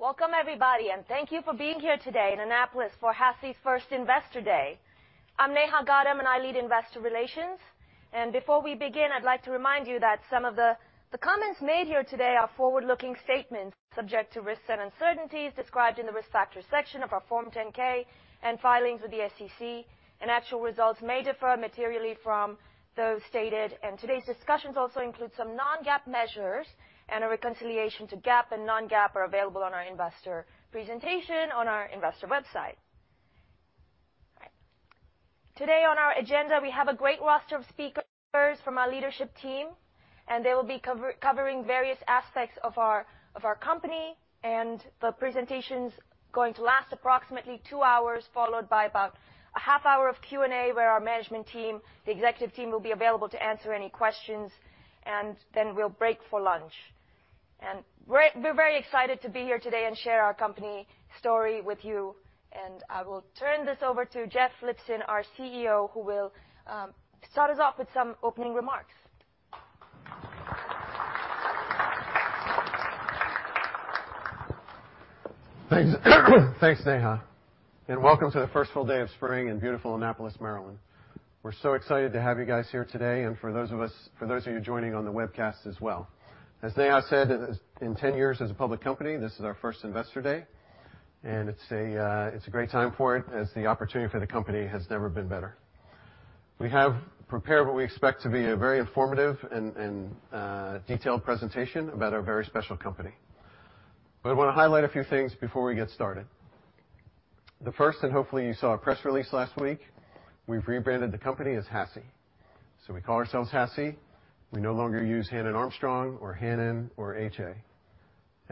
Welcome everybody, thank you for being here today in Annapolis for HASI's first Investor Day. I'm Neha Gaddam, I lead Investor Relations. Before we begin, I'd like to remind you that some of the comments made here today are forward-looking statements subject to risks and uncertainties described in the Risk Factors section of our Form 10-K and filings with the SEC, actual results may differ materially from those stated. Today's discussions also include some non-GAAP measures, a reconciliation to GAAP and non-GAAP are available on our investor presentation on our investor website. All right. Today, on our agenda, we have a great roster of speakers from our leadership team, and they will be covering various aspects of our company. The presentation's going to last approximately two hours, followed by about a half hour of Q&A where our management team, the executive team, will be available to answer any questions. Then we'll break for lunch. We're very excited to be here today and share our company story with you. I will turn this over to Jeff Lipson, our CEO, who will start us off with some opening remarks. Thanks. Thanks, Neha, welcome to the first full day of spring in beautiful Annapolis, Maryland. We're so excited to have you guys here today, for those of you joining on the webcast as well. As Neha said, in 10 years as a public company, this is our first Investor Day, and it's a great time for it as the opportunity for the company has never been better. We have prepared what we expect to be a very informative and detailed presentation about our very special company. I wanna highlight a few things before we get started. The first, and hopefully you saw a press release last week, we've rebranded the company as HASI. We call ourselves HASI. We no longer use Hannon Armstrong, or Hannon, or HA.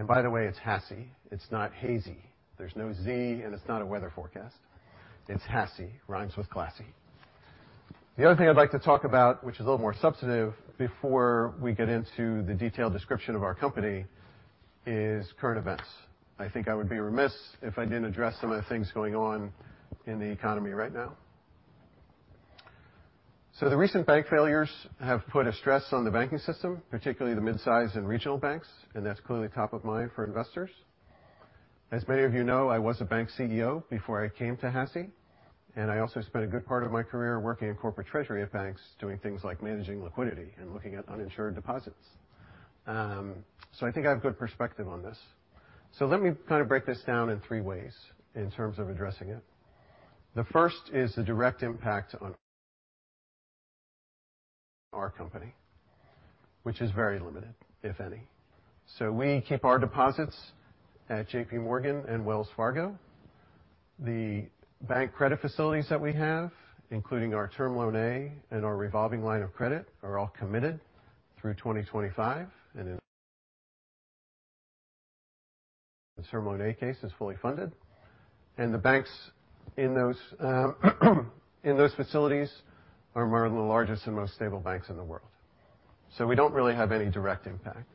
By the way, it's HASI. It's not HASI. There's no Z, and it's not a weather forecast. It's HASI, rhymes with classy. The other thing I'd like to talk about, which is a little more substantive before we get into the detailed description of our company, is current events. I think I would be remiss if I didn't address some of the things going on in the economy right now. The recent bank failures have put a stress on the banking system, particularly the mid-size and regional banks, and that's clearly top of mind for investors. As many of you know, I was a bank CEO before I came to HASI, and I also spent a good part of my career working in corporate treasury at banks, doing things like managing liquidity and looking at uninsured deposits. I think I have good perspective on this. Let me kind of break this down in three ways in terms of addressing it. The first is the direct impact on our company, which is very limited, if any. We keep our deposits at J.P. Morgan and Wells Fargo. The bank credit facilities that we have, including our Term Loan A and our revolving line of credit, are all committed through 2025. In this Term Loan A case is fully funded. The banks in those in those facilities are among the largest and most stable banks in the world. We don't really have any direct impact.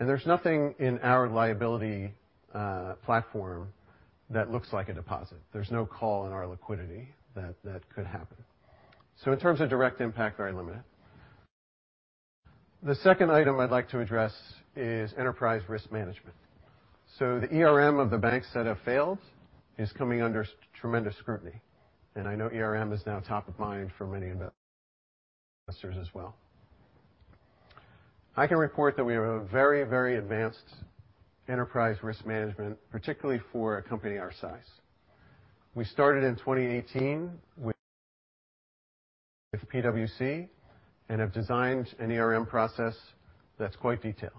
There's nothing in our liability platform that looks like a deposit. There's no call on our liquidity that could happen. In terms of direct impact, very limited. The second item I'd like to address is enterprise risk management. The ERM of the banks that have failed is coming under tremendous scrutiny, and I know ERM is now top of mind for many investors as well. I can report that we have a very, very advanced enterprise risk management, particularly for a company our size. We started in 2018 with PwC and have designed an ERM process that's quite detailed.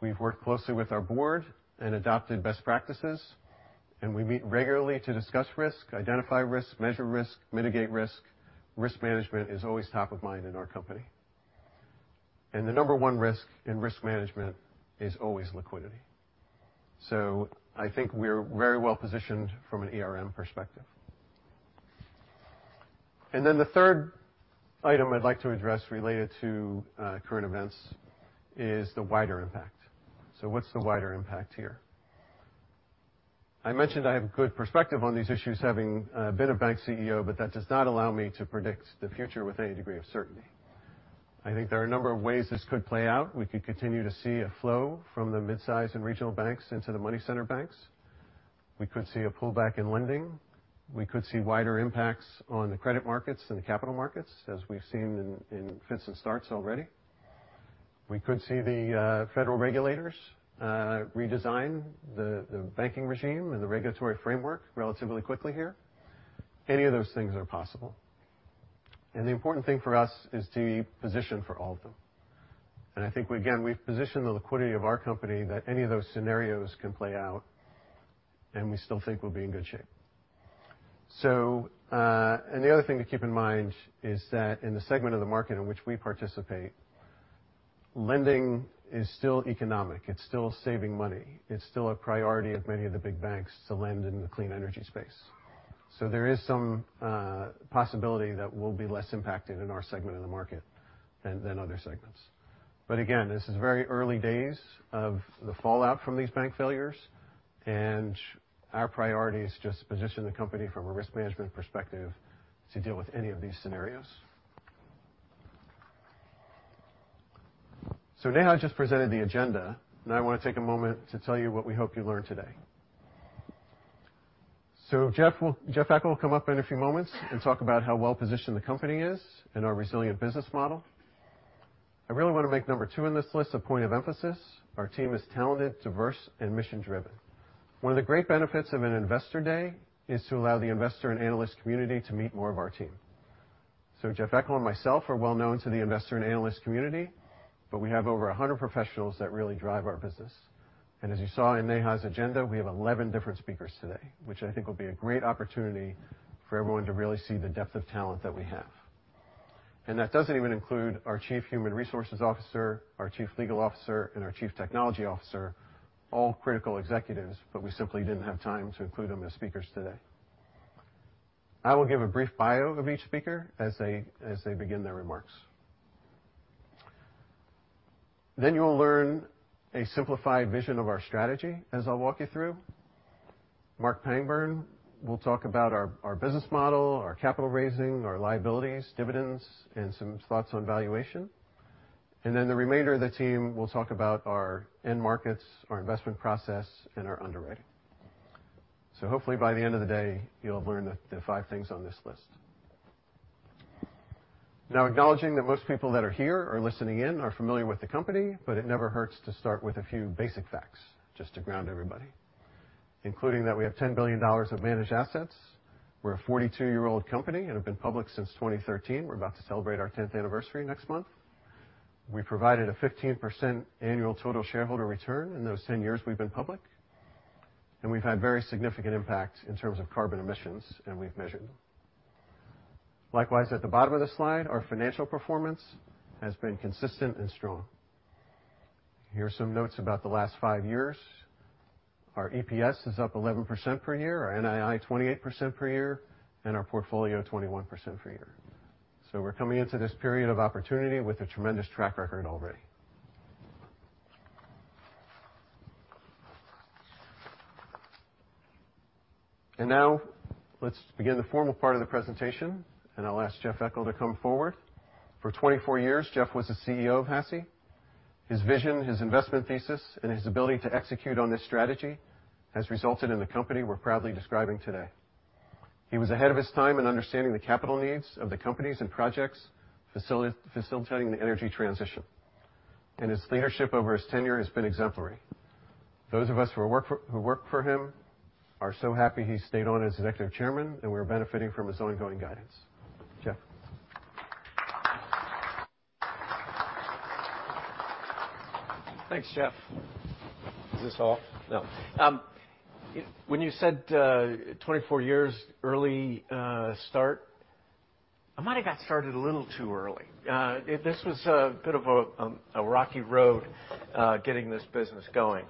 We've worked closely with our board and adopted best practices, and we meet regularly to discuss risk, identify risk, measure risk, mitigate risk. Risk management is always top of mind in our company. The number one risk in risk management is always liquidity. I think we're very well positioned from an ERM perspective. The third item I'd like to address related to current events is the wider impact. What's the wider impact here? I mentioned I have good perspective on these issues, having been a bank CEO, but that does not allow me to predict the future with any degree of certainty. I think there are a number of ways this could play out. We could continue to see a flow from the mid-size and regional banks into the money center banks. We could see a pullback in lending. We could see wider impacts on the credit markets and the capital markets, as we've seen in fits and starts already. We could see the federal regulators redesign the banking regime and the regulatory framework relatively quickly here. Any of those things are possible. The important thing for us is to be positioned for all of them. I think we, again, we've positioned the liquidity of our company that any of those scenarios can play out, and we still think we'll be in good shape. The other thing to keep in mind is that in the segment of the market in which we participate, lending is still economic. It's still saving money. It's still a priority of many of the big banks to lend in the clean energy space. There is some possibility that we'll be less impacted in our segment of the market than other segments. Again, this is very early days of the fallout from these bank failures. Our priority is just position the company from a risk management perspective to deal with any of these scenarios. Neha just presented the agenda, now I wanna take a moment to tell you what we hope you learn today. Jeff Eckel will come up in a few moments and talk about how well-positioned the company is and our resilient business model. I really wanna make number two on this list a point of emphasis. Our team is talented, diverse, and mission-driven. One of the great benefits of an investor day is to allow the investor and analyst community to meet more of our team. Jeff Eckel and myself are well-known to the investor and analyst community, but we have over 100 professionals that really drive our business. As you saw in Neha's agenda, we have 11 different speakers today, which I think will be a great opportunity for everyone to really see the depth of talent that we have. That doesn't even include our chief human resources officer, our chief legal officer, and our chief technology officer, all critical executives, but we simply didn't have time to include them as speakers today. I will give a brief bio of each speaker as they begin their remarks. You'll learn a simplified vision of our strategy as I'll walk you through. Marc Pangburn will talk about our business model, our capital raising, our liabilities, dividends, and some thoughts on valuation. The remainder of the team will talk about our end markets, our investment process, and our underwriting. Hopefully by the end of the day, you'll learn the five things on this list. Acknowledging that most people that are here or listening in are familiar with the company, but it never hurts to start with a few basic facts just to ground everybody, including that we have $10 billion of managed assets. We're a 42-year-old company and have been public since 2013. We're about to celebrate our 10th anniversary next month. We provided a 15% annual total shareholder return in those 10 years we've been public, and we've had very significant impact in terms of carbon emissions, and we've measured. Likewise, at the bottom of the slide, our financial performance has been consistent and strong. Here are some notes about the last five years. Our EPS is up 11% per year, our NII 28% per year, and our portfolio 21% per year. We're coming into this period of opportunity with a tremendous track record already. Now let's begin the formal part of the presentation, and I'll ask Jeff Eckel to come forward. For 24 years, Jeff was the CEO of HASI. His vision, his investment thesis, and his ability to execute on this strategy has resulted in the company we're proudly describing today. He was ahead of his time in understanding the capital needs of the companies and projects facilitating the energy transition, and his leadership over his tenure has been exemplary. Those of us who work for him are so happy he stayed on as Executive Chair, and we're benefiting from his ongoing guidance. Jeff. Thanks, Jeff. Is this off? No. When you said, 24 years early start, I might have got started a little too early. This was a bit of a rocky road getting this business going.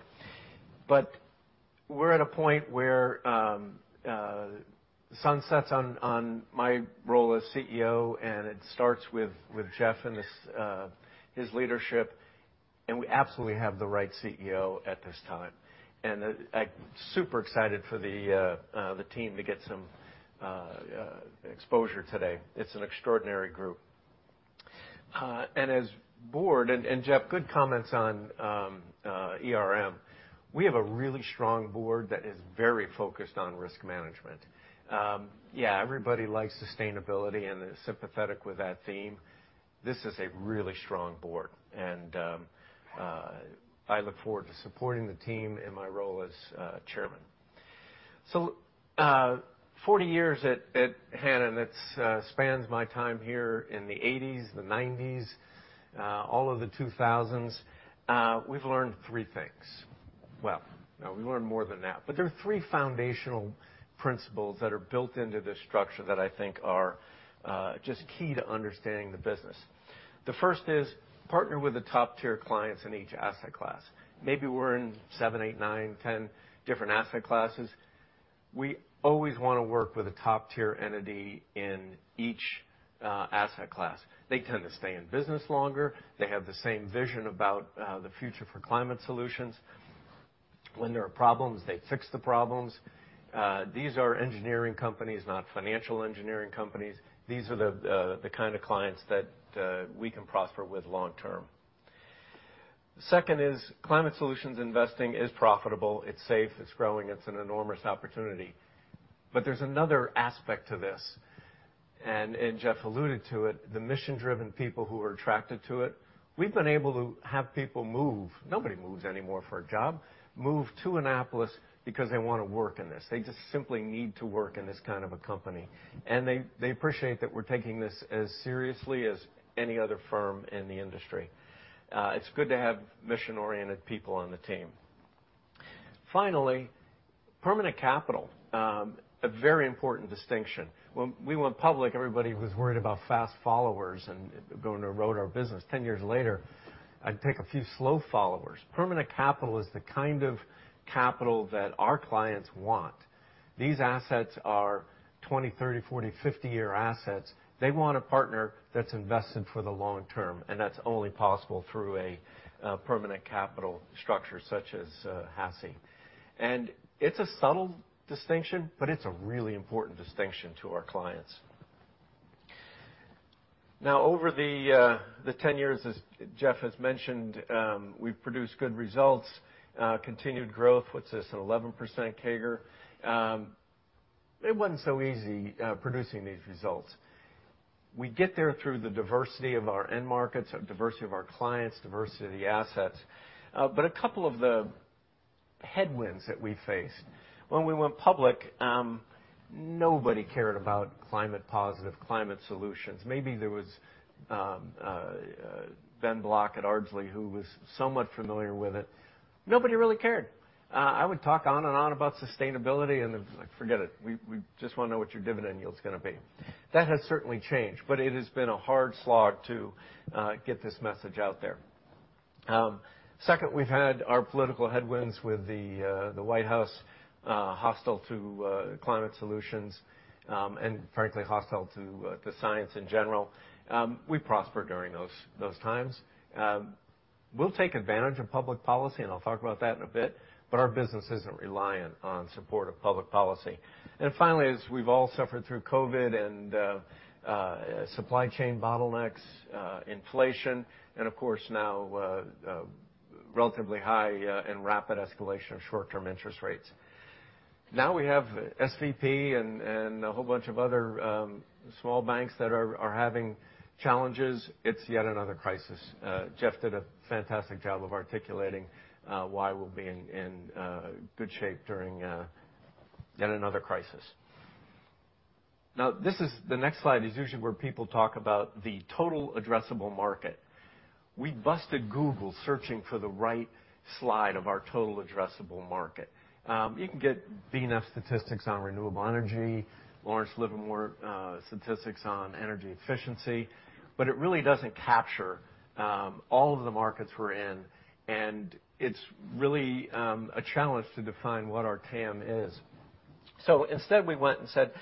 We're at a point where sun sets on my role as CEO, and it starts with Jeff and this his leadership, and we absolutely have the right CEO at this time. I'm super excited for the team to get some exposure today. It's an extraordinary group. As board, and Jeff, good comments on ERM. We have a really strong board that is very focused on risk management. Yeah, everybody likes sustainability and is sympathetic with that theme. This is a really strong board. I look forward to supporting the team in my role as chairman. 40 years at Hannon, it spans my time here in the 80s, the 90s, all of the 2000s. We've learned three things. Well, no, we learned more than that, but there are three foundational principles that are built into this structure that I think are just key to understanding the business. The first is partner with the top-tier clients in each asset class. Maybe we're in seven, eight, nine, 10 different asset classes. We always wanna work with a top-tier entity in each asset class. They tend to stay in business longer. They have the same vision about the future for climate solutions. When there are problems, they fix the problems. These are engineering companies, not financial engineering companies. These are the kind of clients that we can prosper with long term. The second is climate solutions investing is profitable, it's safe, it's growing, it's an enormous opportunity. There's another aspect to this, and Jeff alluded to it, the mission-driven people who are attracted to it. We've been able to have people move. Nobody moves anymore for a job. Move to Annapolis because they wanna work in this. They just simply need to work in this kind of a company, and they appreciate that we're taking this as seriously as any other firm in the industry. It's good to have mission-oriented people on the team. Finally, permanent capital, a very important distinction. When we went public, everybody was worried about fast followers and going to erode our business. 10 years later, I'd take a few slow followers. Permanent capital is the kind of capital that our clients want. These assets are 20, 30, 40, 50-year assets. They want a partner that's invested for the long term, and that's only possible through a permanent capital structure such as HASI. It's a subtle distinction, but it's a really important distinction to our clients. Over the 10 years, as Jeff has mentioned, we've produced good results, continued growth, what's this, an 11% CAGR. It wasn't so easy producing these results. We get there through the diversity of our end markets, diversity of our clients, diversity of the assets. A couple of the headwinds that we faced. When we went public, nobody cared about climate positive, climate solutions. Maybe there was Ben Block at Ardsley who was somewhat familiar with it. Nobody really cared. I would talk on and on about sustainability, and it was like, "Forget it. We just wanna know what your dividend yield's gonna be." That has certainly changed, but it has been a hard slog to get this message out there. Second, we've had our political headwinds with the White House hostile to climate solutions, and frankly, hostile to science in general. We prospered during those times. We'll take advantage of public policy, and I'll talk about that in a bit, but our business isn't reliant on support of public policy. Finally, as we've all suffered through COVID and supply chain bottlenecks, inflation and, of course, now, relatively high and rapid escalation of short-term interest rates. Now we have SVB and a whole bunch of other small banks that are having challenges. It's yet another crisis. Jeff did a fantastic job of articulating why we'll be in good shape during yet another crisis. The next slide is usually where people talk about the total addressable market. We busted Google searching for the right slide of our total addressable market. You can get BNEF statistics on renewable energy, Lawrence Livermore National Laboratory statistics on energy efficiency, but it really doesn't capture all of the markets we're in, and it's really a challenge to define what our TAM is. Instead, we went and said,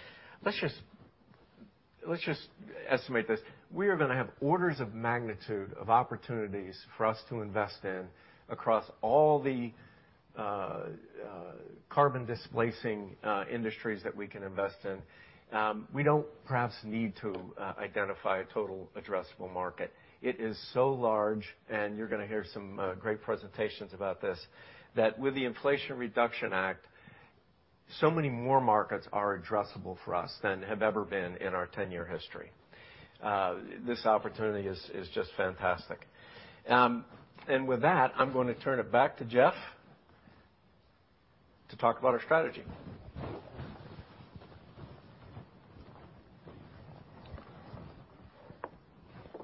"Let's just estimate this. We are gonna have orders of magnitude of opportunities for us to invest in across all the carbon displacing industries that we can invest in. We don't perhaps need to identify a total addressable market." It is so large, and you're gonna hear some great presentations about this, that with the Inflation Reduction Act, so many more markets are addressable for us than have ever been in our 10-year history. This opportunity is just fantastic. With that, I'm gonna turn it back to Jeff to talk about our strategy.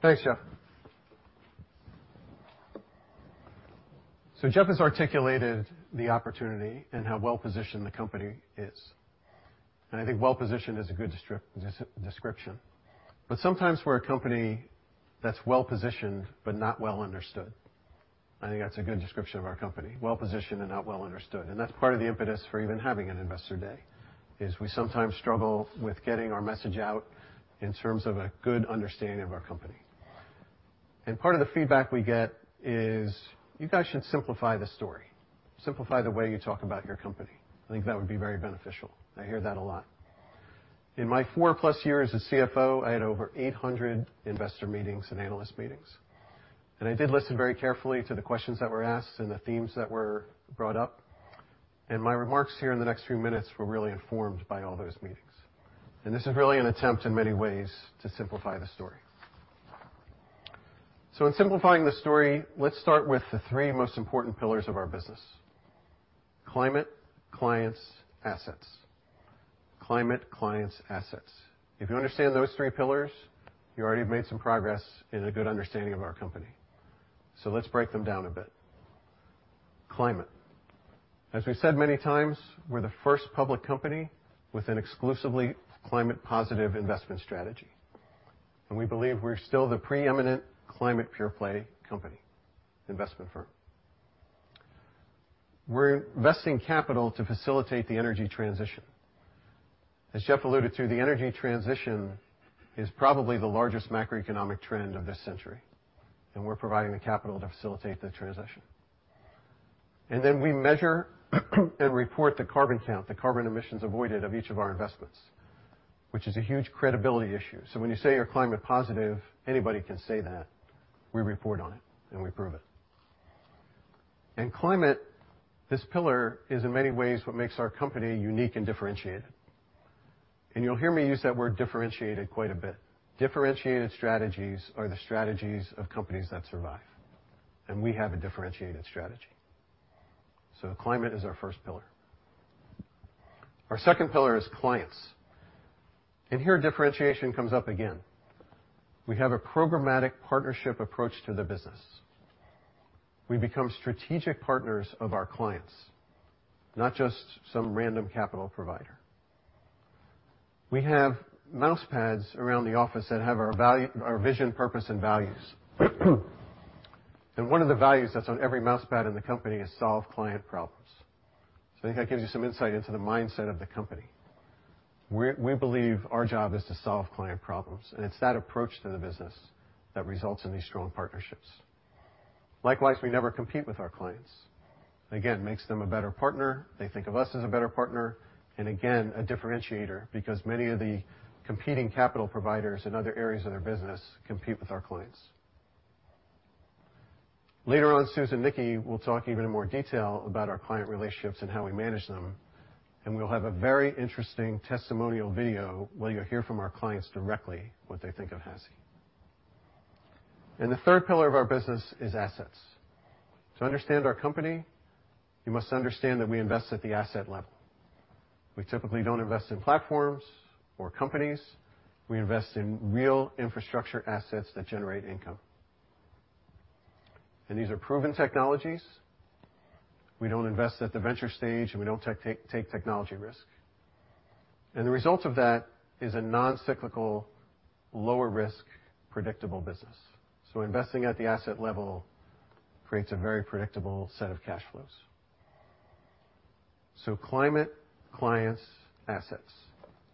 Thanks, Jeff. Jeff has articulated the opportunity and how well-positioned the company is. I think well-positioned is a good description. Sometimes we're a company that's well-positioned but not well understood. I think that's a good description of our company, well-positioned and not well understood. That's part of the impetus for even having an investor day, is we sometimes struggle with getting our message out in terms of a good understanding of our company. Part of the feedback we get is, "You guys should simplify the story. Simplify the way you talk about your company. I think that would be very beneficial." I hear that a lot. In my four-plus years as CFO, I had over 800 investor meetings and analyst meetings. I did listen very carefully to the questions that were asked and the themes that were brought up. My remarks here in the next few minutes were really informed by all those meetings. This is really an attempt, in many ways, to simplify the story. In simplifying the story, let's start with the three most important pillars of our business: climate, clients, assets. Climate, clients, assets. If you understand those three pillars, you already have made some progress in a good understanding of our company. Let's break them down a bit. Climate. As we've said many times, we're the first public company with an exclusively climate positive investment strategy, and we believe we're still the pre-eminent climate pure play company investment firm. We're investing capital to facilitate the energy transition. As Jeff alluded to, the energy transition is probably the largest macroeconomic trend of this century, and we're providing the capital to facilitate that transition. We measure and report the CarbonCount, the carbon emissions avoided of each of our investments, which is a huge credibility issue. When you say you're climate positive, anybody can say that. We report on it, and we prove it. Climate, this pillar, is in many ways what makes our company unique and differentiated. You'll hear me use that word differentiated quite a bit. Differentiated strategies are the strategies of companies that survive, and we have a differentiated strategy. Climate is our first pillar. Our second pillar is clients. Here, differentiation comes up again. We have a programmatic partnership approach to the business. We become strategic partners of our clients, not just some random capital provider. We have mouse pads around the office that have our value, our vision, purpose, and values. One of the values that's on every mouse pad in the company is solve client problems. I think that gives you some insight into the mindset of the company. We believe our job is to solve client problems, and it's that approach to the business that results in these strong partnerships. Likewise, we never compete with our clients. Again, makes them a better partner. They think of us as a better partner, and again, a differentiator because many of the competing capital providers in other areas of their business compete with our clients. Later on, Susan Nickey will talk even in more detail about our client relationships and how we manage them, and we'll have a very interesting testimonial video where you'll hear from our clients directly what they think of HASI. The third pillar of our business is assets. To understand our company, you must understand that we invest at the asset level. We typically don't invest in platforms or companies. We invest in real infrastructure assets that generate income. These are proven technologies. We don't invest at the venture stage, and we don't take technology risk. The result of that is a non-cyclical, lower risk, predictable business. Investing at the asset level creates a very predictable set of cash flows. Climate, clients, assets,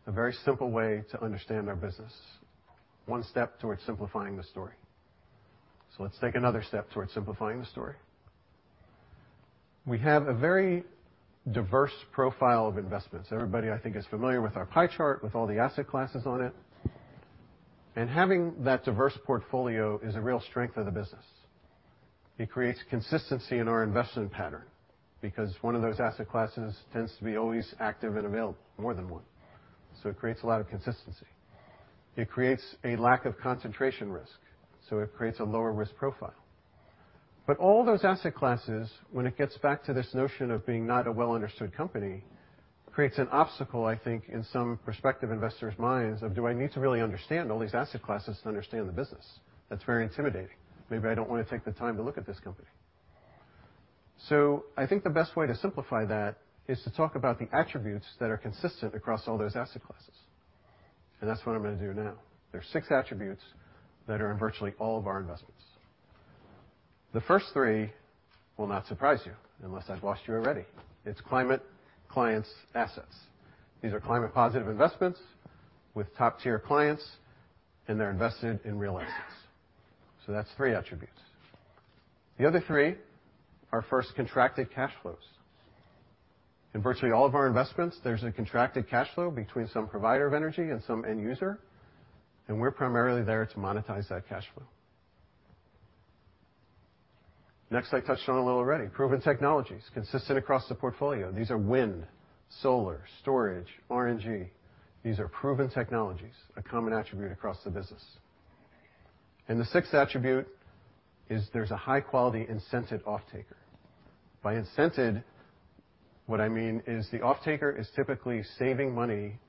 a very simple way to understand our business. One step towards simplifying the story. Let's take another step towards simplifying the story. We have a very diverse profile of investments. Everybody, I think, is familiar with our pie chart, with all the asset classes on it. Having that diverse portfolio is a real strength of the business. It creates consistency in our investment pattern because one of those asset classes tends to be always active and available, more than one. It creates a lot of consistency. It creates a lack of concentration risk, so it creates a lower risk profile. All those asset classes, when it gets back to this notion of being not a well understood company, creates an obstacle, I think, in some prospective investors' minds of, "Do I need to really understand all these asset classes to understand the business? That's very intimidating. Maybe I don't wanna take the time to look at this company. I think the best way to simplify that is to talk about the attributes that are consistent across all those asset classes. That's what I'm gonna do now. There's six attributes that are in virtually all of our investments. The first three will not surprise you unless I've lost you already. It's climate, clients, assets. These are climate positive investments with top-tier clients, and they're invested in real assets. That's three attributes. The other three are first contracted cash flows. In virtually all of our investments, there's a contracted cash flow between some provider of energy and some end user, and we're primarily there to monetize that cash flow. Next, I touched on a little already. Proven technologies, consistent across the portfolio. These are wind, solar, storage, RNG. These are proven technologies, a common attribute across the business. The sixth attribute is there's a high-quality incented offtaker. By incented, I mean is the offtaker is typically saving money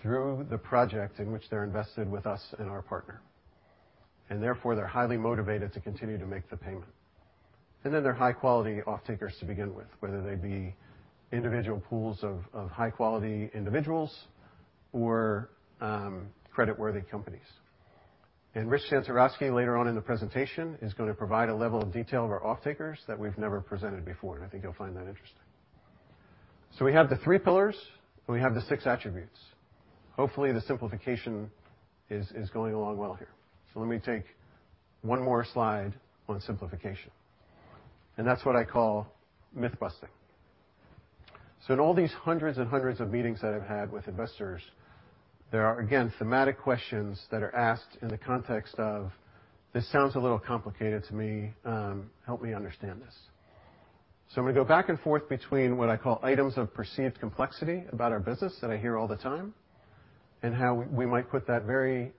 through the project in which they're invested with us and our partner, and therefore they're highly motivated to continue to make the payment. They're high quality offtakers to begin with, whether they be individual pools of high quality individuals or creditworthy companies. Rich Santoroski, later on in the presentation, is going to provide a level of detail of our offtakers that we've never presented before, I think you'll find that interesting. We have the three pillars, and we have the six attributes. Hopefully, the simplification is going along well here. Let me take one more slide on simplification, and that's what I call myth busting. In all these hundreds and hundreds of meetings that I've had with investors, there are, again, thematic questions that are asked in the context of, "This sounds a little complicated to me, help me understand this." I'm gonna go back and forth between what I call items of perceived complexity about our business that I hear all the time, and how we might put that very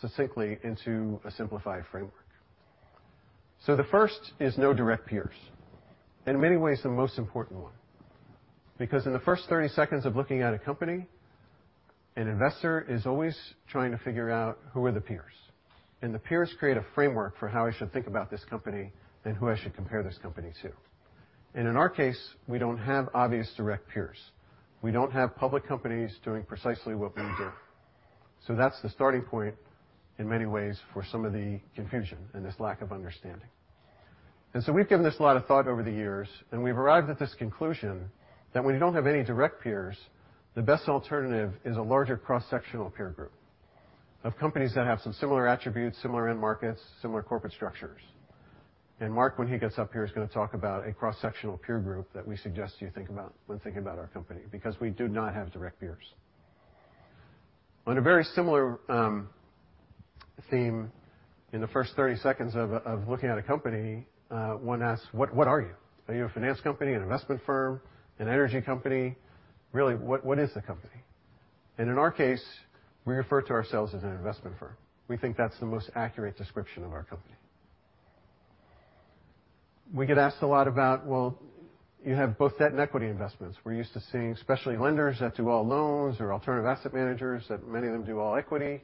succinctly into a simplified framework. The first is no direct peers, in many ways the most important one. Because in the first 30 seconds of looking at a company, an investor is always trying to figure out who are the peers. The peers create a framework for how I should think about this company and who I should compare this company to. In our case, we don't have obvious direct peers. We don't have public companies doing precisely what we do. That's the starting point in many ways for some of the confusion and this lack of understanding. We've given this a lot of thought over the years, and we've arrived at this conclusion that when you don't have any direct peers, the best alternative is a larger cross-sectional peer group of companies that have some similar attributes, similar end markets, similar corporate structures. Mark, when he gets up here, is gonna talk about a cross-sectional peer group that we suggest you think about when thinking about our company, because we do not have direct peers. On a very similar theme in the first 30 seconds of looking at a company, one asks, "What are you? Are you a finance company, an investment firm, an energy company? Really, what is the company? In our case, we refer to ourselves as an investment firm. We think that's the most accurate description of our company. We get asked a lot about, "Well, you have both debt and equity investments. We're used to seeing especially lenders that do all loans or alternative asset managers that many of them do all equity.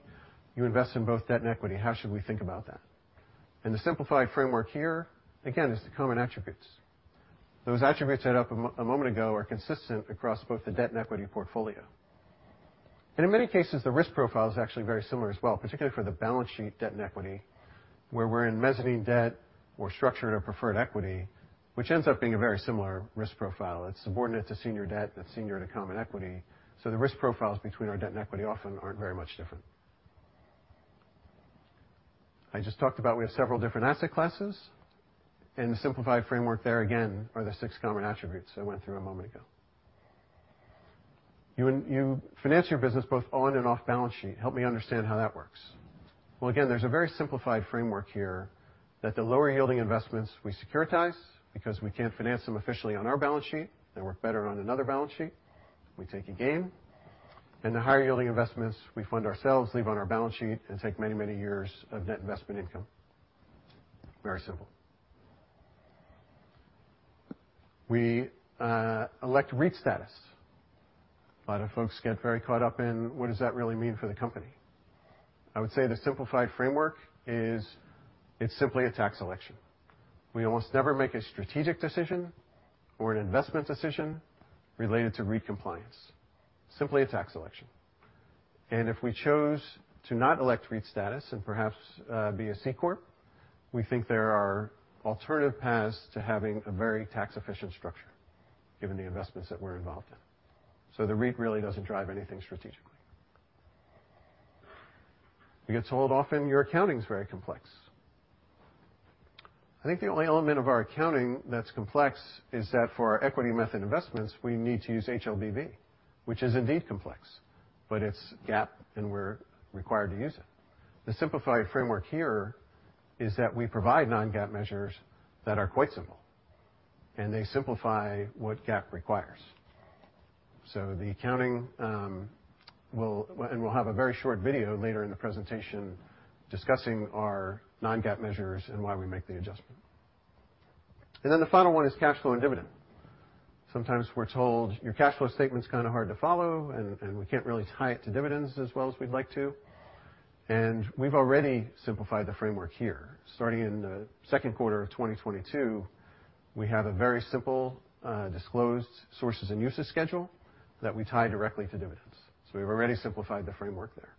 You invest in both debt and equity. How should we think about that?" The simplified framework here, again, is the common attributes. Those attributes I had up a moment ago are consistent across both the debt and equity portfolio. In many cases, the risk profile is actually very similar as well, particularly for the balance sheet debt and equity, where we're in mezzanine debt or structured or preferred equity, which ends up being a very similar risk profile. It's subordinate to senior debt, but senior to common equity, so the risk profiles between our debt and equity often aren't very much different. I just talked about we have several different asset classes, and the simplified framework there again are the six common attributes I went through a moment ago. You finance your business both on and off balance sheet. Help me understand how that works. Well, again, there's a very simplified framework here that the lower yielding investments we securitize because we can't finance them officially on our balance sheet. They work better on another balance sheet. We take a gain. The higher yielding investments we fund ourselves, leave on our balance sheet, and take many, many years of net investment income. Very simple. We elect REIT status. A lot of folks get very caught up in what does that really mean for the company. I would say the simplified framework is it's simply a tax election. We almost never make a strategic decision or an investment decision related to REIT compliance. Simply a tax election. If we chose to not elect REIT status and perhaps be a C corp, we think there are alternative paths to having a very tax-efficient structure given the investments that we're involved in. The REIT really doesn't drive anything strategically. We get told often your accounting's very complex. I think the only element of our accounting that's complex is that for our equity method investments, we need to use HLBV, which is indeed complex, but it's GAAP and we're required to use it. The simplified framework here is that we provide non-GAAP measures that are quite simple, and they simplify what GAAP requires. We'll have a very short video later in the presentation discussing our non-GAAP measures and why we make the adjustment. The final one is cash flow and dividend. Sometimes we're told your cash flow statement's kind of hard to follow and we can't really tie it to dividends as well as we'd like to. We've already simplified the framework here. Starting in the second quarter of 2022, we have a very simple disclosed sources and uses schedule that we tie directly to dividends. We've already simplified the framework there.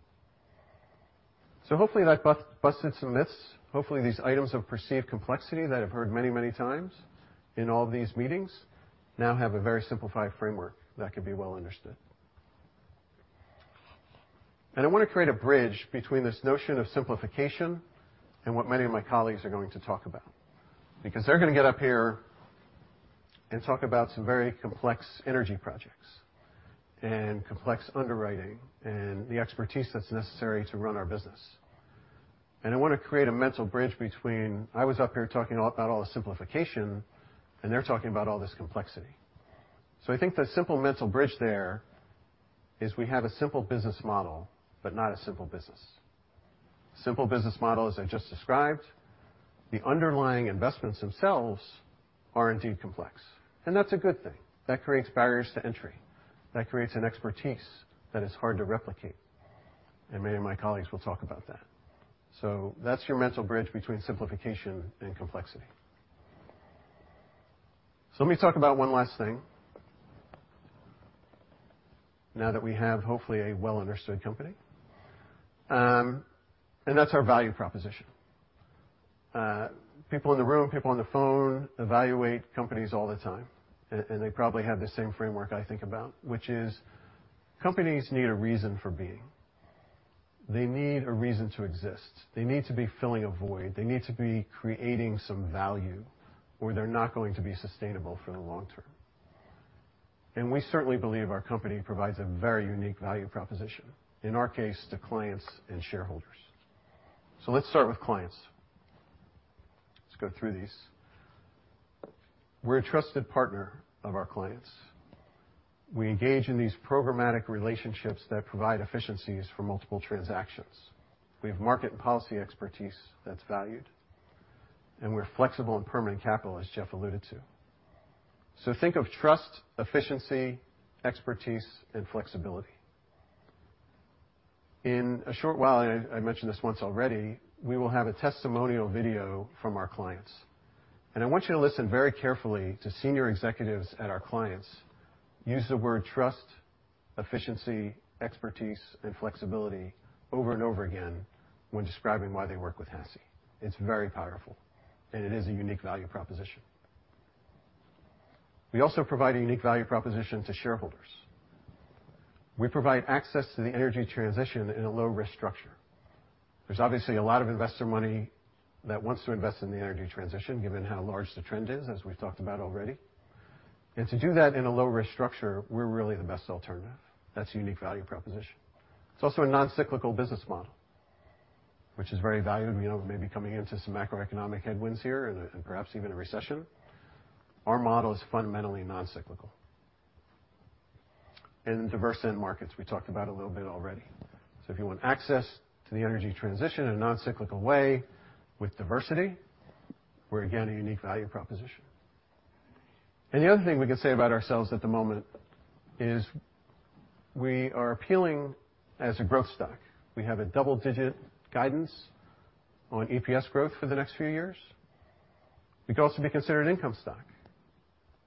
Hopefully that busted some myths. Hopefully, these items of perceived complexity that I've heard many, many times in all these meetings now have a very simplified framework that could be well understood. I wanna create a bridge between this notion of simplification and what many of my colleagues are gonna talk about. They're gonna get up here and talk about some very complex energy projects and complex underwriting and the expertise that's necessary to run our business. I wanna create a mental bridge between I was up here talking about all the simplification, and they're talking about all this complexity. I think the simple mental bridge there is we have a simple business model but not a simple business. Simple business model, as I just described. The underlying investments themselves are indeed complex, and that's a good thing. That creates barriers to entry. That creates an expertise that is hard to replicate, and many of my colleagues will talk about that. That's your mental bridge between simplification and complexity. Let me talk about one last thing now that we have, hopefully, a well-understood company, and that's our value proposition. People in the room, people on the phone evaluate companies all the time, and they probably have the same framework I think about, which is companies need a reason for being. They need a reason to exist. They need to be filling a void. They need to be creating some value, or they're not going to be sustainable for the long term. We certainly believe our company provides a very unique value proposition, in our case, to clients and shareholders. Let's start with clients. Let's go through these. We're a trusted partner of our clients. We engage in these programmatic relationships that provide efficiencies for multiple transactions. We have market and policy expertise that's valued, and we're flexible in permanent capital, as Jeff alluded to. Think of trust, efficiency, expertise, and flexibility. In a short while, I mentioned this once already, we will have a testimonial video from our clients. I want you to listen very carefully to senior executives at our clients use the word trust, efficiency, expertise, and flexibility over and over again when describing why they work with HASI. It's very powerful, and it is a unique value proposition. We also provide a unique value proposition to shareholders. We provide access to the energy transition in a low-risk structure. There's obviously a lot of investor money that wants to invest in the energy transition, given how large the trend is, as we've talked about already. To do that in a low-risk structure, we're really the best alternative. That's a unique value proposition. It's also a non-cyclical business model, which is very valued. We know we may be coming into some macroeconomic headwinds here and perhaps even a recession. Our model is fundamentally non-cyclical. Diverse end markets, we talked about a little bit already. If you want access to the energy transition in a non-cyclical way with diversity. We're, again, a unique value proposition. The other thing we can say about ourselves at the moment is we are appealing as a growth stock. We have a double-digit guidance on EPS growth for the next few years. We could also be considered an income stock.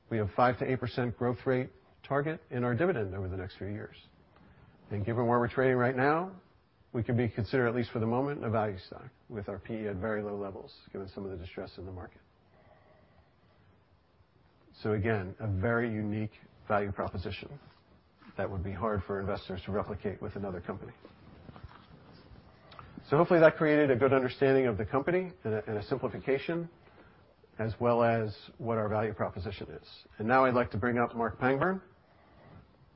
We have a 5%-8% growth rate target in our dividend over the next few years. Given where we're trading right now, we could be considered, at least for the moment, a value stock with our PE at very low levels, given some of the distress in the market. Again, a very unique value proposition that would be hard for investors to replicate with another company. Hopefully, that created a good understanding of the company and a simplification as well as what our value proposition is. Now I'd like to bring up Marc Pangburn.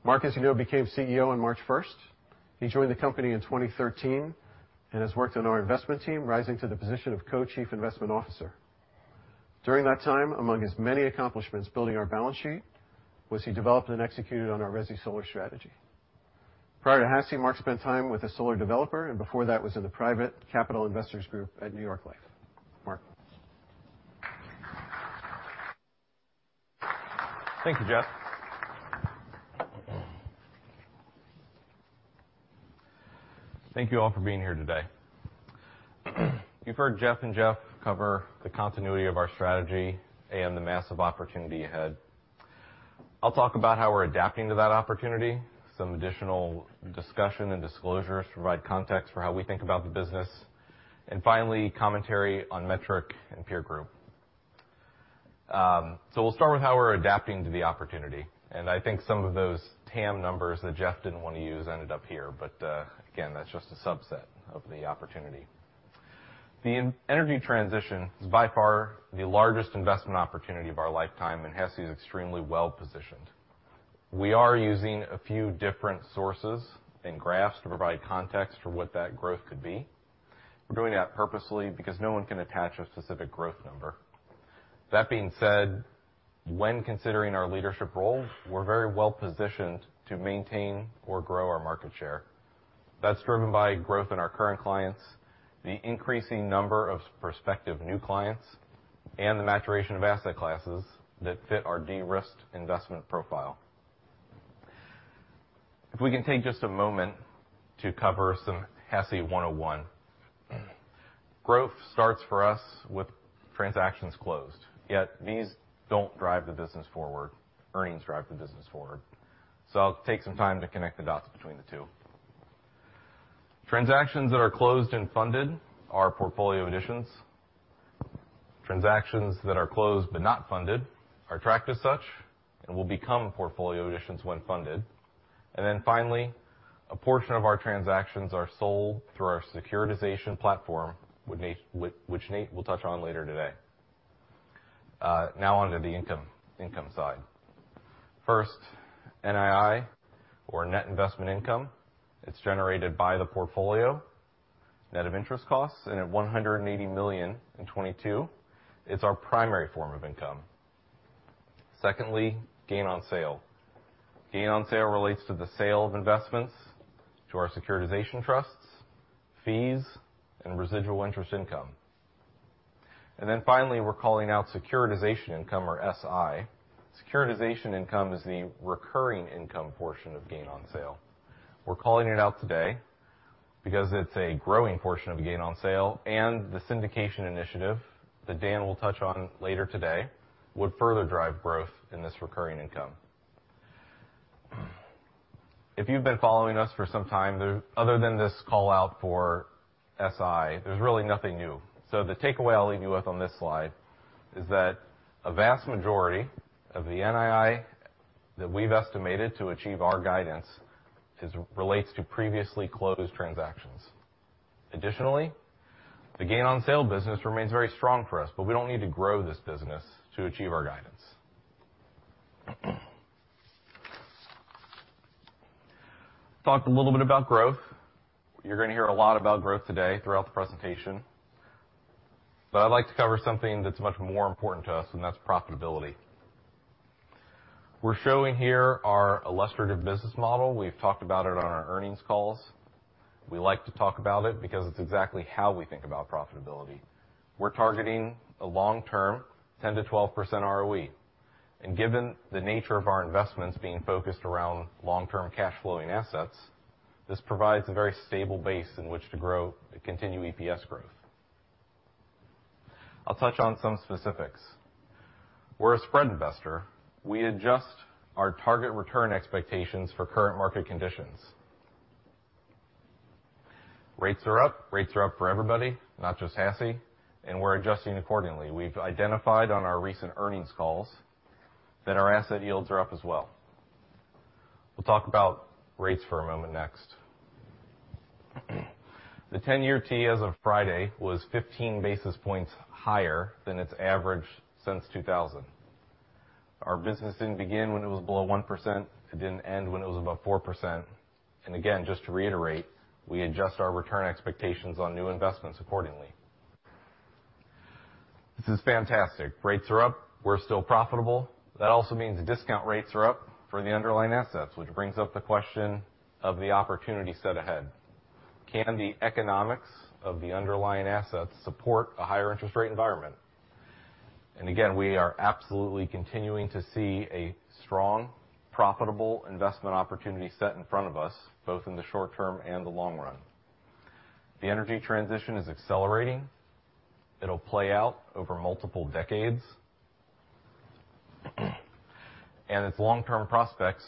Marc, as you know, became CEO on March 1st. He joined the company in 2013 and has worked on our investment team, rising to the position of Co-Chief Investment Officer. During that time, among his many accomplishments, building our balance sheet, was he developed and executed on our resi solar strategy. Prior to HASI, Marc spent time with a solar developer, and before that, was in the Private Capital Investors group at New York Life. Marc. Thank you, Jeff. Thank you all for being here today. You've heard Jeff and Jeff cover the continuity of our strategy and the massive opportunity ahead. I'll talk about how we're adapting to that opportunity, some additional discussion and disclosures to provide context for how we think about the business, finally, commentary on metric and peer group. We'll start with how we're adapting to the opportunity. I think some of those TAM numbers that Jeff didn't wanna use ended up here. Again, that's just a subset of the opportunity. The energy transition is by far the largest investment opportunity of our lifetime. HASI is extremely well-positioned. We are using a few different sources and graphs to provide context for what that growth could be. We're doing that purposely because no one can attach a specific growth number. That being said, when considering our leadership role, we're very well-positioned to maintain or grow our market share. That's driven by growth in our current clients, the increasing number of prospective new clients, and the maturation of asset classes that fit our de-risked investment profile. If we can take just a moment to cover some HASI 101. Growth starts for us with transactions closed, yet these don't drive the business forward. Earnings drive the business forward. I'll take some time to connect the dots between the two. Transactions that are closed and funded are portfolio additions. Transactions that are closed but not funded are tracked as such and will become portfolio additions when funded. Finally, a portion of our transactions are sold through our securitization platform, which Nate will touch on later today. Now on to the income side. First, NII, or net investment income. It's generated by the portfolio, net of interest costs. At $180 million in 2022, it's our primary form of income. Secondly, gain on sale. Gain on sale relates to the sale of investments to our securitization trusts, fees, and residual interest income. Then finally, we're calling out securitization income or SI. Securitization income is the recurring income portion of gain on sale. We're calling it out today because it's a growing portion of gain on sale, and the syndication initiative that Dan will touch on later today would further drive growth in this recurring income. If you've been following us for some time, other than this call-out for SI, there's really nothing new. The takeaway I'll leave you with on this slide is that a vast majority of the NII that we've estimated to achieve our guidance relates to previously closed transactions. Additionally, the gain on sale business remains very strong for us, but we don't need to grow this business to achieve our guidance. Talked a little bit about growth. You're gonna hear a lot about growth today throughout the presentation. I'd like to cover something that's much more important to us, and that's profitability. We're showing here our illustrative business model. We've talked about it on our earnings calls. We like to talk about it because it's exactly how we think about profitability. We're targeting a long-term 10%-12% ROE. Given the nature of our investments being focused around long-term cash flowing assets, this provides a very stable base in which to grow and continue EPS growth. I'll touch on some specifics. We're a spread investor. We adjust our target return expectations for current market conditions. Rates are up. Rates are up for everybody, not just HASI, and we're adjusting accordingly. We've identified on our recent earnings calls that our asset yields are up as well. We'll talk about rates for a moment next. The 10-year T as of Friday was 15 basis points higher than its average since 2000. Our business didn't begin when it was below 1%. It didn't end when it was above 4%. Again, just to reiterate, we adjust our return expectations on new investments accordingly. This is fantastic. Rates are up. We're still profitable. That also means the discount rates are up for the underlying assets, which brings up the question of the opportunity set ahead. Can the economics of the underlying assets support a higher interest rate environment? Again, we are absolutely continuing to see a strong, profitable investment opportunity set in front of us, both in the short term and the long run. The energy transition is accelerating. It'll play out over multiple decades. Its long-term prospects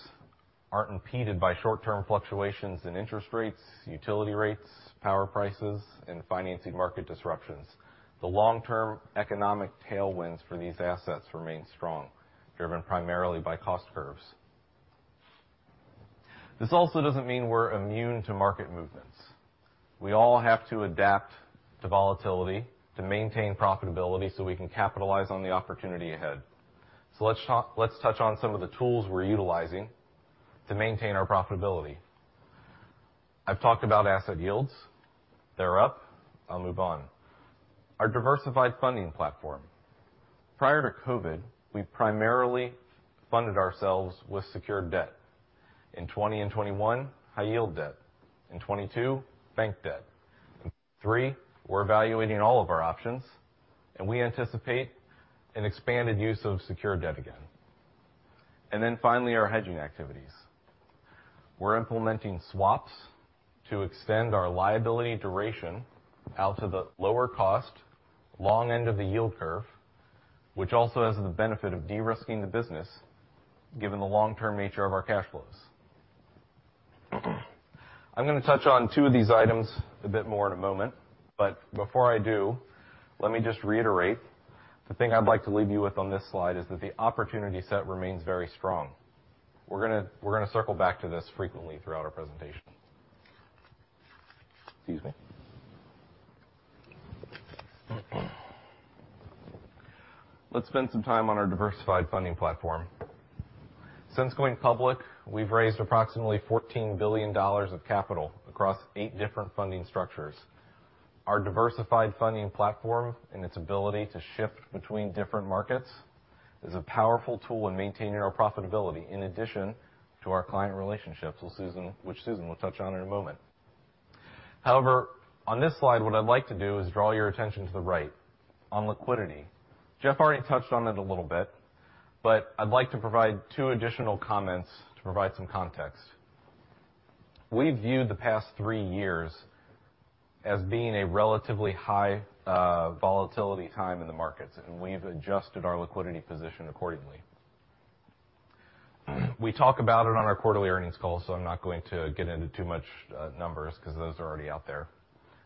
aren't impeded by short-term fluctuations in interest rates, utility rates, power prices, and financing market disruptions. The long-term economic tailwinds for these assets remain strong, driven primarily by cost curves. This also doesn't mean we're immune to market movements. We all have to adapt to volatility to maintain profitability so we can capitalize on the opportunity ahead. Let's touch on some of the tools we're utilizing to maintain our profitability. I've talked about asset yields. They're up. I'll move on. Our diversified funding platform. Prior to COVID, we primarily funded ourselves with secured debt. In 2020 and 2021, high-yield debt. In 2022, bank debt. In 2023, we're evaluating all of our options, and we anticipate an expanded use of secured debt again. Finally, our hedging activities. We're implementing swaps to extend our liability duration out to the lower cost long end of the yield curve, which also has the benefit of de-risking the business given the long-term nature of our cash flows. I'm going to touch on two of these items a bit more in a moment, but before I do, let me just reiterate, the thing I'd like to leave you with on this slide is that the opportunity set remains very strong. We're going to circle back to this frequently throughout our presentation. Excuse me. Let's spend some time on our diversified funding platform. Since going public, we've raised approximately $14 billion of capital across eight different funding structures. Our diversified funding platform and its ability to shift between different markets is a powerful tool in maintaining our profitability, in addition to our client relationships, which Susan will touch on in a moment. However, on this slide, what I'd like to do is draw your attention to the right on liquidity. Jeff already touched on it a little bit, but I'd like to provide two additional comments to provide some context. We view the past three years as being a relatively high volatility time in the markets, and we've adjusted our liquidity position accordingly. We talk about it on our quarterly earnings call, so I'm not going to get into too much numbers 'cause those are already out there.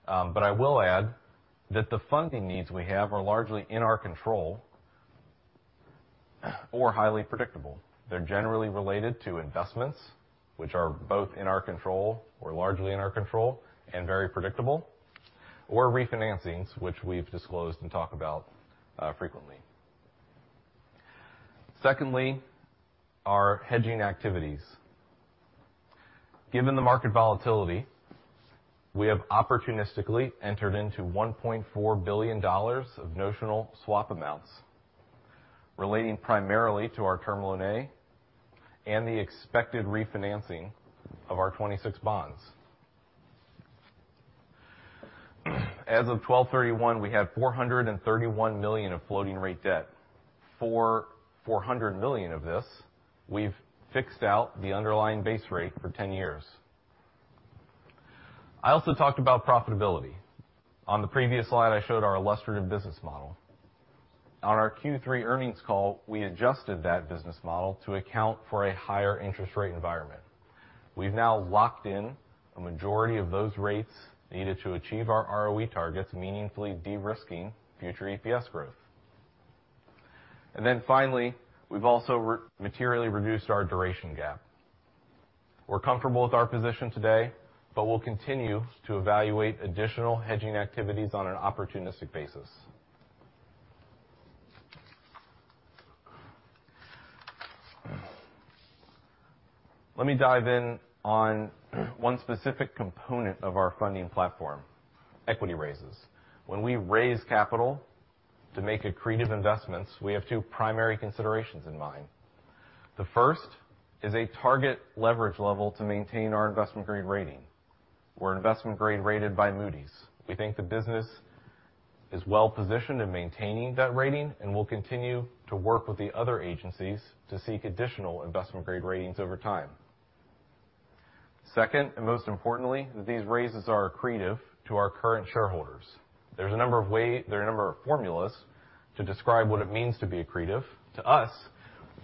I will add that the funding needs we have are largely in our control or highly predictable. They're generally related to investments, which are both in our control or largely in our control and very predictable, or refinancings, which we've disclosed and talked about frequently. Secondly, our hedging activities. Given the market volatility, we have opportunistically entered into $1.4 billion of notional swap amounts relating primarily to our Term Loan A and the expected refinancing of our 2026 bonds. As of 12/31, we have $431 million of floating rate debt. For $400 million of this, we've fixed out the underlying base rate for 10 years. I also talked about profitability. On the previous slide, I showed our illustrative business model. On our Q3 earnings call, we adjusted that business model to account for a higher interest rate environment. We've now locked in a majority of those rates needed to achieve our ROE targets, meaningfully de-risking future EPS growth. Finally, we've also materially reduced our duration gap. We're comfortable with our position today, but we'll continue to evaluate additional hedging activities on an opportunistic basis. Let me dive in on one specific component of our funding platform, equity raises. When we raise capital to make accretive investments, we have two primary considerations in mind. The first is a target leverage level to maintain our investment-grade rating. We're investment grade rated by Moody's. We think the business is well-positioned in maintaining that rating, and we'll continue to work with the other agencies to seek additional investment-grade ratings over time. Second, most importantly, these raises are accretive to our current shareholders. There are a number of formulas to describe what it means to be accretive. To us,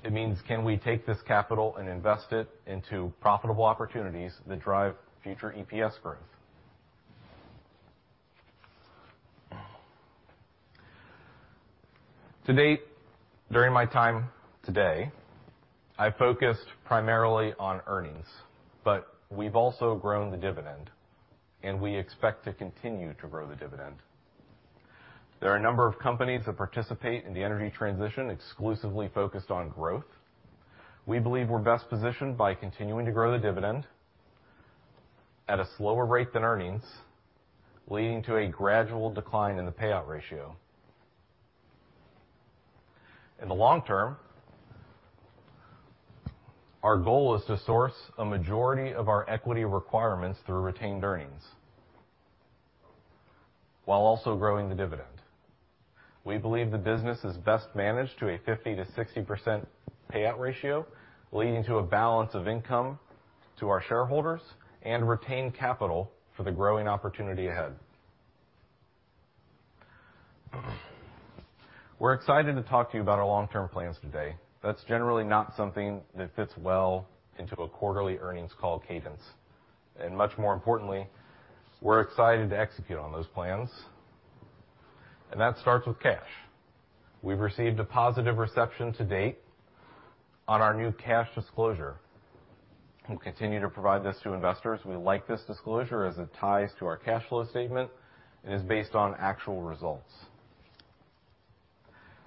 it means, can we take this capital and invest it into profitable opportunities that drive future EPS growth? To date, during my time today, I focused primarily on earnings, but we've also grown the dividend, and we expect to continue to grow the dividend. There are a number of companies that participate in the energy transition exclusively focused on growth. We believe we're best positioned by continuing to grow the dividend at a slower rate than earnings, leading to a gradual decline in the payout ratio. In the long term, our goal is to source a majority of our equity requirements through retained earnings while also growing the dividend. We believe the business is best managed to a 50%-60% payout ratio, leading to a balance of income to our shareholders and retain capital for the growing opportunity ahead. We're excited to talk to you about our long-term plans today. That's generally not something that fits well into a quarterly earnings call cadence. Much more importantly, we're excited to execute on those plans, and that starts with cash. We've received a positive reception to date on our new cash disclosure. We'll continue to provide this to investors. We like this disclosure as it ties to our cash flow statement and is based on actual results.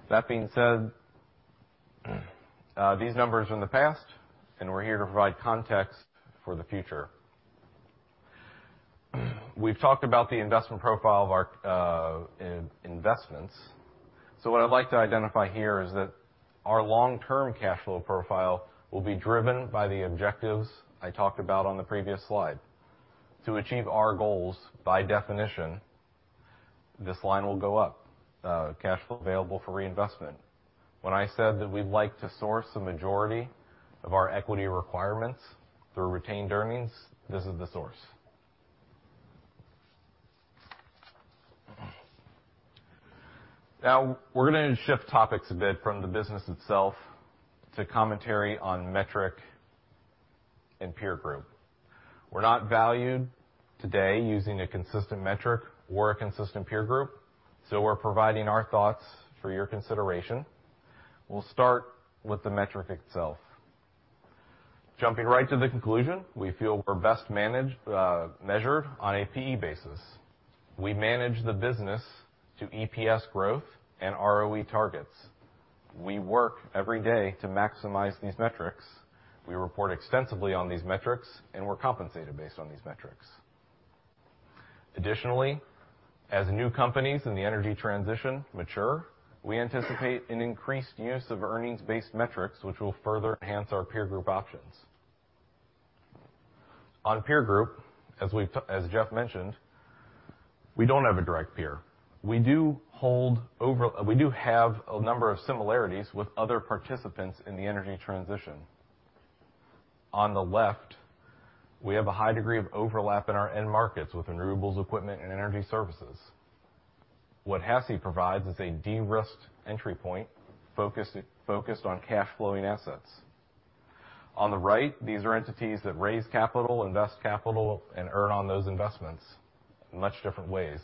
That being said, these numbers are in the past, and we're here to provide context for the future. We've talked about the investment profile of our investments. What I'd like to identify here is that our long-term cash flow profile will be driven by the objectives I talked about on the previous slide. To achieve our goals, by definition, this line will go up, cash flow available for reinvestment. When I said that we'd like to source the majority of our equity requirements through retained earnings, this is the source. Now we're gonna shift topics a bit from the business itself to commentary on metric and peer group. We're not valued today using a consistent metric or a consistent peer group, so we're providing our thoughts for your consideration. We'll start with the metric itself. Jumping right to the conclusion, we feel we're best managed, measured on a PE basis. We manage the business to EPS growth and ROE targets. We work every day to maximize these metrics. We report extensively on these metrics. We're compensated based on these metrics. Additionally, as new companies in the energy transition mature, we anticipate an increased use of earnings-based metrics, which will further enhance our peer group options. On peer group, as Jeff mentioned, we don't have a direct peer. We do have a number of similarities with other participants in the energy transition. On the left, we have a high degree of overlap in our end markets with renewables equipment and energy services. What HASI provides is a de-risked entry point focused on cash flowing assets. On the right, these are entities that raise capital, invest capital, and earn on those investments in much different ways.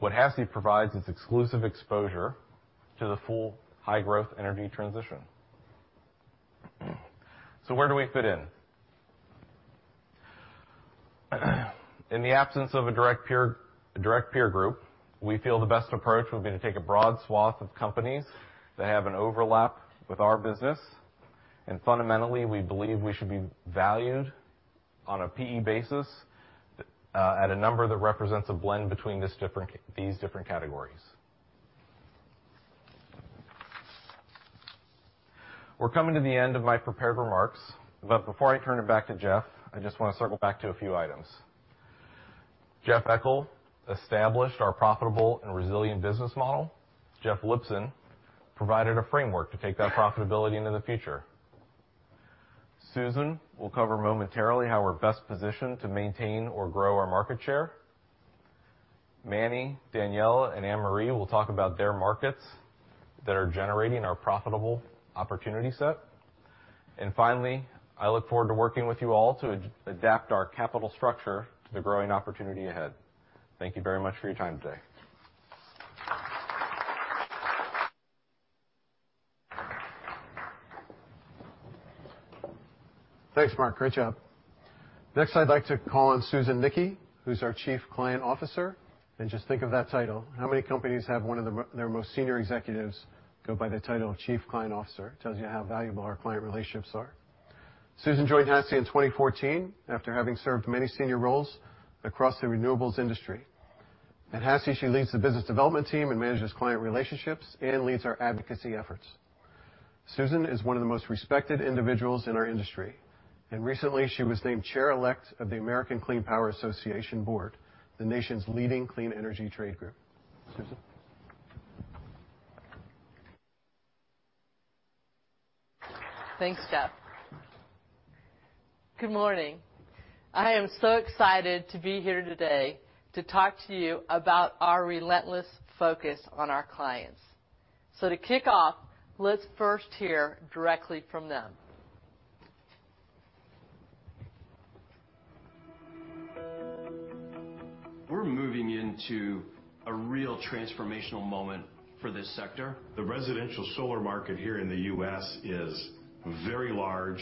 What HASI provides is exclusive exposure to the full high-growth energy transition. Where do we fit in? In the absence of a direct peer, a direct peer group, we feel the best approach would be to take a broad swath of companies that have an overlap with our business. Fundamentally, we believe we should be valued on a PE basis at a number that represents a blend between these different categories. We're coming to the end of my prepared remarks, but before I turn it back to Jeff, I just want to circle back to a few items. Jeff Eckel established our profitable and resilient business model. Jeff Lipson provided a framework to take that profitability into the future. Susan Nickey will cover momentarily how we're best positioned to maintain or grow our market share. Manny, Danielle, and Annmarie will talk about their markets that are generating our profitable opportunity set. Finally, I look forward to working with you all to adapt our capital structure to the growing opportunity ahead. Thank you very much for your time today. Thanks, Marc. Great job. Next, I'd like to call on Susan Nickey, who's our chief client officer, and just think of that title. How many companies have their most senior executives go by the title Chief Client Officer? Tells you how valuable our client relationships are. Susan joined HASI in 2014 after having served many senior roles across the renewables industry. At HASI, she leads the business development team and manages client relationships and leads our advocacy efforts. Susan is one of the most respected individuals in our industry. Recently, she was named Chair-Elect of the American Clean Power Association board, the nation's leading clean energy trade group. Susan. Thanks, Jeff. Good morning. I am so excited to be here today to talk to you about our relentless focus on our clients. To kick off, let's first hear directly from them. We're moving into a real transformational moment for this sector. The residential solar market here in the U.S. is very large,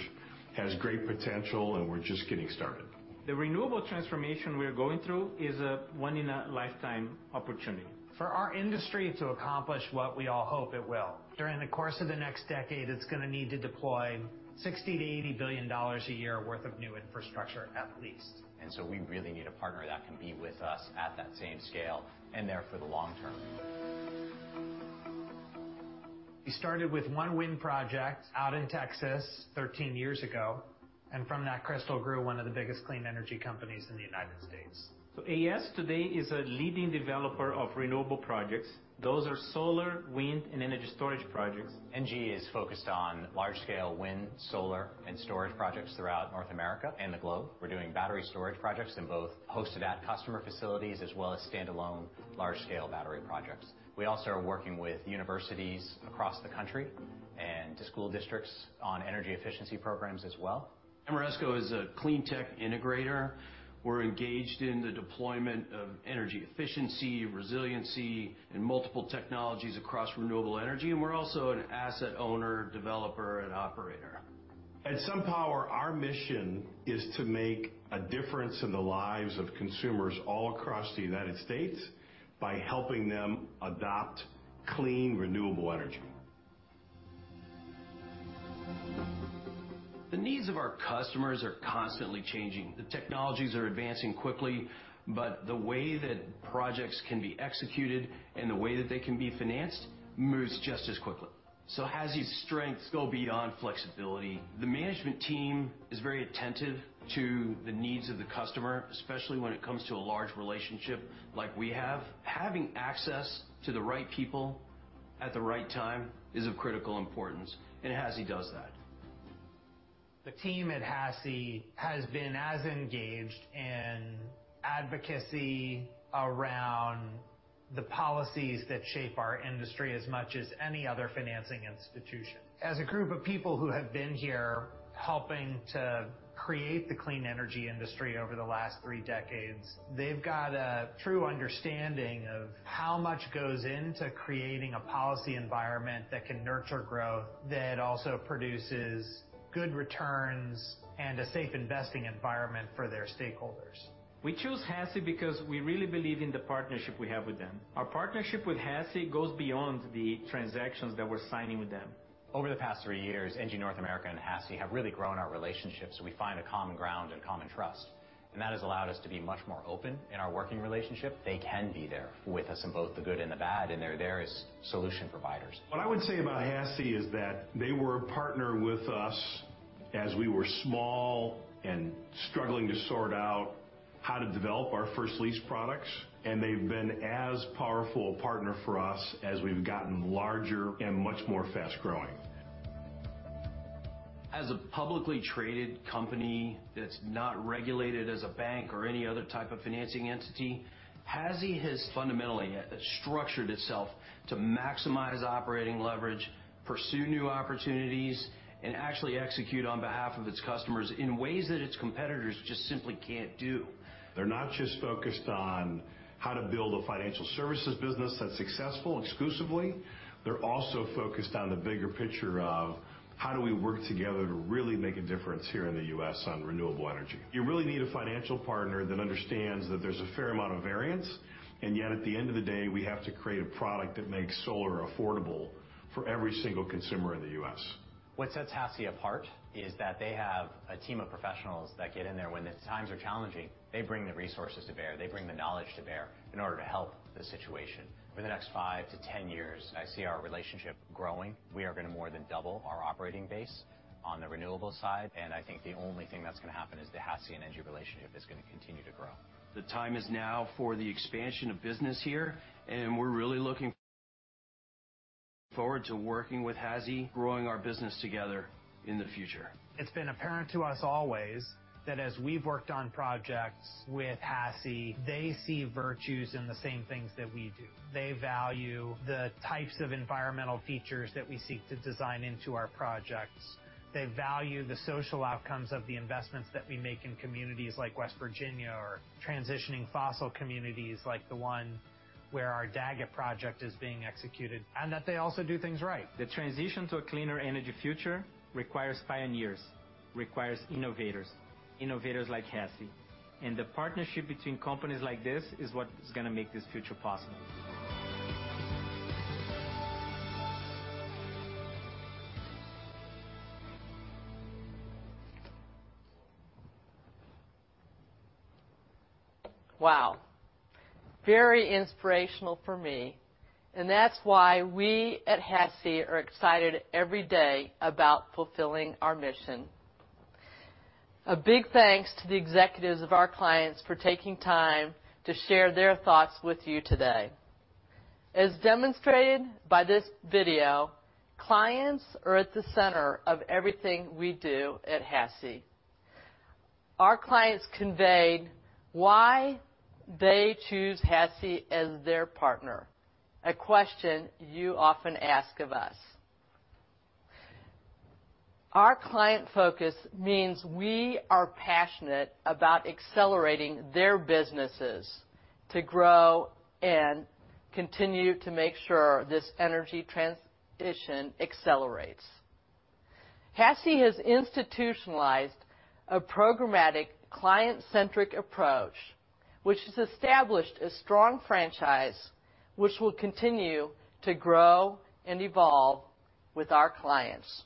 has great potential, and we're just getting started. The renewable transformation we are going through is a once-in-a-lifetime opportunity. For our industry to accomplish what we all hope it will, during the course of the next decade, it's gonna need to deploy $60 billion-$80 billion a year worth of new infrastructure at least. We really need a partner that can be with us at that same scale and there for the long term. We started with one wind project out in Texas 13 years ago. From that crystal grew one of the biggest clean energy companies in the United States. AES today is a leading developer of renewable projects. Those are solar, wind, and energy storage projects. ENGIE is focused on large-scale wind, solar, and storage projects throughout North America and the globe. We're doing battery storage projects in both hosted at customer facilities as well as standalone large-scale battery projects. We also are working with universities across the country and the school districts on energy efficiency programs as well. Ameresco is a cleantech integrator. We're engaged in the deployment of energy efficiency, resiliency, and multiple technologies across renewable energy. We're also an asset owner, developer and operator. At SunPower, our mission is to make a difference in the lives of consumers all across the United States by helping them adopt clean, renewable energy. The needs of our customers are constantly changing. The technologies are advancing quickly, but the way that projects can be executed and the way that they can be financed moves just as quickly. HASI's strengths go beyond flexibility. The management team is very attentive to the needs of the customer, especially when it comes to a large relationship like we have. Having access to the right people at the right time is of critical importance, and HASI does that. The team at HASI has been as engaged in advocacy around the policies that shape our industry as much as any other financing institution. As a group of people who have been here helping to create the clean energy industry over the last three decades, they've got a true understanding of how much goes into creating a policy environment that can nurture growth, that also produces good returns and a safe investing environment for their stakeholders. We choose HASI because we really believe in the partnership we have with them. Our partnership with HASI goes beyond the transactions that we're signing with them. Over the past three years, ENGIE North America and HASI have really grown our relationship. We find a common ground and common trust, and that has allowed us to be much more open in our working relationship. They can be there with us in both the good and the bad, and they're there as solution providers. What I would say about HASI is that they were a partner with us as we were small and struggling to sort out how to develop our first lease products, and they've been as powerful a partner for us as we've gotten larger and much more fast-growing. As a publicly traded company that's not regulated as a bank or any other type of financing entity, HASI has fundamentally structured itself to maximize operating leverage, pursue new opportunities, and actually execute on behalf of its customers in ways that its competitors just simply can't do. They're not just focused on how to build a financial services business that's successful exclusively. They're also focused on the bigger picture of how do we work together to really make a difference here in the U.S. on renewable energy. You really need a financial partner that understands that there's a fair amount of variance, and yet at the end of the day, we have to create a product that makes solar affordable for every single consumer in the U.S. What sets HASI apart is that they have a team of professionals that get in there when the times are challenging. They bring the resources to bear, they bring the knowledge to bear in order to help the situation. For the next 5-10 years, I see our relationship growing. We are gonna more than double our operating base on the renewable side, I think the only thing that's gonna happen is the HASI and ENGIE relationship is gonna continue to grow. The time is now for the expansion of business here, and we're really looking forward to working with HASI, growing our business together in the future. It's been apparent to us always that as we've worked on projects with HASI, they see virtues in the same things that we do. They value the types of environmental features that we seek to design into our projects. They value the social outcomes of the investments that we make in communities like West Virginia or transitioning fossil communities like the one where our Daggett project is being executed, and that they also do things right. The transition to a cleaner energy future requires pioneers, requires innovators like HASI. The partnership between companies like this is what is going to make this future possible. Wow! Very inspirational for me, that's why we at HASI are excited every day about fulfilling our mission. A big thanks to the executives of our clients for taking time to share their thoughts with you today. As demonstrated by this video, clients are at the center of everything we do at HASI. Our clients conveyed why they choose HASI as their partner. A question you often ask of us. Our client focus means we are passionate about accelerating their businesses to grow and continue to make sure this energy transition accelerates. HASI has institutionalized a programmatic client-centric approach, which has established a strong franchise which will continue to grow and evolve with our clients.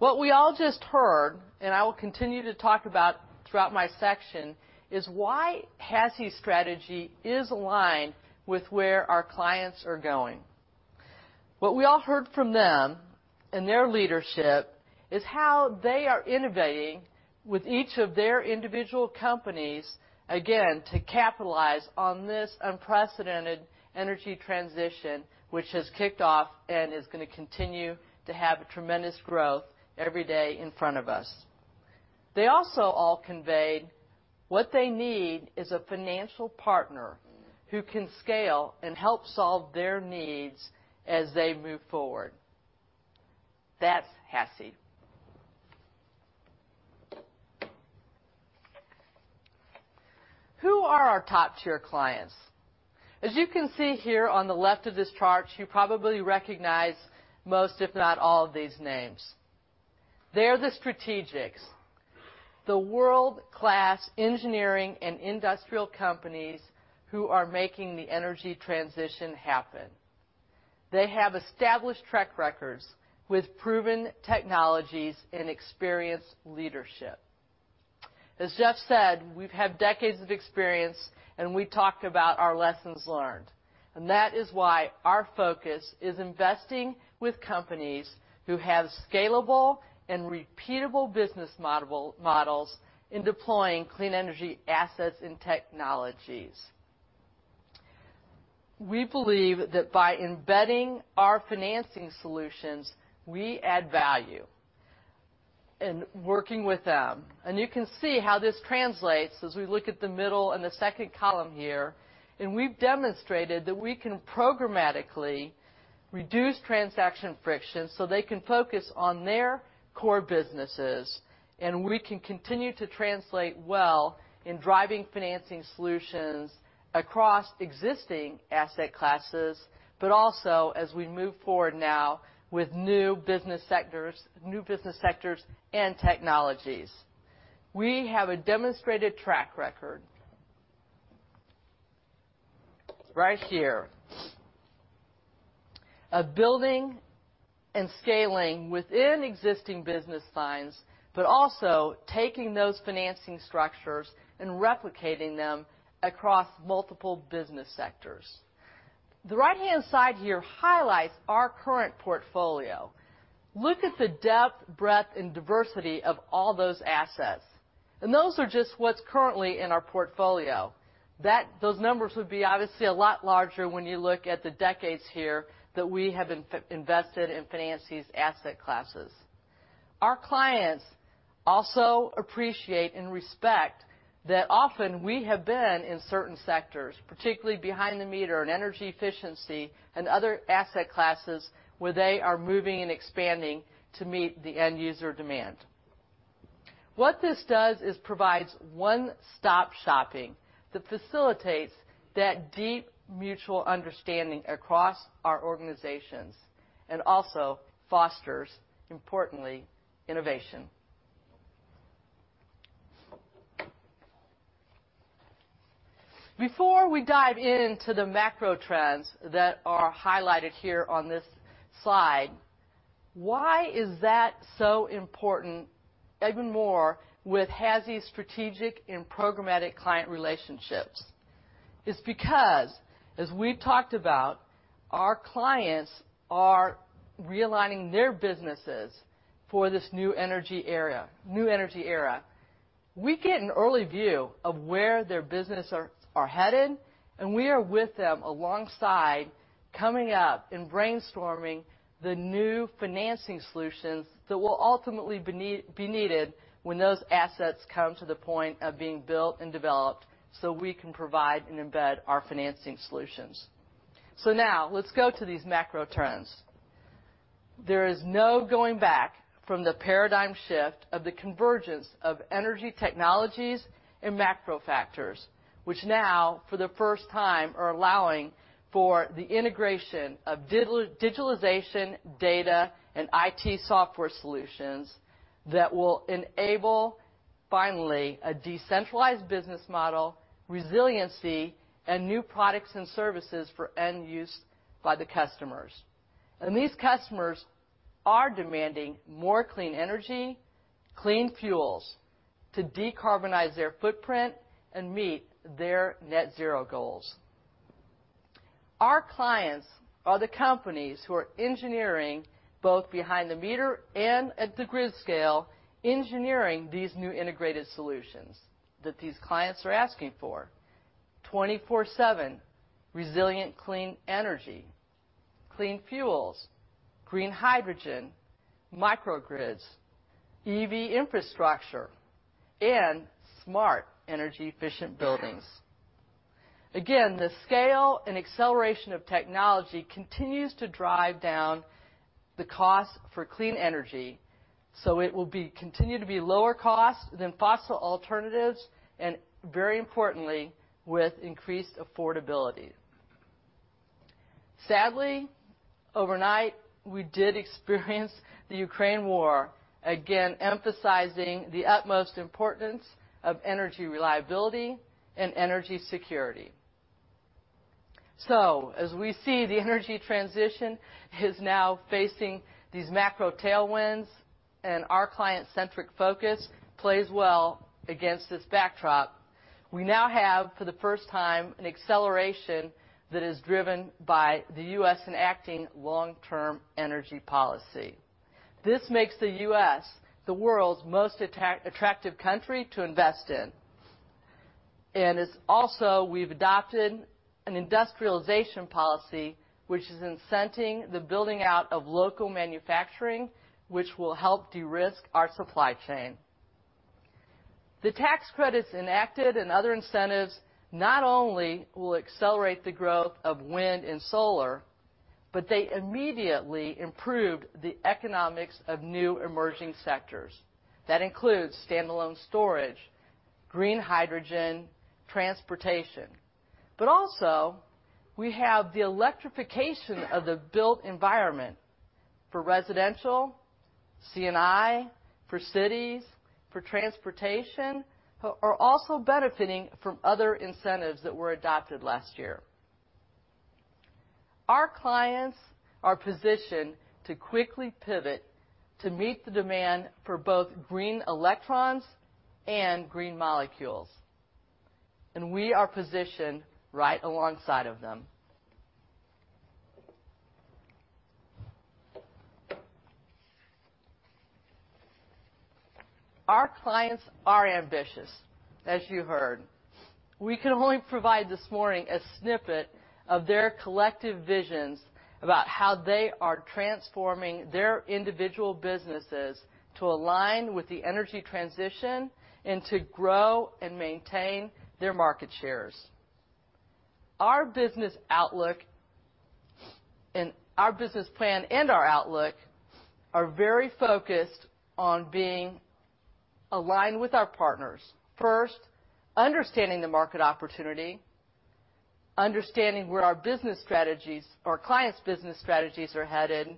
What we all just heard, I will continue to talk about throughout my section, is why HASI's strategy is aligned with where our clients are going. What we all heard from them and their leadership is how they are innovating with each of their individual companies, again, to capitalize on this unprecedented energy transition, which has kicked off and is going to continue to have tremendous growth every day in front of us. They also all conveyed what they need is a financial partner who can scale and help solve their needs as they move forward. That's HASI. Who are our top-tier clients? As you can see here on the left of this chart, you probably recognize most, if not all, of these names. They're the strategics, the world-class engineering and industrial companies who are making the energy transition happen. They have established track records with proven technologies and experienced leadership. As Jeff said, we've had decades of experience, and we talked about our lessons learned, and that is why our focus is investing with companies who have scalable and repeatable business models in deploying clean energy assets and technologies. We believe that by embedding our financing solutions, we add value in working with them. You can see how this translates as we look at the middle and the second column here, and we've demonstrated that we can programmatically reduce transaction friction so they can focus on their core businesses, and we can continue to translate well in driving financing solutions across existing asset classes, but also as we move forward now with new business sectors and technologies. We have a demonstrated track record, right here, of building and scaling within existing business lines, but also taking those financing structures and replicating them across multiple business sectors. The right-hand side here highlights our current portfolio. Look at the depth, breadth, and diversity of all those assets, and those are just what's currently in our portfolio. Those numbers would be obviously a lot larger when you look at the decades here that we have invested in finances asset classes. Our clients also appreciate and respect that often we have been in certain sectors, particularly behind the meter in energy efficiency and other asset classes where they are moving and expanding to meet the end user demand. What this does is provides one-stop shopping that facilitates that deep mutual understanding across our organizations and also fosters, importantly, innovation. Before we dive into the macro trends that are highlighted here on this slide, why is that so important even more with HASI's strategic and programmatic client relationships? It's because, as we talked about, our clients are realigning their businesses for this new energy era. We get an early view of where their business are headed, and we are with them alongside, coming up and brainstorming the new financing solutions that will ultimately be needed when those assets come to the point of being built and developed, so we can provide and embed our financing solutions. Now let's go to these macro trends. There is no going back from the paradigm shift of the convergence of energy technologies and macro factors, which now for the first time are allowing for the integration of digitalization, data, and IT software solutions that will enable, finally, a decentralized business model, resiliency, and new products and services for end use by the customers. These customers are demanding more clean energy, clean fuels to decarbonize their footprint and meet their net zero goals. Our clients are the companies who are engineering, both behind the meter and at the grid scale, engineering these new integrated solutions that these clients are asking for. 24/7 resilient clean energy, clean fuels, green hydrogen, microgrids, EV infrastructure, and smart energy-efficient buildings. Again, the scale and acceleration of technology continues to drive down the cost for clean energy, so it will continue to be lower cost than fossil alternatives and very importantly, with increased affordability. Sadly, overnight, we did experience the Ukraine war, again emphasizing the utmost importance of energy reliability and energy security. As we see, the energy transition is now facing these macro tailwinds, and our client-centric focus plays well against this backdrop. We now have, for the first time, an acceleration that is driven by the U.S. enacting long-term energy policy. This makes the U.S. the world's most attractive country to invest in. It's also we've adopted an industrialization policy, which is incenting the building out of local manufacturing, which will help de-risk our supply chain. The tax credits enacted and other incentives not only will accelerate the growth of wind and solar, but they immediately improved the economics of new emerging sectors. That includes standalone storage, green hydrogen, transportation. Also we have the electrification of the built environment for residential, C&I, for cities, for transportation, but are also benefiting from other incentives that were adopted last year. Our clients are positioned to quickly pivot to meet the demand for both green electrons and green molecules. We are positioned right alongside of them. Our clients are ambitious, as you heard. We can only provide this morning a snippet of their collective visions about how they are transforming their individual businesses to align with the energy transition and to grow and maintain their market shares. Our business outlook and our business plan and our outlook are very focused on being aligned with our partners. First, understanding the market opportunity, understanding where our business strategies or our clients' business strategies are headed,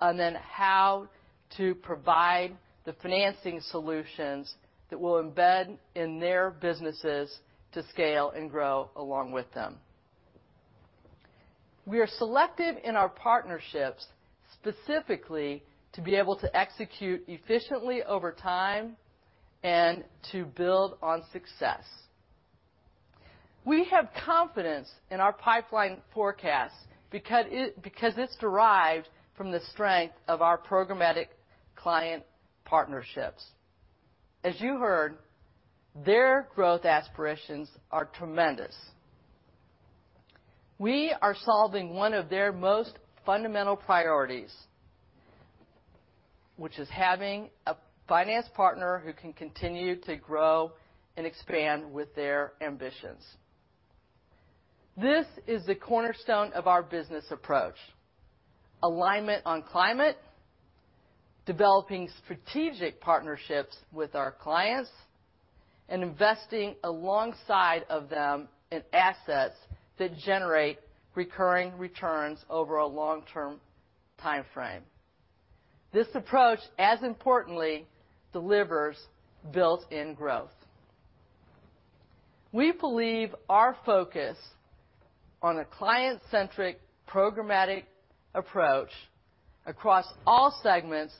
and then how to provide the financing solutions that will embed in their businesses to scale and grow along with them. We are selective in our partnerships, specifically to be able to execute efficiently over time and to build on success. We have confidence in our pipeline forecast because it's derived from the strength of our programmatic client partnerships. As you heard, their growth aspirations are tremendous. We are solving one of their most fundamental priorities, which is having a finance partner who can continue to grow and expand with their ambitions. This is the cornerstone of our business approach: alignment on climate, developing strategic partnerships with our clients, and investing alongside of them in assets that generate recurring returns over a long-term timeframe. This approach, as importantly, delivers built-in growth. We believe our focus on a client-centric programmatic approach across all segments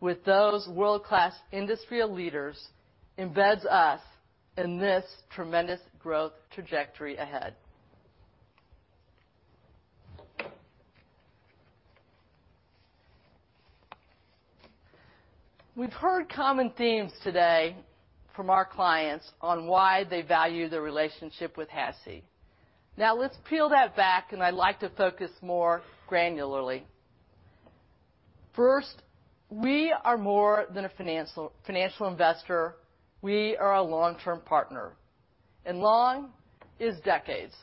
with those world-class industry leaders embeds us in this tremendous growth trajectory ahead. We've heard common themes today from our clients on why they value the relationship with HASI. Let's peel that back, and I'd like to focus more granularly. First, we are more than a financial investor. We are a long-term partner, and long is decades.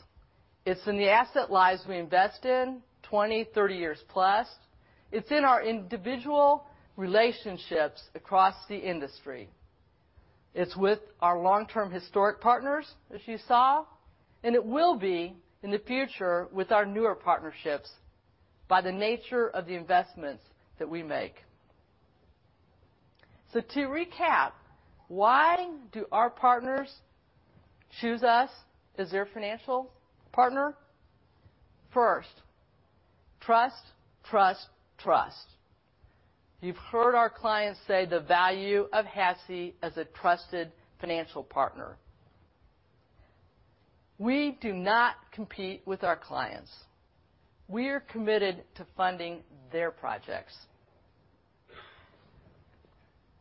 It's in the asset lives we invest in, 20, 30 years plus. It's in our individual relationships across the industry. It's with our long-term historic partners, as you saw, and it will be in the future with our newer partnerships by the nature of the investments that we make. To recap, why do our partners choose us as their financial partner? First, trust. You've heard our clients say the value of HASI as a trusted financial partner. We do not compete with our clients. We are committed to funding their projects.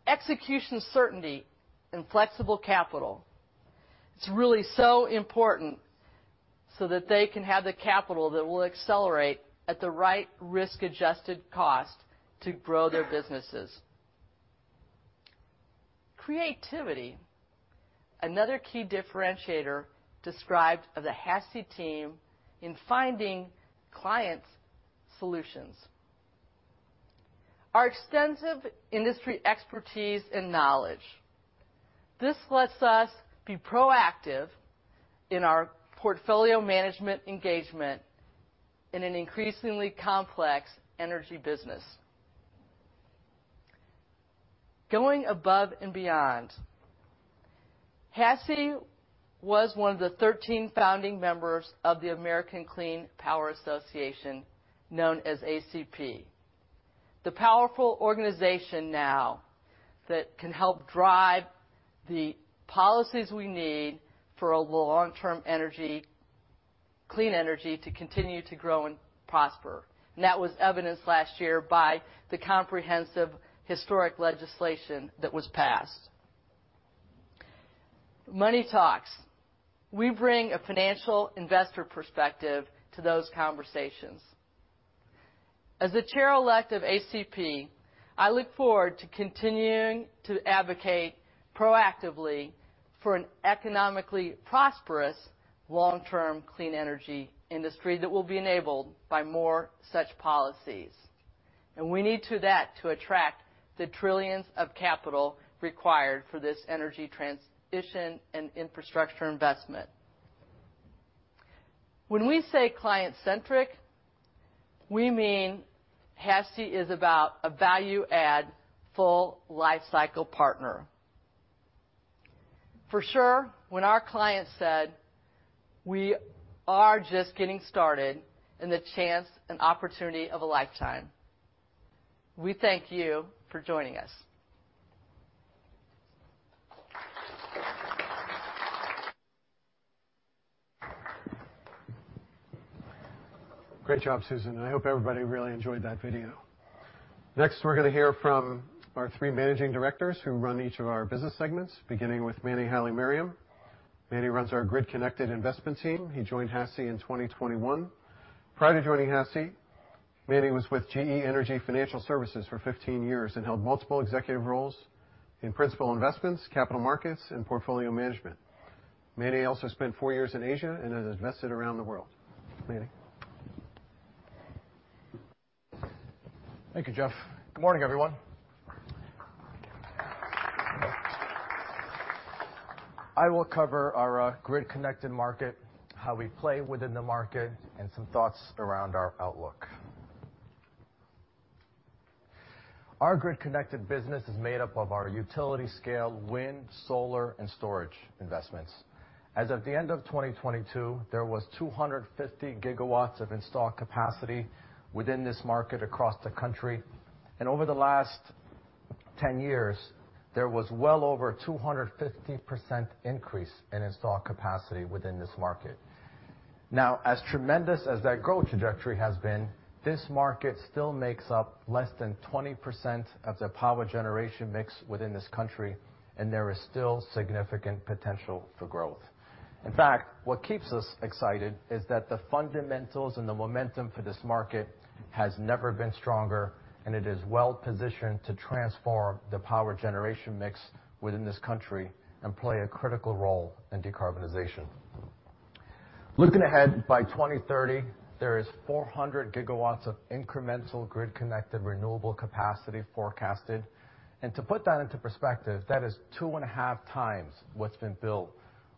Execution certainty and flexible capital. It's really so important so that they can have the capital that will accelerate at the right risk-adjusted cost to grow their businesses. Creativity, another key differentiator described of the HASI team in finding clients solutions. Our extensive industry expertise and knowledge. This lets us be proactive in our portfolio management engagement in an increasingly complex energy business. Going above and beyond. HASI was one of the 13 founding members of the American Clean Power Association, known as ACP. The powerful organization now that can help drive the policies we need for a long-term energy, clean energy to continue to grow and prosper. That was evidenced last year by the comprehensive historic legislation that was passed. Money talks. We bring a financial investor perspective to those conversations. As the chair-elect of ACP, I look forward to continuing to advocate proactively for an economically prosperous long-term clean energy industry that will be enabled by more such policies. We need to that to attract the trillions of capital required for this energy transition and infrastructure investment. When we say client-centric, we mean HASI is about a value add, full life cycle partner. For sure, when our clients said we are just getting started in the chance and opportunity of a lifetime, we thank you for joining us. Great job, Susan. I hope everybody really enjoyed that video. Next, we're going to hear from our three managing directors who run each of our business segments, beginning with Manny Haile-Mariam. Manny runs our grid-connected investment team. He joined HASI in 2021. Prior to joining HASI, Manny was with GE Energy Financial Services for 15 years and held multiple executive roles in principal investments, capital markets, and portfolio management. Manny also spent four years in Asia and has invested around the world. Manny. Thank you, Jeff. Good morning, everyone. I will cover our grid-connected market, how we play within the market, and some thoughts around our outlook. Our grid-connected business is made up of our utility scale, wind, solar, and storage investments. As of the end of 2022, there was 250 GW of installed capacity within this market across the country. Over the last 10 years, there was well over 250% increase in installed capacity within this market. Now, as tremendous as that growth trajectory has been, this market still makes up less than 20% of the power generation mix within this country, and there is still significant potential for growth. In fact, what keeps us excited is that the fundamentals and the momentum for this market has never been stronger, and it is well-positioned to transform the power generation mix within this country and play a critical role in decarbonization. Looking ahead, by 2030, there is 400 gigawatts of incremental grid-connected renewable capacity forecasted. To put that into perspective, that is 2.5 times what's been built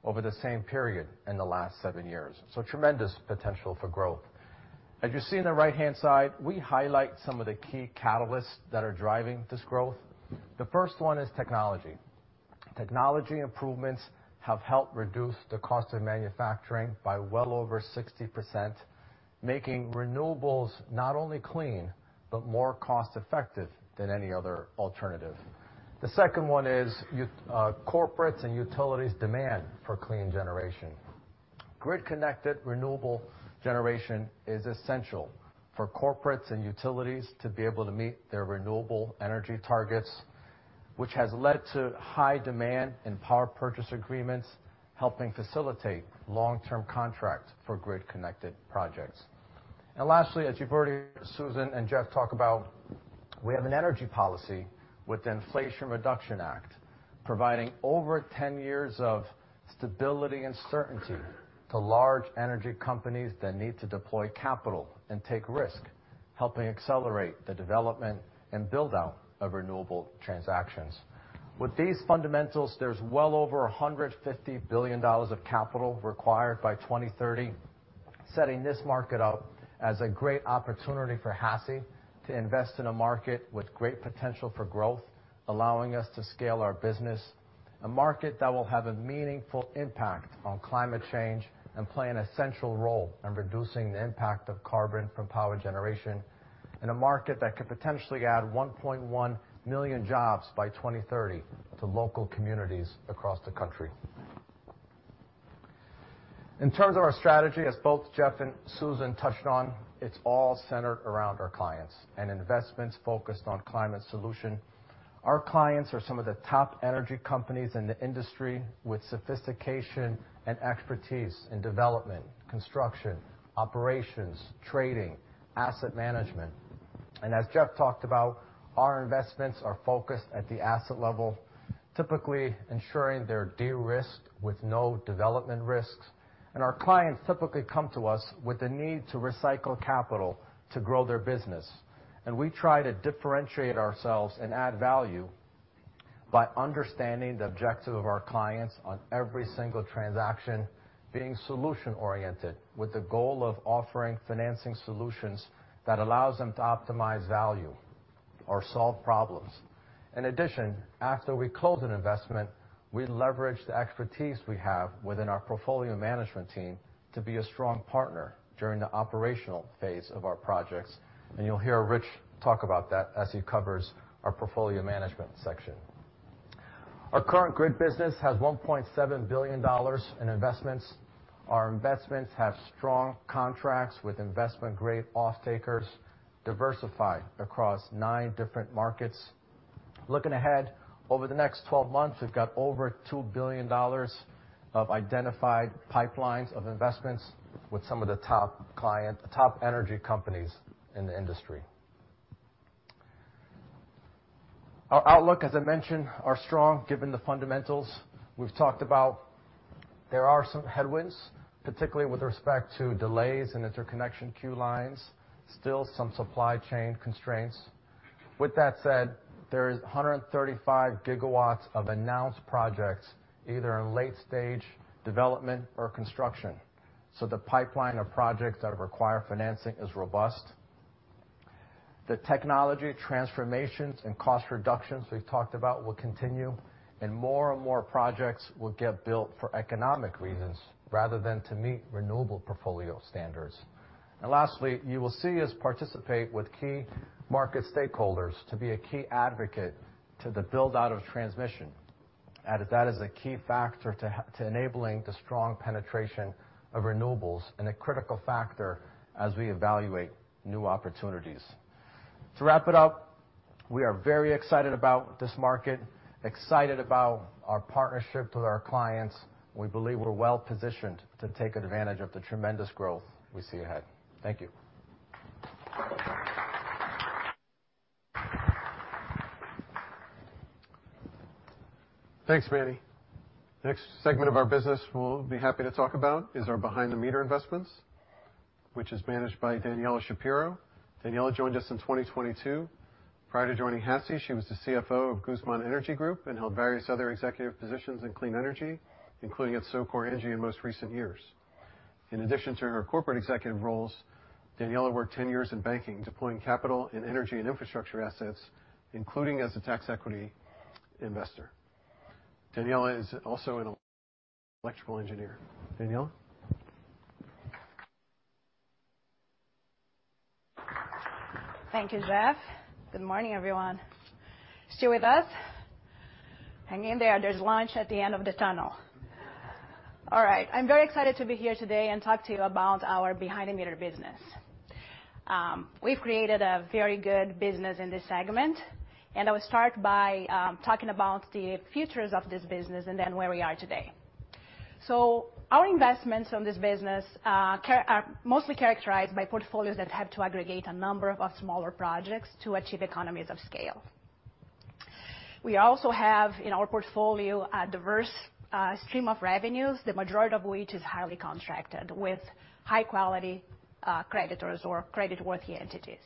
over the same period in the last seven years. Tremendous potential for growth. As you see on the right-hand side, we highlight some of the key catalysts that are driving this growth. The first one is technology. Technology improvements have helped reduce the cost of manufacturing by well over 60%, making renewables not only clean, but more cost-effective than any other alternative. The second one is corporates and utilities' demand for clean generation. Grid-connected renewable generation is essential for corporates and utilities to be able to meet their renewable energy targets, which has led to high demand in power purchase agreements, helping facilitate long-term contracts for grid-connected projects. Lastly, as you've heard Susan Nickey and Jeff Eckel talk about, we have an energy policy with the Inflation Reduction Act, providing over 10 years of stability and certainty to large energy companies that need to deploy capital and take risk, helping accelerate the development and build-out of renewable transactions. With these fundamentals, there's well over $150 billion of capital required by 2030, setting this market up as a great opportunity for HASI to invest in a market with great potential for growth, allowing us to scale our business, a market that will have a meaningful impact on climate change, and play an essential role in reducing the impact of carbon from power generation, and a market that could potentially add 1.1 million jobs by 2030 to local communities across the country. In terms of our strategy, as both Jeff and Susan touched on, it's all centered around our clients and investments focused on climate solution. Our clients are some of the top energy companies in the industry with sophistication and expertise in development, construction, operations, trading, asset management. As Jeff talked about, our investments are focused at the asset level, typically ensuring they're de-risked with no development risks. Our clients typically come to us with the need to recycle capital to grow their business. We try to differentiate ourselves and add value by understanding the objective of our clients on every single transaction, being solution-oriented, with the goal of offering financing solutions that allows them to optimize value or solve problems. In addition, after we close an investment, we leverage the expertise we have within our portfolio management team to be a strong partner during the operational phase of our projects. You'll hear Rich talk about that as he covers our portfolio management section. Our current grid business has $1.7 billion in investments. Our investments have strong contracts with investment-grade off-takers, diversified across nine different markets. Looking ahead, over the next 12 months, we've got over $2 billion of identified pipelines of investments with some of the top energy companies in the industry. Our outlook, as I mentioned, are strong given the fundamentals we've talked about. There are some headwinds, particularly with respect to delays in interconnection queue lines, still some supply chain constraints. With that said, there is 135 gigawatts of announced projects, either in late-stage development or construction. The pipeline of projects that require financing is robust. The technology transformations and cost reductions we've talked about will continue, and more and more projects will get built for economic reasons rather than to meet renewable portfolio standards. Lastly, you will see us participate with key market stakeholders to be a key advocate to the build-out of transmission, as that is a key factor to enabling the strong penetration of renewables and a critical factor as we evaluate new opportunities. To wrap it up, we are very excited about this market, excited about our partnership with our clients. We believe we're well-positioned to take advantage of the tremendous growth we see ahead. Thank you. Thanks, Manny. The next segment of our business we'll be happy to talk about is our behind-the-meter investments, which is managed by Daniela Shapiro. Daniela joined us in 2022. Prior to joining HASI, she was the CFO of Guzman Energy and held various other executive positions in clean energy, including at SoCore Energy in most recent years. In addition to her corporate executive roles, Daniela worked 10 years in banking, deploying capital in energy and infrastructure assets, including as a tax equity investor. Daniela is also an electrical engineer. Daniela. Thank you, Jeff. Good morning, everyone. Still with us? Hang in there. There's lunch at the end of the tunnel. I'm very excited to be here today and talk to you about our behind-the-meter business. We've created a very good business in this segment, and I will start by talking about the futures of this business and then where we are today. Our investments on this business are mostly characterized by portfolios that have to aggregate a number of smaller projects to achieve economies of scale. We also have in our portfolio a diverse stream of revenues, the majority of which is highly contracted with high-quality creditors or creditworthy entities.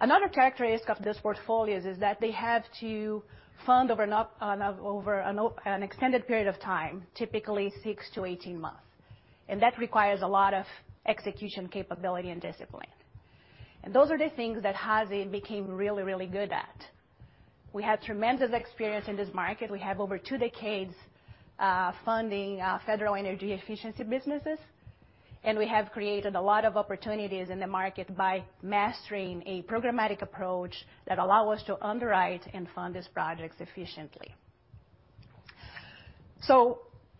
Another characteristic of these portfolios is that they have to fund over an extended period of time, typically 6 to 18 months. That requires a lot of execution capability and discipline. Those are the things that HASI became really, really good at. We have tremendous experience in this market. We have over two decades funding federal energy efficiency businesses, and we have created a lot of opportunities in the market by mastering a programmatic approach that allow us to underwrite and fund these projects efficiently.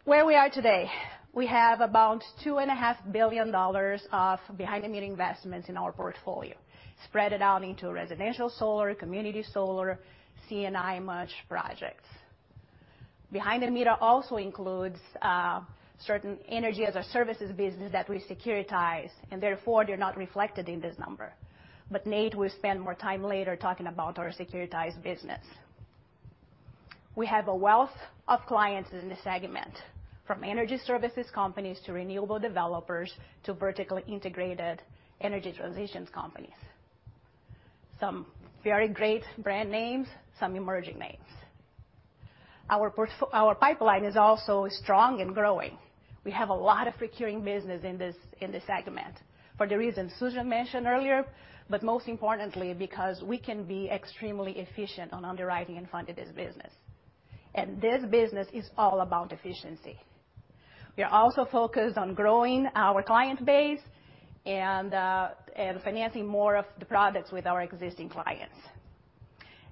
Where we are today. We have about $2.5 billion of behind-the-meter investments in our portfolio, spread out into residential solar, community solar, C&I merch projects. Behind-the-meter also includes certain energy-as-a-services business that we securitize, and therefore, they're not reflected in this number. Nate will spend more time later talking about our securitized business. We have a wealth of clients in this segment, from energy services companies, to renewable developers, to vertically integrated energy transitions companies. Some very great brand names, some emerging names. Our pipeline is also strong and growing. We have a lot of recurring business in this segment for the reasons Susan mentioned earlier, most importantly, because we can be extremely efficient on underwriting and funding this business. This business is all about efficiency. We are also focused on growing our client base and financing more of the products with our existing clients.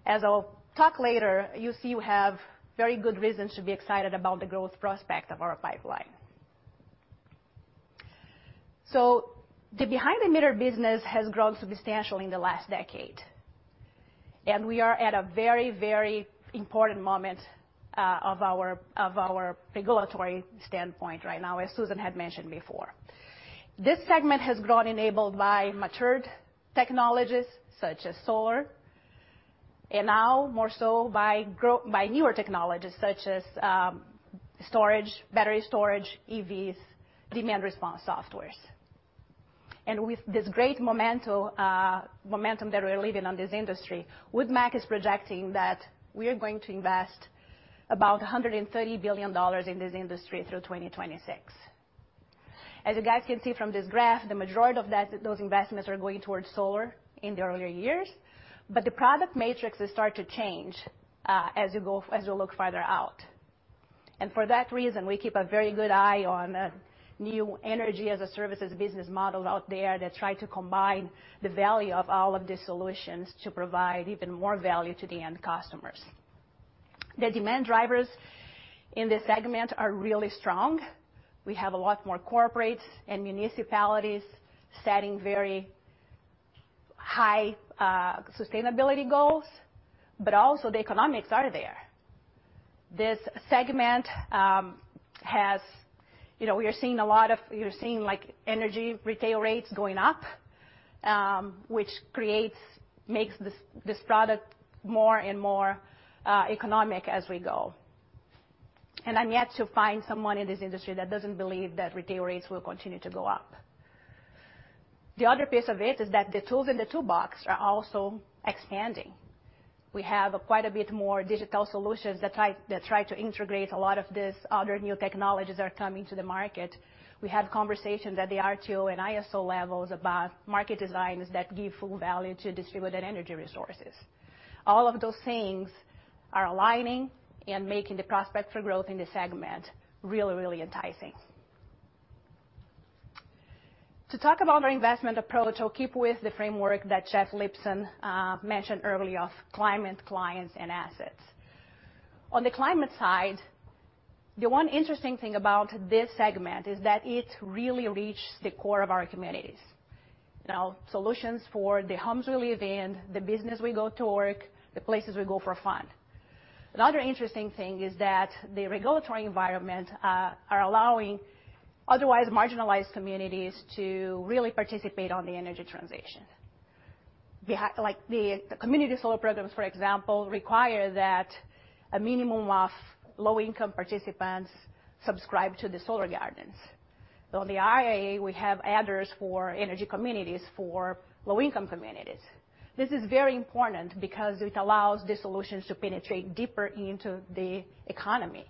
As I'll talk later, you'll see we have very good reasons to be excited about the growth prospect of our pipeline. The behind-the-meter business has grown substantially in the last decade, and we are at a very, very important moment of our regulatory standpoint right now, as Susan had mentioned before. This segment has grown enabled by matured technologies such as solar, now more so by newer technologies such as storage, battery storage, EVs, demand response softwares. With this great momento momentum that we're living on this industry, WoodMac is projecting that we are going to invest about $130 billion in this industry through 2026. As you guys can see from this graph, the majority of those investments are going towards solar in the earlier years, but the product matrices start to change as you look farther out. For that reason, we keep a very good eye on new energy as a services business model out there that try to combine the value of all of these solutions to provide even more value to the end customers. The demand drivers in this segment are really strong. We have a lot more corporates and municipalities setting very high sustainability goals, but also the economics are there. This segment has, you know, you're seeing like energy retail rates going up, which makes this product more and more economic as we go. I'm yet to find someone in this industry that doesn't believe that retail rates will continue to go up. The other piece of it is that the tools in the toolbox are also expanding. We have quite a bit more digital solutions that try to integrate a lot of these other new technologies that are coming to the market. We have conversations at the RTO and ISO levels about market designs that give full value to distributed energy resources. All of those things are aligning and making the prospect for growth in this segment really, really enticing. To talk about our investment approach, I'll keep with the framework that Jeff Lipson mentioned earlier of climate, clients, and assets. On the climate side, the one interesting thing about this segment is that it really reaches the core of our communities. You know, solutions for the homes we live in, the business we go to work, the places we go for fun. Another interesting thing is that the regulatory environment are allowing otherwise marginalized communities to really participate on the energy transition. Like the community solar programs, for example, require that a minimum of low-income participants subscribe to the solar gardens. On the IRA, we have adders for energy communities for low-income communities. This is very important because it allows the solutions to penetrate deeper into the economy.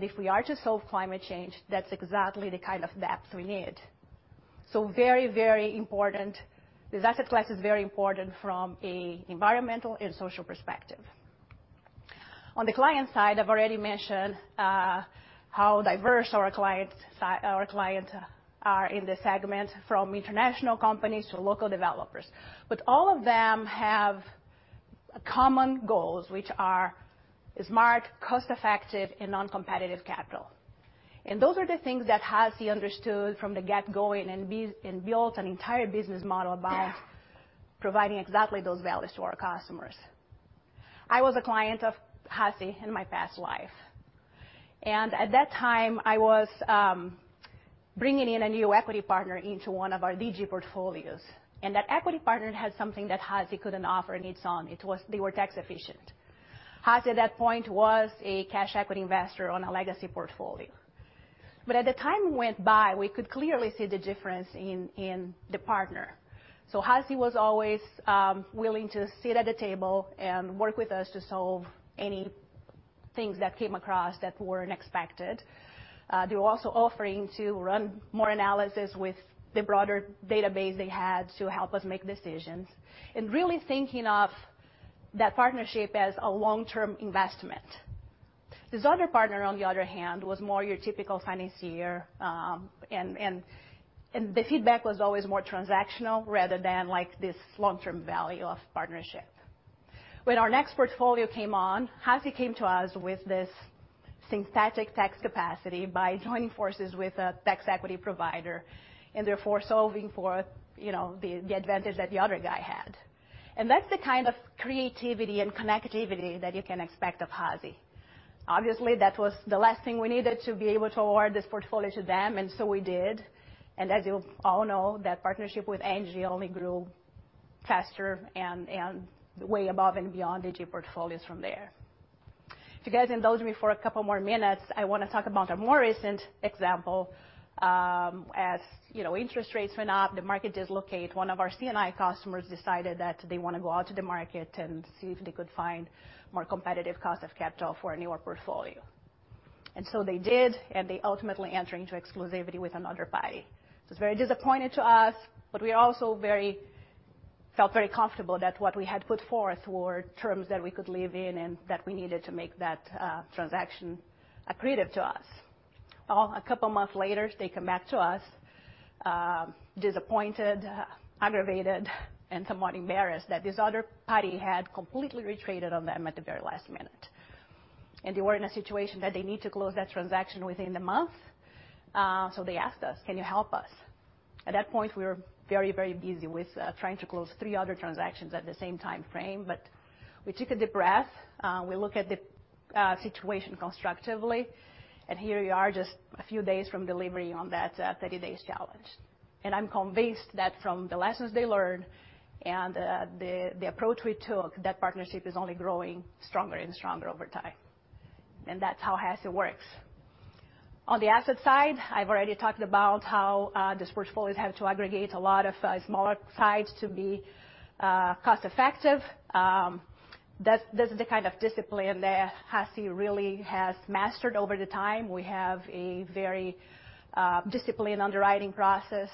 If we are to solve climate change, that's exactly the kind of depth we need. Very, very important. This asset class is very important from an environmental and social perspective. On the client side, I've already mentioned, how diverse our clients are in this segment, from international companies to local developers. All of them have common goals, which are smart, cost-effective, and non-competitive capital. Those are the things that HASI understood from the get-go and built an entire business model about providing exactly those values to our customers. I was a client of HASI in my past life. At that time, I was bringing in a new equity partner into one of our DG portfolios, and that equity partner had something that HASI couldn't offer on its own. It was they were tax-efficient. HASI, at that point, was a cash equity investor on a legacy portfolio. As the time went by, we could clearly see the difference in the partner. HASI was always willing to sit at the table and work with us to solve any things that came across that weren't expected. They were also offering to run more analysis with the broader database they had to help us make decisions and really thinking of that partnership as a long-term investment. This other partner, on the other hand, was more your typical financier, and the feedback was always more transactional rather than like this long-term value of partnership. When our next portfolio came on, HASI came to us with this synthetic tax capacity by joining forces with a tax equity provider and therefore solving for, you know, the advantage that the other guy had. That's the kind of creativity and connectivity that you can expect of HASI. Obviously, that was the last thing we needed to be able to award this portfolio to them, and so we did. As you all know, that partnership with ENGIE only grew faster and way above and beyond DG portfolios from there. If you guys indulge me for a couple more minutes, I want to talk about a more recent example. As you know, interest rates went up, the market dislocate. One of our C&I customers decided that they want to go out to the market and see if they could find more competitive cost of capital for a newer portfolio. They did, and they ultimately enter into exclusivity with another party. It's very disappointing to us, but we also felt very comfortable that what we had put forth were terms that we could live in and that we needed to make that transaction accretive to us. Well, a couple of months later, they come back to us, disappointed, aggravated, and somewhat embarrassed that this other party had completely retreated on them at the very last minute. They were in a situation that they need to close that transaction within the month. They asked us, "Can you help us?" At that point, we were very, very busy with, trying to close three other transactions at the same time frame. We took a deep breath, we looked at the situation constructively, here we are just a few days from delivery on that 30-days challenge. I'm convinced that from the lessons they learned and the approach we took, that partnership is only growing stronger and stronger over time. That's how HASI works. On the asset side, I've already talked about how these portfolios have to aggregate a lot of smaller sites to be cost-effective. That's the kind of discipline that HASI really has mastered over the time. We have a very disciplined underwriting process.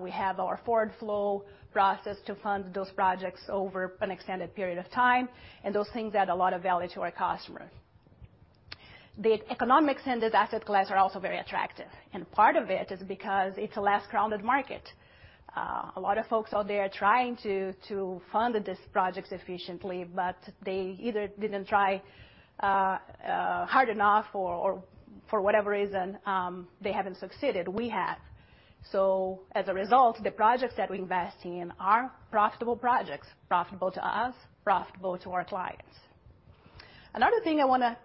We have our forward flow process to fund those projects over an extended period of time. Those things add a lot of value to our customers. The economics in this asset class are also very attractive. Part of it is because it's a less crowded market. A lot of folks out there are trying to fund these projects efficiently, but they either didn't try hard enough or for whatever reason, they haven't succeeded. We have. As a result, the projects that we invest in are profitable projects, profitable to us, profitable to our clients. Another thing I wanna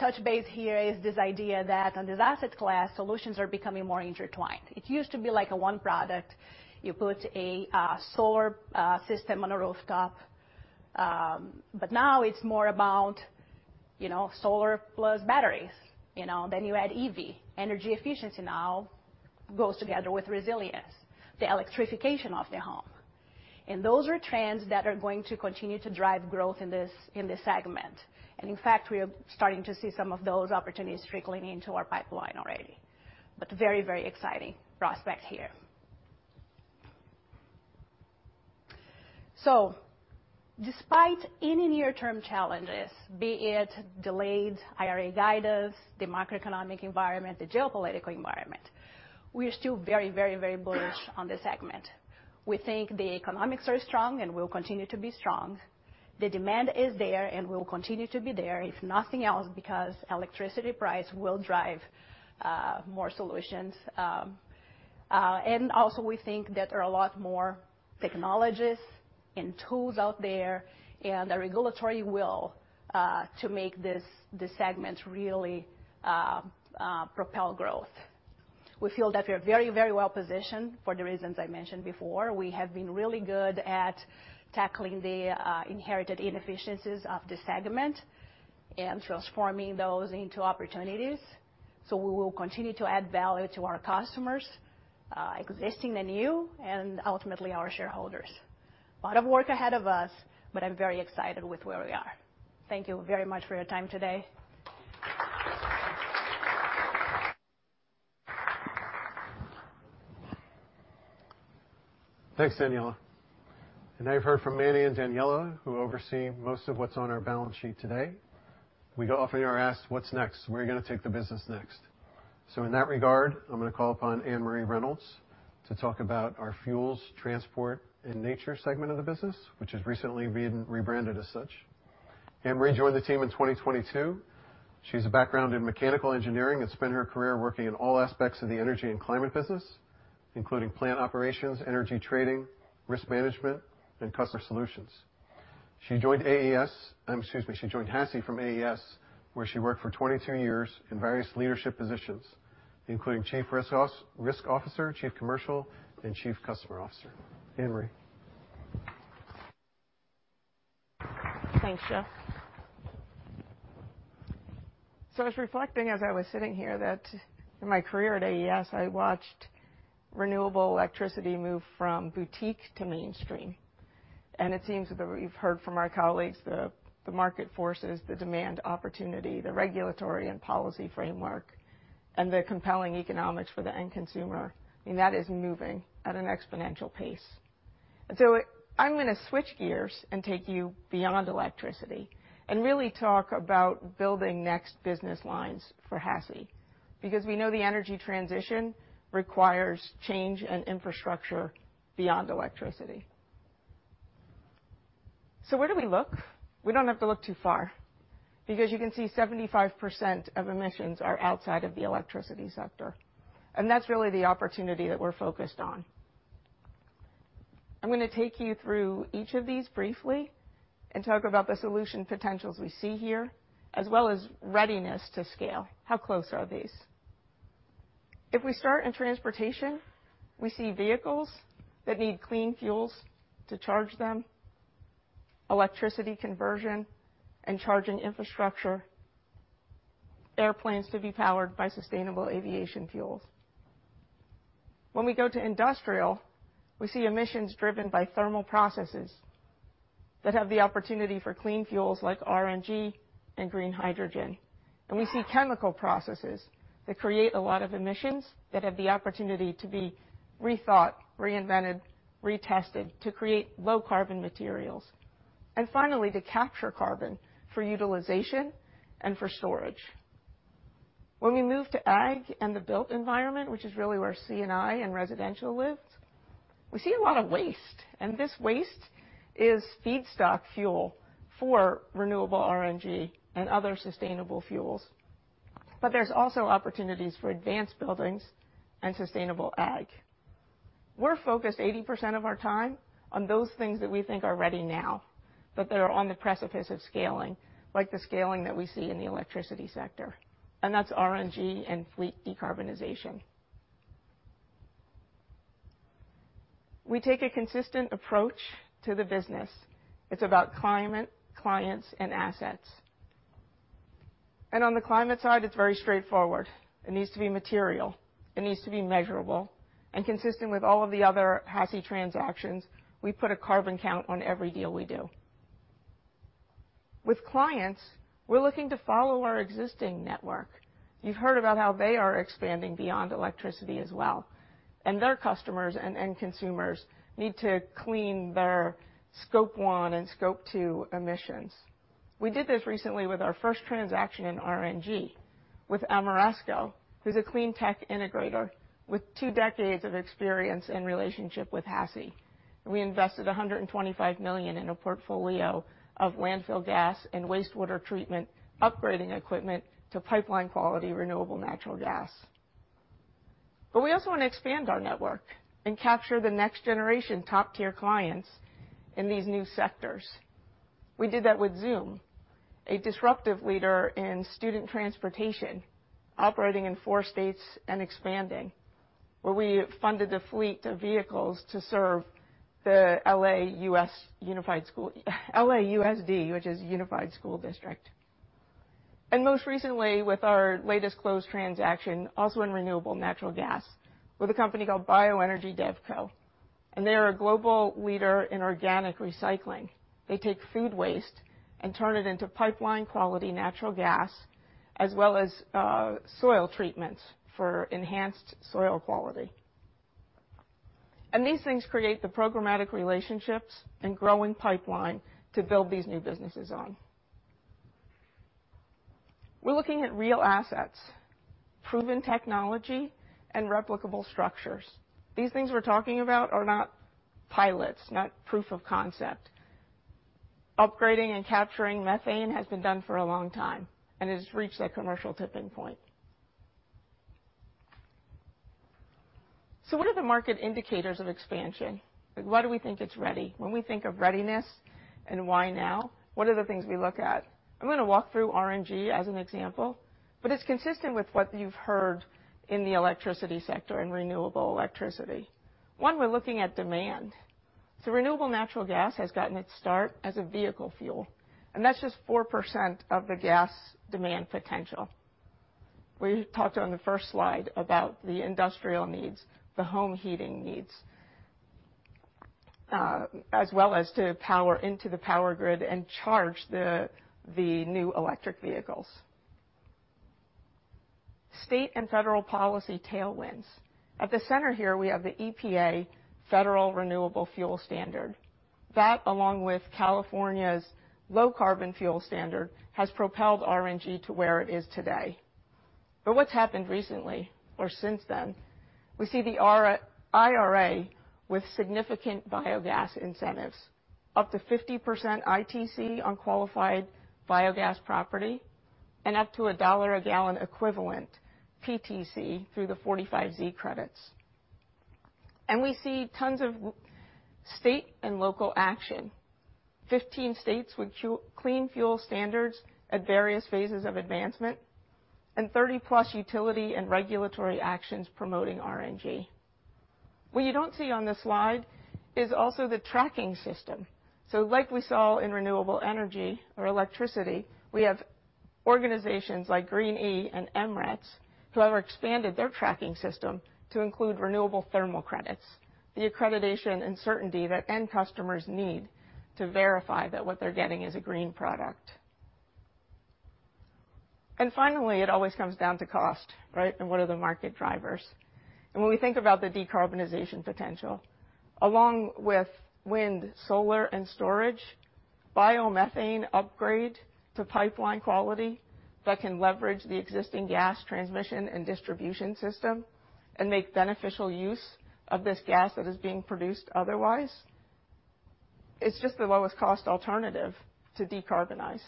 touch base here is this idea that on this asset class, solutions are becoming more intertwined. It used to be like a one product. You put a solar system on a rooftop. Now it's more about, you know, solar plus batteries, you know, then you add EV. Energy efficiency now goes together with resilience, the electrification of the home. Those are trends that are going to continue to drive growth in this, in this segment. In fact, we are starting to see some of those opportunities trickling into our pipeline already. Very, very exciting prospect here. Despite any near-term challenges, be it delayed IRA guidance, the macroeconomic environment, the geopolitical environment, we are still very, very, very bullish on this segment. We think the economics are strong and will continue to be strong. The demand is there and will continue to be there, if nothing else, because electricity price will drive more solutions. Also we think there are a lot more technologies and tools out there and a regulatory will to make this segment really propel growth. We feel that we're very well positioned for the reasons I mentioned before. We have been really good at tackling the inherited inefficiencies of this segment and transforming those into opportunities. We will continue to add value to our customers, existing and new, and ultimately our shareholders. A lot of work ahead of us, but I'm very excited with where we are. Thank you very much for your time today. Thanks, Daniela. You've heard from Manny and Daniela, who oversee most of what's on our balance sheet today. We often are asked what's next? Where are you gonna take the business next? In that regard, I'm gonna call upon Annmarie Reynolds to talk about our Fuels, Transport & Nature segment of the business, which has recently been rebranded as such. Annmarie joined the team in 2022. She has a background in mechanical engineering, and spent her career working in all aspects of the energy and climate business, including plant operations, energy trading, risk management, and customer solutions. She joined AES. Excuse me. She joined HASI from AES, where she worked for 22 years in various leadership positions, including Chief Risk Officer, Chief Commercial, and Chief Customer Officer. Annmarie. Thanks, Jeff. I was reflecting as I was sitting here that in my career at AES, I watched renewable electricity move from boutique to mainstream. It seems that we've heard from our colleagues, the market forces, the demand opportunity, the regulatory and policy framework, and the compelling economics for the end consumer, I mean, that is moving at an exponential pace. I'm gonna switch gears and take you beyond electricity and really talk about building next business lines for HASI, because we know the energy transition requires change and infrastructure beyond electricity. Where do we look? We don't have to look too far, because you can see 75% of emissions are outside of the electricity sector, and that's really the opportunity that we're focused on. I'm gonna take you through each of these briefly and talk about the solution potentials we see here, as well as readiness to scale. How close are these? If we start in transportation, we see vehicles that need clean fuels to charge them, electricity conversion and charging infrastructure, airplanes to be powered by sustainable aviation fuels. When we go to industrial, we see emissions driven by thermal processes that have the opportunity for clean fuels like RNG and green hydrogen. We see chemical processes that create a lot of emissions that have the opportunity to be rethought, reinvented, retested to create low carbon materials. Finally, to capture carbon for utilization and for storage. When we move to ag and the built environment, which is really where C&I and residential lives, we see a lot of waste, and this waste is feedstock fuel for renewable RNG and other sustainable fuels. There's also opportunities for advanced buildings and sustainable ag. We're focused 80% of our time on those things that we think are ready now, but that are on the precipice of scaling, like the scaling that we see in the electricity sector, and that's RNG and fleet decarbonization. We take a consistent approach to the business. It's about climate, clients, and assets. On the climate side, it's very straightforward. It needs to be material, it needs to be measurable and consistent with all of the other HASI transactions. We put a CarbonCount on every deal we do. With clients, we're looking to follow our existing network. You've heard about how they are expanding beyond electricity as well, and their customers and end consumers need to clean their Scope 1 and Scope 2 emissions. We did this recently with our first transaction in RNG with Ameresco, who's a clean tech integrator with two decades of experience and relationship with HASI. We invested $125 million in a portfolio of landfill gas and wastewater treatment, upgrading equipment to pipeline-quality renewable natural gas. We also want to expand our network and capture the next generation, top-tier clients in these new sectors. We did that with Zum, a disruptive leader in student transportation, operating in four states and expanding, where we funded a fleet of vehicles to serve the LA USD, which is a unified school district. Most recently, with our latest closed transaction, also in renewable natural gas with a company called Bioenergy DevCo. They are a global leader in organic recycling. They take food waste and turn it into pipeline-quality natural gas, as well as, soil treatments for enhanced soil quality. These things create the programmatic relationships and growing pipeline to build these new businesses on. We're looking at real assets, proven technology, and replicable structures. These things we're talking about are not pilots, not proof of concept. Upgrading and capturing methane has been done for a long time and has reached a commercial tipping point. What are the market indicators of expansion? Why do we think it's ready? When we think of readiness and why now, what are the things we look at? I'm gonna walk through RNG as an example, but it's consistent with what you've heard in the electricity sector and renewable electricity. One, we're looking at demand. Renewable natural gas has gotten its start as a vehicle fuel, and that's just 4% of the gas demand potential. We talked on the first slide about the industrial needs, the home heating needs, as well as to power into the power grid and charge the new electric vehicles. State and federal policy tailwinds. At the center here we have the EPA Federal Renewable Fuel Standard. That, along with California's Low Carbon Fuel Standard, has propelled RNG to where it is today. What's happened recently or since then, we see the. IRA with significant biogas incentives, up to 50% ITC on qualified biogas property and up to $1 a gallon equivalent PTC through the 45Z credits. We see tons of state and local action. 15 states with clean fuel standards at various phases of advancement, and 30-plus utility and regulatory actions promoting RNG. What you don't see on this slide is also the tracking system. Like we saw in renewable energy or electricity, we have organizations like Green-e and M-RETS who have expanded their tracking system to include Renewable Thermal credits, the accreditation and certainty that end customers need to verify that what they're getting is a green product. Finally, it always comes down to cost, right? What are the market drivers? When we think about the decarbonization potential, along with wind, solar, and storage, biomethane upgrade to pipeline quality that can leverage the existing gas transmission and distribution system and make beneficial use of this gas that is being produced otherwise, it's just the lowest cost alternative to decarbonize.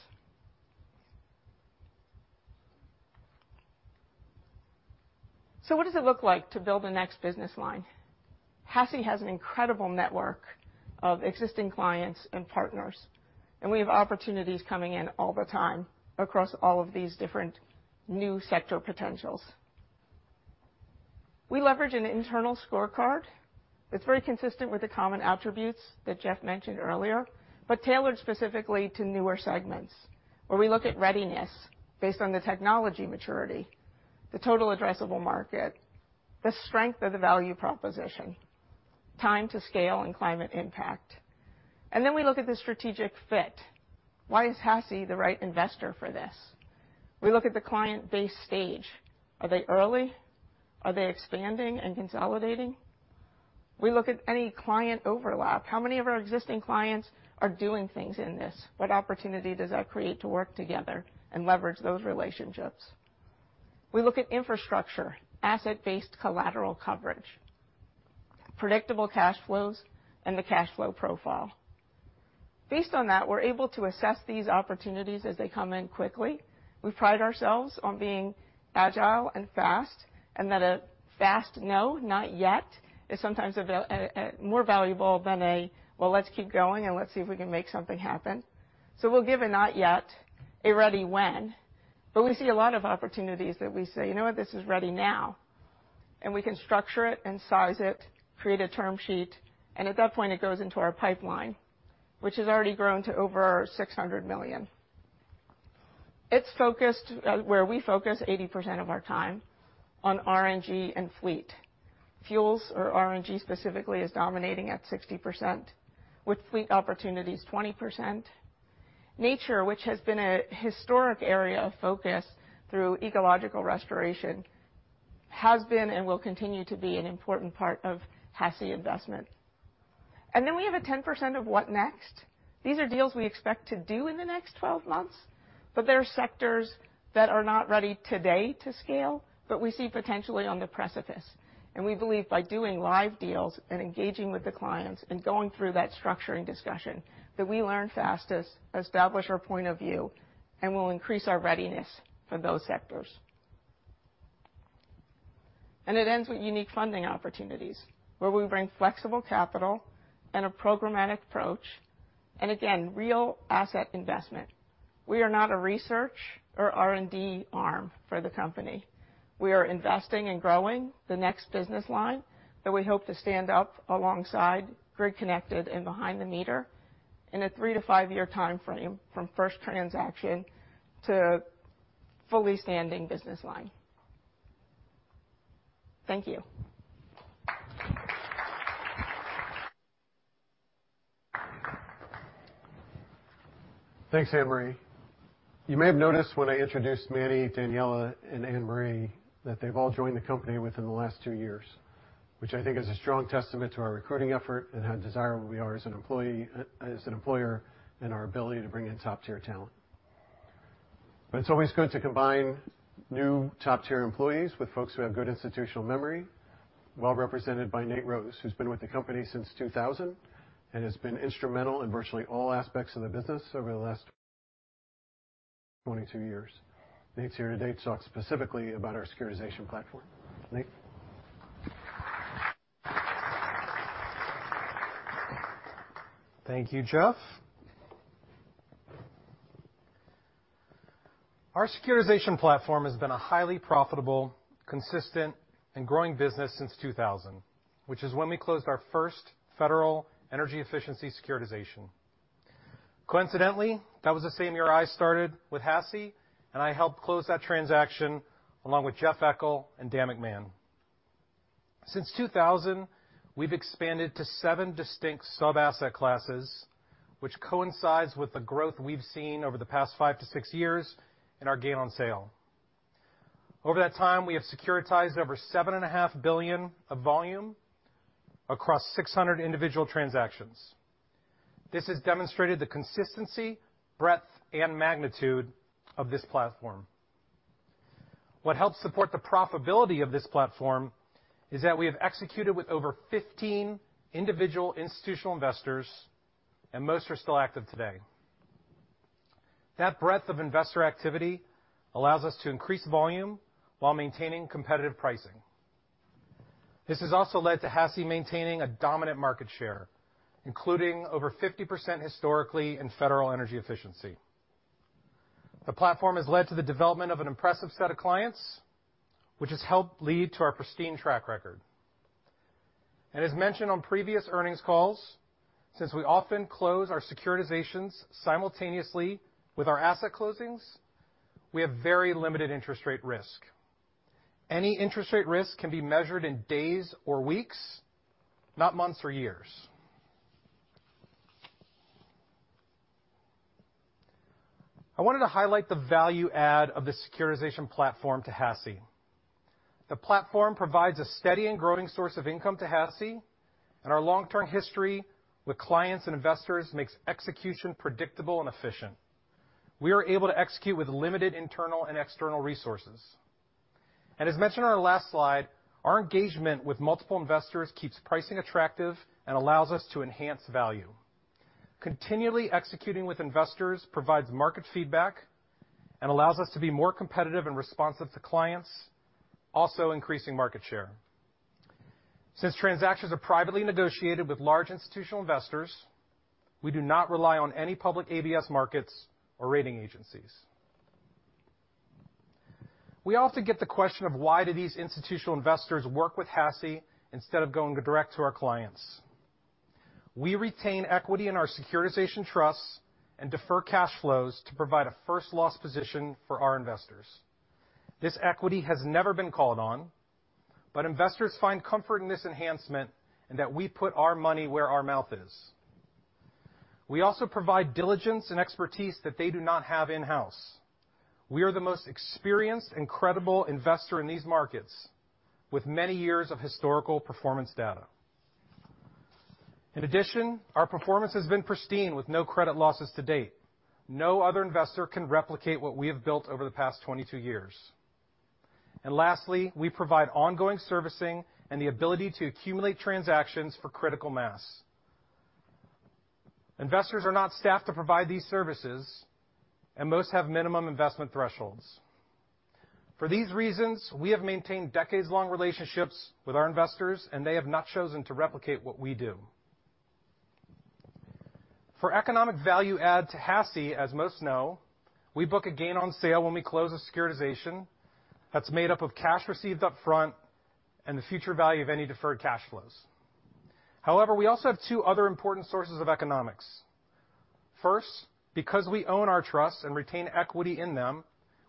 What does it look like to build the next business line? HASI has an incredible network of existing clients and partners, and we have opportunities coming in all the time across all of these different new sector potentials. We leverage an internal scorecard. It's very consistent with the common attributes that Jeff mentioned earlier, but tailored specifically to newer segments, where we look at readiness based on the technology maturity, the total addressable market, the strength of the value proposition, time to scale, and climate impact. We look at the strategic fit. Why is HASI the right investor for this? We look at the client base stage. Are they early? Are they expanding and consolidating? We look at any client overlap. How many of our existing clients are doing things in this? What opportunity does that create to work together and leverage those relationships? We look at infrastructure, asset-based collateral coverage, predictable cash flows, and the cash flow profile. Based on that, we're able to assess these opportunities as they come in quickly. We pride ourselves on being agile and fast, and that a fast no, not yet, is sometimes more valuable than a, "Well, let's keep going, and let's see if we can make something happen." We'll give a not yet, a ready when. We see a lot of opportunities that we say, "You know what? This is ready now." We can structure it and size it, create a term sheet, and at that point, it goes into our pipeline, which has already grown to over $600 million. It's focused, where we focus 80% of our time on RNG and fleet. Fuels or RNG specifically is dominating at 60%, with fleet opportunities 20%. Nature, which has been a historic area of focus through ecological restoration, has been and will continue to be an important part of HASI investment. We have a 10% of what next. These are deals we expect to do in the next 12 months, but they're sectors that are not ready today to scale, but we see potentially on the precipice. We believe by doing live deals and engaging with the clients and going through that structuring discussion, that we learn fastest, establish our point of view, and will increase our readiness for those sectors. It ends with unique funding opportunities, where we bring flexible capital and a programmatic approach, and again, real asset investment. We are not a research or R&D arm for the company. We are investing and growing the next business line that we hope to stand up alongside grid connected and behind the meter in a 3-5-year timeframe from first transaction to fully standing business line. Thank you. Thanks, Annmarie. You may have noticed when I introduced Manny, Daniela, and Annmarie, that they've all joined the company within the last two years, which I think is a strong testament to our recruiting effort and how desirable we are as an employer, and our ability to bring in top-tier talent. It's always good to combine new top-tier employees with folks who have good institutional memory, well represented by Nate Rose, who's been with the company since 2000, and has been instrumental in virtually all aspects of the business over the last 22 years. Nate's here today to talk specifically about our securitization platform. Nate. Thank you, Jeff. Our securitization platform has been a highly profitable, consistent, and growing business since 2000, which is when we closed our first federal energy efficiency securitization. Coincidentally, that was the same year I started with HASI, and I helped close that transaction along with Jeff Eckel and Dan McMahon. Since 2000, we've expanded to seven distinct sub-asset classes, which coincides with the growth we've seen over the past five to six years in our gain on sale. Over that time, we have securitized over $7.5 billion of volume across 600 individual transactions. This has demonstrated the consistency, breadth, and magnitude of this platform. What helps support the profitability of this platform is that we have executed with over 15 individual institutional investors, and most are still active today. That breadth of investor activity allows us to increase volume while maintaining competitive pricing. This has also led to HASI maintaining a dominant market share, including over 50% historically in federal energy efficiency. The platform has led to the development of an impressive set of clients, which has helped lead to our pristine track record. As mentioned on previous earnings calls, since we often close our securitizations simultaneously with our asset closings, we have very limited interest rate risk. Any interest rate risk can be measured in days or weeks, not months or years. I wanted to highlight the value add of the securitization platform to HASI. The platform provides a steady and growing source of income to HASI, and our long-term history with clients and investors makes execution predictable and efficient. We are able to execute with limited internal and external resources. As mentioned in our last slide, our engagement with multiple investors keeps pricing attractive and allows us to enhance value. Continually executing with investors provides market feedback and allows us to be more competitive and responsive to clients, also increasing market share. Since transactions are privately negotiated with large institutional investors, we do not rely on any public ABS markets or rating agencies. We often get the question of why do these institutional investors work with HASI instead of going direct to our clients. We retain equity in our securitization trusts and defer cash flows to provide a first loss position for our investors. This equity has never been called on, but investors find comfort in this enhancement and that we put our money where our mouth is. We also provide diligence and expertise that they do not have in-house. We are the most experienced and credible investor in these markets with many years of historical performance data. In addition, our performance has been pristine with no credit losses to date. No other investor can replicate what we have built over the past 22 years. Lastly, we provide ongoing servicing and the ability to accumulate transactions for critical mass. Investors are not staffed to provide these services, and most have minimum investment thresholds. For these reasons, we have maintained decades-long relationships with our investors, and they have not chosen to replicate what we do. For economic value add to HASI, as most know, we book a gain on sale when we close a securitization that's made up of cash received up front and the future value of any deferred cash flows. We also have two other important sources of economics. First, because we own our trusts and retain equity in them,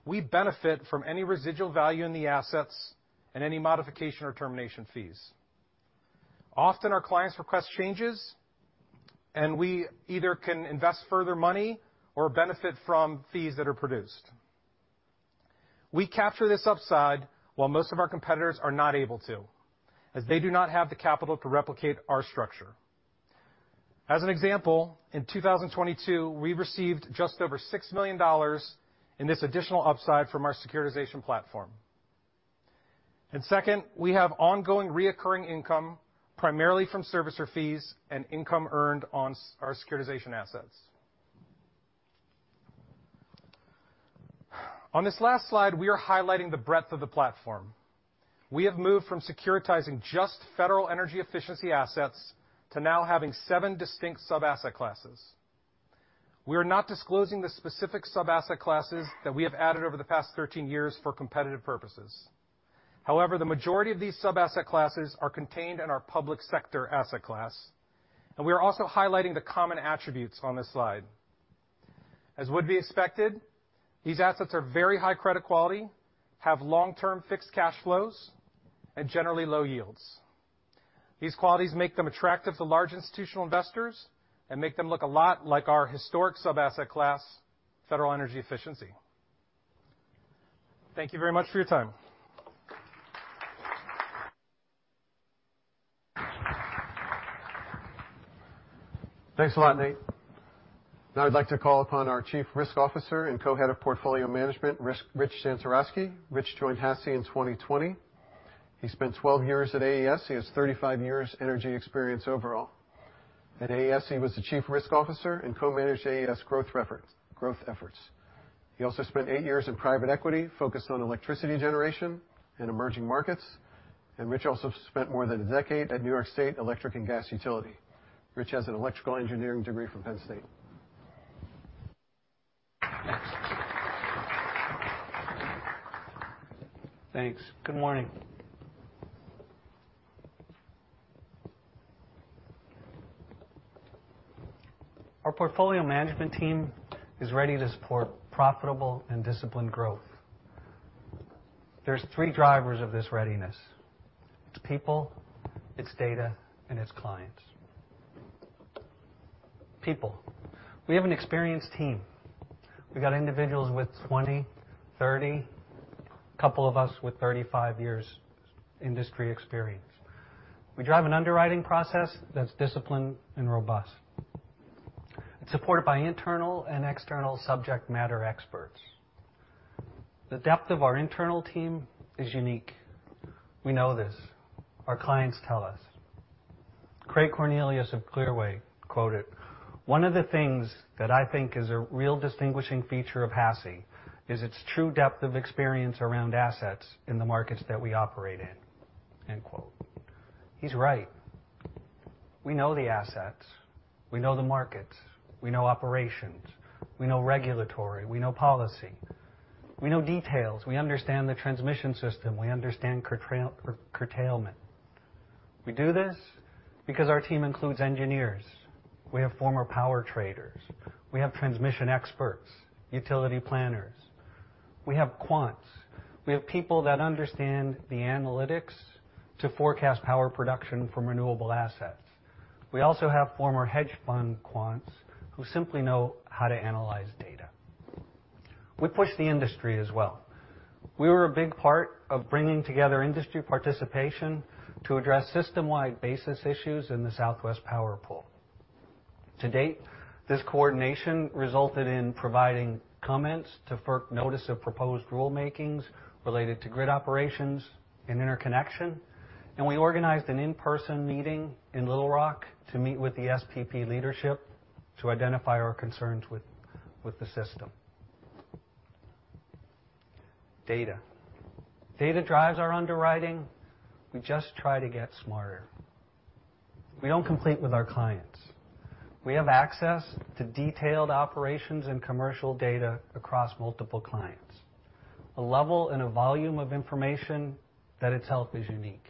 we benefit from any residual value in the assets and any modification or termination fees. Often our clients request changes, and we either can invest further money or benefit from fees that are produced. We capture this upside while most of our competitors are not able to, as they do not have the capital to replicate our structure. As an example, in 2022, we received just over $6 million in this additional upside from our securitization platform. Second, we have ongoing recurring income, primarily from servicer fees and income earned on our securitization assets. On this last slide, we are highlighting the breadth of the platform. We have moved from securitizing just federal energy efficiency assets to now having seven distinct sub-asset classes. We are not disclosing the specific sub-asset classes that we have added over the past 13 years for competitive purposes. However, the majority of these sub-asset classes are contained in our public sector asset class, and we are also highlighting the common attributes on this slide. As would be expected, these assets are very high credit quality, have long-term fixed cash flows, and generally low yields. These qualities make them attractive to large institutional investors and make them look a lot like our historic sub-asset class, federal energy efficiency. Thank you very much for your time. Thanks a lot, Nate. Now I'd like to call upon our chief risk officer and co-head of portfolio management, Rich Santoroski. Rich joined HASI in 2020. He spent 12 years at AES. He has 35 years energy experience overall. At AES, he was the chief risk officer and co-managed AES growth efforts. He also spent eight years in private equity, focused on electricity generation in emerging markets. Rich also spent more than a decade at New York State Electric & Gas Utility. Rich has an electrical engineering degree from Penn State. Thanks. Good morning. Our portfolio management team is ready to support profitable and disciplined growth. There's three drivers of this readiness. It's people, it's data, and it's clients. People. We have an experienced team. We got individuals with 20, 30, couple of us with 35 years industry experience. We drive an underwriting process that's disciplined and robust. It's supported by internal and external subject matter experts. The depth of our internal team is unique. We know this. Our clients tell us. Craig Cornelius of Clearway quoted, "One of the things that I think is a real distinguishing feature of HASI is its true depth of experience around assets in the markets that we operate in," end quote. He's right. We know the assets. We know the markets. We know operations. We know regulatory. We know policy. We know details. We understand the transmission system. We understand curtailment. We do this because our team includes engineers. We have former power traders. We have transmission experts, utility planners. We have quants. We have people that understand the analytics to forecast power production from renewable assets. We also have former hedge fund quants who simply know how to analyze data. We push the industry as well. We were a big part of bringing together industry participation to address system-wide basis issues in the Southwest Power Pool. To date, this coordination resulted in providing comments to FERC Notice of Proposed Rulemaking related to grid operations and interconnection, and we organized an in-person meeting in Little Rock to meet with the SPP leadership to identify our concerns with the system. Data. Data drives our underwriting. We just try to get smarter. We don't compete with our clients. We have access to detailed operations and commercial data across multiple clients. A level and a volume of information that itself is unique.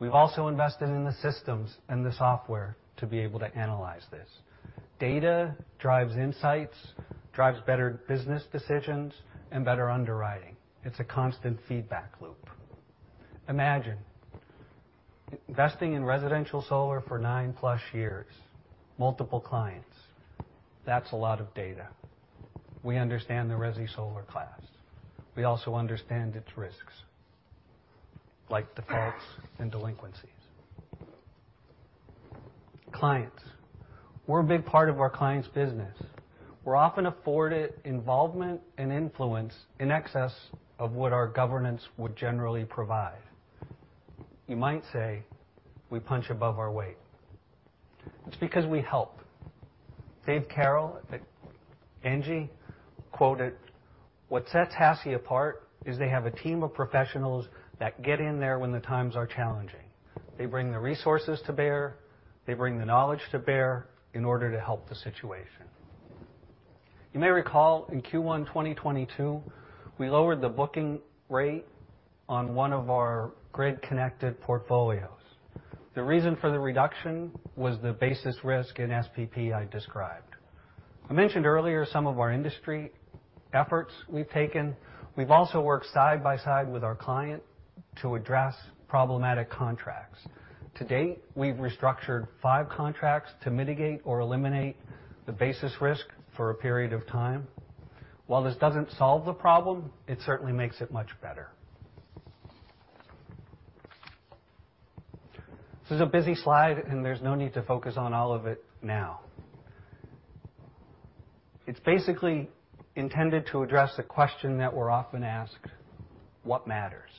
We've also invested in the systems and the software to be able to analyze this. Data drives insights, drives better business decisions, and better underwriting. It's a constant feedback loop. Imagine investing in residential solar for 9+ years, multiple clients. That's a lot of data. We understand the resi solar class. We also understand its risks, like defaults and delinquencies. Clients. We're a big part of our clients' business. We're often afforded involvement and influence in excess of what our governance would generally provide. You might say we punch above our weight. It's because we help. Dave Carroll at ENGIE quoted, "What sets HASI apart is they have a team of professionals that get in there when the times are challenging. They bring the resources to bear, they bring the knowledge to bear in order to help the situation." You may recall in Q1 2022, we lowered the booking rate on one of our grid-connected portfolios. The reason for the reduction was the basis risk in SPP I described. I mentioned earlier some of our industry efforts we've taken. We've also worked side by side with our client to address problematic contracts. To date, we've restructured five contracts to mitigate or eliminate the basis risk for a period of time. While this doesn't solve the problem, it certainly makes it much better. This is a busy slide, and there's no need to focus on all of it now. It's basically intended to address a question that we're often asked: what matters?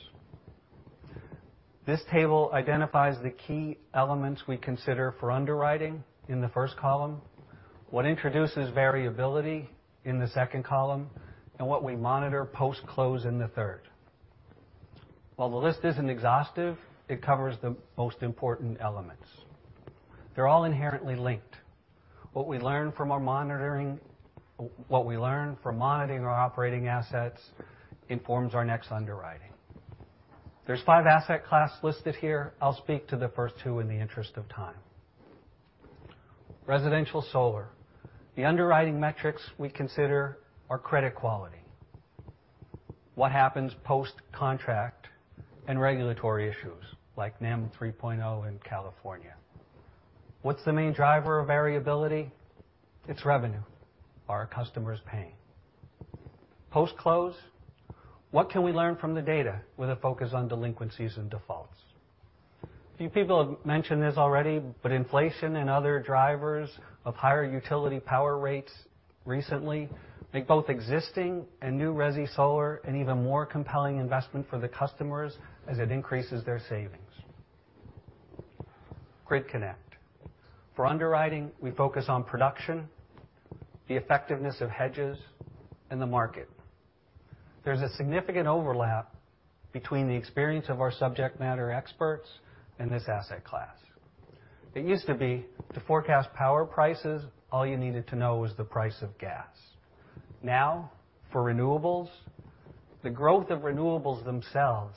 This table identifies the key elements we consider for underwriting in the first column, what introduces variability in the second column, and what we monitor post-close in the third. While the list isn't exhaustive, it covers the most important elements. They're all inherently linked. What we learn from monitoring our operating assets informs our next underwriting. There's five asset class listed here. I'll speak to the first two in the interest of time. Residential solar. The underwriting metrics we consider are credit quality. What happens post-contract and regulatory issues like NEM 3.0 in California. What's the main driver of variability? It's revenue. Are our customers paying? Post-close, what can we learn from the data with a focus on delinquencies and defaults? A few people have mentioned this already, but inflation and other drivers of higher utility power rates recently make both existing and new resi solar an even more compelling investment for the customers as it increases their savings. Grid connect. For underwriting, we focus on production, the effectiveness of hedges in the market. There's a significant overlap between the experience of our subject matter experts in this asset class. It used to be, to forecast power prices, all you needed to know was the price of gas. Now, for renewables, the growth of renewables themselves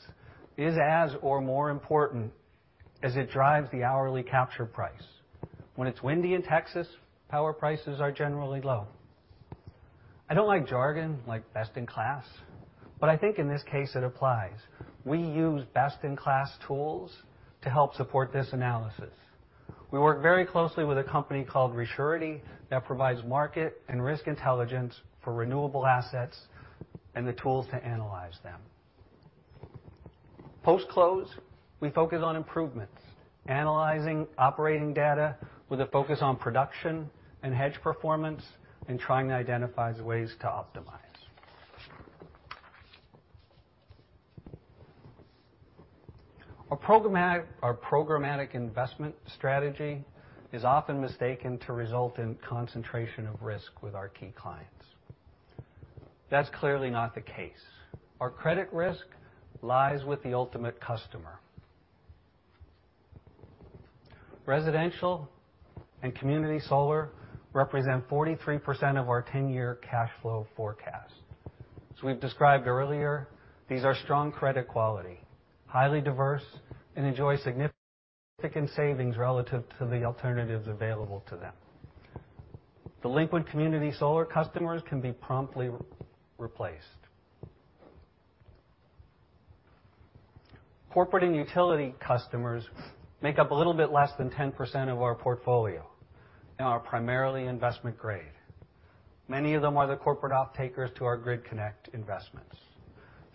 is as or more important as it drives the hourly capture price. When it's windy in Texas, power prices are generally low. I don't like jargon like best in class, but I think in this case it applies. We use best-in-class tools to help support this analysis. We work very closely with a company called REsurety that provides market and risk intelligence for renewable assets and the tools to analyze them. Post-close, we focus on improvements, analyzing operating data with a focus on production and hedge performance, and trying to identify the ways to optimize. Our programmatic investment strategy is often mistaken to result in concentration of risk with our key clients. That's clearly not the case. Our credit risk lies with the ultimate customer. Residential and community solar represent 43% of our 10-year cash flow forecast. As we've described earlier, these are strong credit quality, highly diverse, and enjoy significant savings relative to the alternatives available to them. Delinquent community solar customers can be promptly re-replaced. Corporate and utility customers make up a little bit less than 10% of our portfolio, and are primarily investment grade. Many of them are the corporate off-takers to our grid connect investments.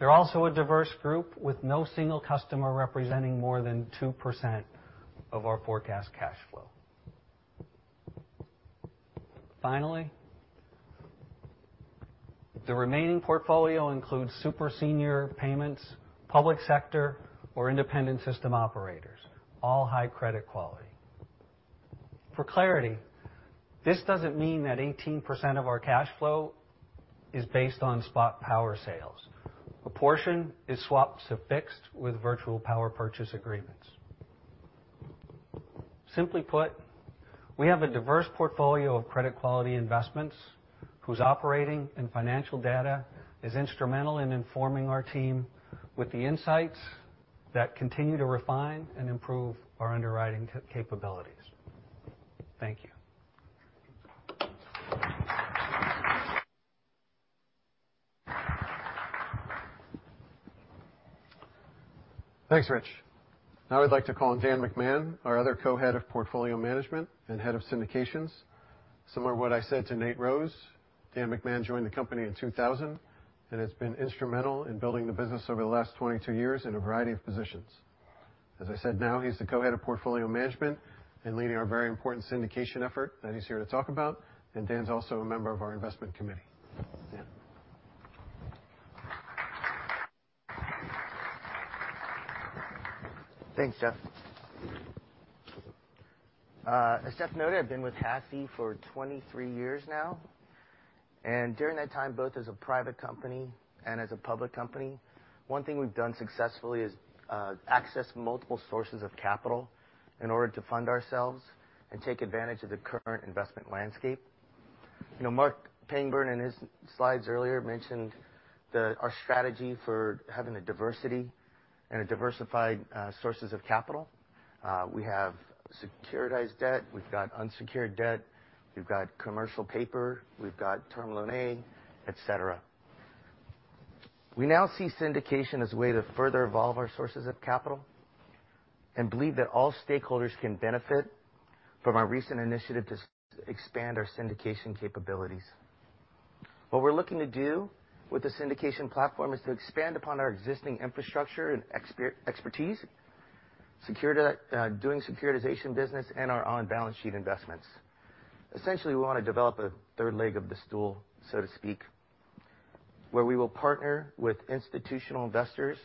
They're also a diverse group with no single customer representing more than 2% of our forecast cash flow. Finally, the remaining portfolio includes super senior payments, public sector or independent system operators, all high credit quality. For clarity, this doesn't mean that 18% of our cash flow is based on spot power sales. A portion is swapped to fixed with virtual power purchase agreements. Simply put, we have a diverse portfolio of credit quality investments whose operating and financial data is instrumental in informing our team with the insights that continue to refine and improve our underwriting capabilities. Thank you. Thanks, Rich. Now I'd like to call on Dan McMahon, our other co-head of portfolio management and head of syndications. Similar to what I said to Nate Rose, Dan McMahon joined the company in 2000 and has been instrumental in building the business over the last 22 years in a variety of positions. As I said, now he's the co-head of portfolio management and leading our very important syndication effort that he's here to talk about. Dan's also a member of our investment committee. Thanks, Jeff. As Jeff noted, I've been with HASI for 23 years now. During that time, both as a private company and as a public company, one thing we've done successfully is access multiple sources of capital in order to fund ourselves and take advantage of the current investment landscape. You know, Marc Pangburn, in his slides earlier, mentioned our strategy for having a diversity and a diversified sources of capital. We have securitized debt, we've got unsecured debt, we've got commercial paper, we've got Term Loan A, et cetera. We now see syndication as a way to further evolve our sources of capital and believe that all stakeholders can benefit from our recent initiative to expand our syndication capabilities. What we're looking to do with the syndication platform is to expand upon our existing infrastructure and expertise, doing securitization business and our on-balance sheet investments. Essentially, we wanna develop a third leg of the stool, so to speak, where we will partner with institutional investors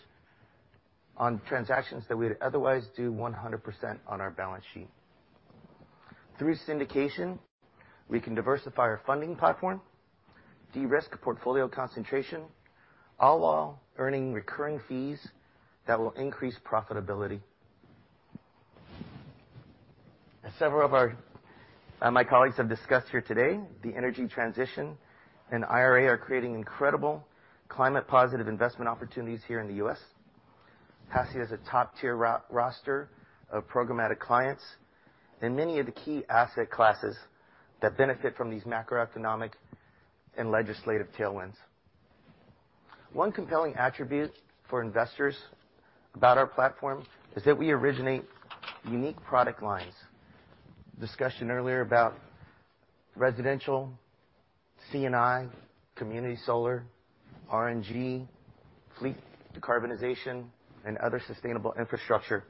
on transactions that we'd otherwise do 100% on our balance sheet. Through syndication, we can diversify our funding platform, de-risk portfolio concentration, all while earning recurring fees that will increase profitability. As several of my colleagues have discussed here today, the energy transition and IRA are creating incredible climate-positive investment opportunities here in the U.S. HASI has a top-tier roster of programmatic clients and many of the key asset classes that benefit from these macroeconomic and legislative tailwinds. One compelling attribute for investors about our platform is that we originate unique product lines. Discussion earlier about residential, C&I, community solar, RNG, fleet decarbonization, and other sustainable infrastructure.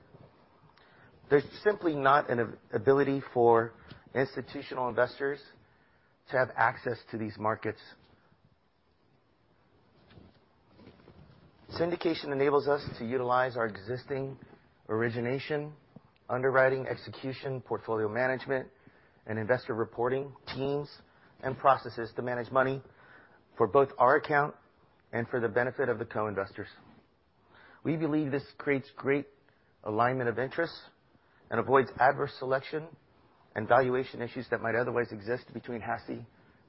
There's simply not an ability for institutional investors to have access to these markets. Syndication enables us to utilize our existing origination, underwriting, execution, portfolio management, and investor reporting teams and processes to manage money for both our account and for the benefit of the co-investors. We believe this creates great alignment of interests and avoids adverse selection and valuation issues that might otherwise exist between HASI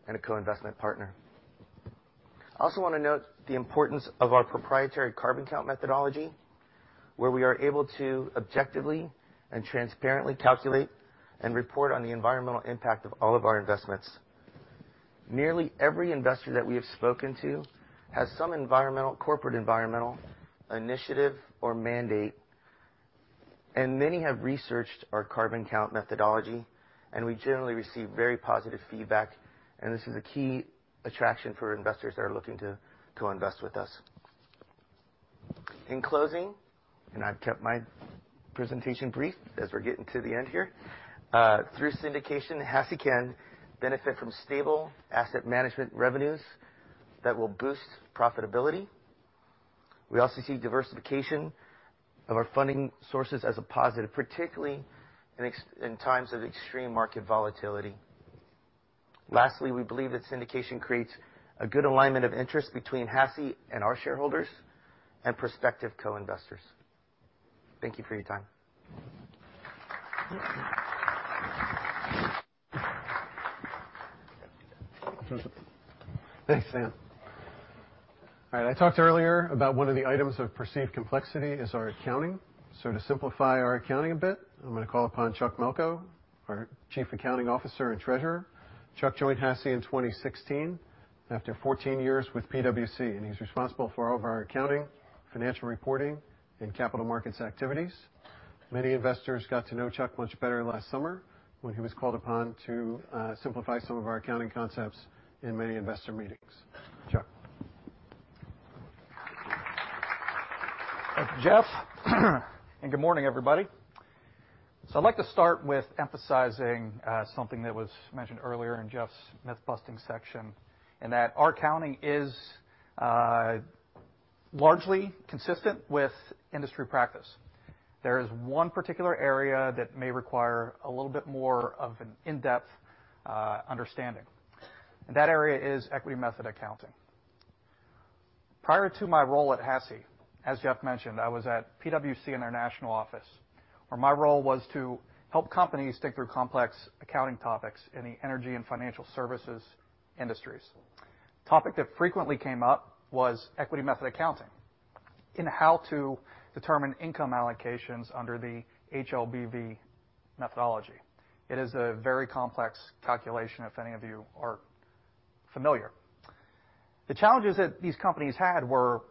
and a co-investment partner. I also wanna note the importance of our proprietary CarbonCount methodology, where we are able to objectively and transparently calculate and report on the environmental impact of all of our investments. Nearly every investor that we have spoken to has some corporate environmental initiative or mandate, and many have researched our CarbonCount methodology, and we generally receive very positive feedback. This is a key attraction for investors that are looking to invest with us. In closing, and I've kept my presentation brief as we're getting to the end here. Through syndication, HASI can benefit from stable asset management revenues that will boost profitability. We also see diversification of our funding sources as a positive, particularly in times of extreme market volatility. Lastly, we believe that syndication creates a good alignment of interest between HASI and our shareholders and prospective co-investors. Thank you for your time. Thanks, Dan. All right, I talked earlier about one of the items of perceived complexity is our accounting. To simplify our accounting a bit, I'm gonna call upon Chuck Melko, our Chief Accounting Officer and Treasurer. Chuck joined HASI in 2016 after 14 years with PwC, and he's responsible for all of our accounting, financial reporting, and capital markets activities. Many investors got to know Chuck much better last summer when he was called upon to simplify some of our accounting concepts in many investor meetings. Chuck. Thanks, Jeff. Good morning, everybody. I'd like to start with emphasizing something that was mentioned earlier in Jeff's myth-busting section, that our accounting is largely consistent with industry practice. There is one particular area that may require a little bit more of an in-depth understanding, that area is equity method accounting. Prior to my role at HASI, as Jeff mentioned, I was at PwC international office, where my role was to help companies think through complex accounting topics in the energy and financial services industries. Topic that frequently came up was equity method accounting and how to determine income allocations under the HLBV methodology. It is a very complex calculation, if any of you are familiar. The challenges that these companies had were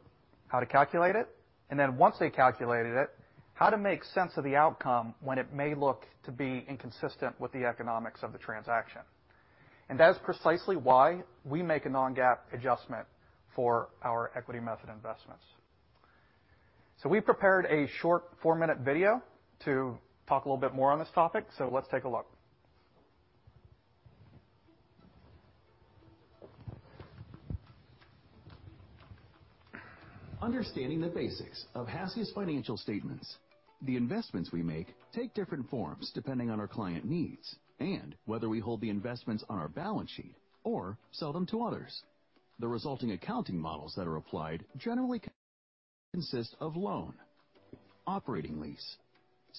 how to calculate it, and then once they calculated it, how to make sense of the outcome when it may look to be inconsistent with the economics of the transaction. That's precisely why we make a non-GAAP adjustment for our equity method investments. We prepared a short four-minute video to talk a little bit more on this topic. Let's take a look. Understanding the basics of HASI's financial statements. The investments we make take different forms depending on our client needs and whether we hold the investments on our balance sheet or sell them to others. The resulting accounting models that are applied generally consist of loan, operating lease,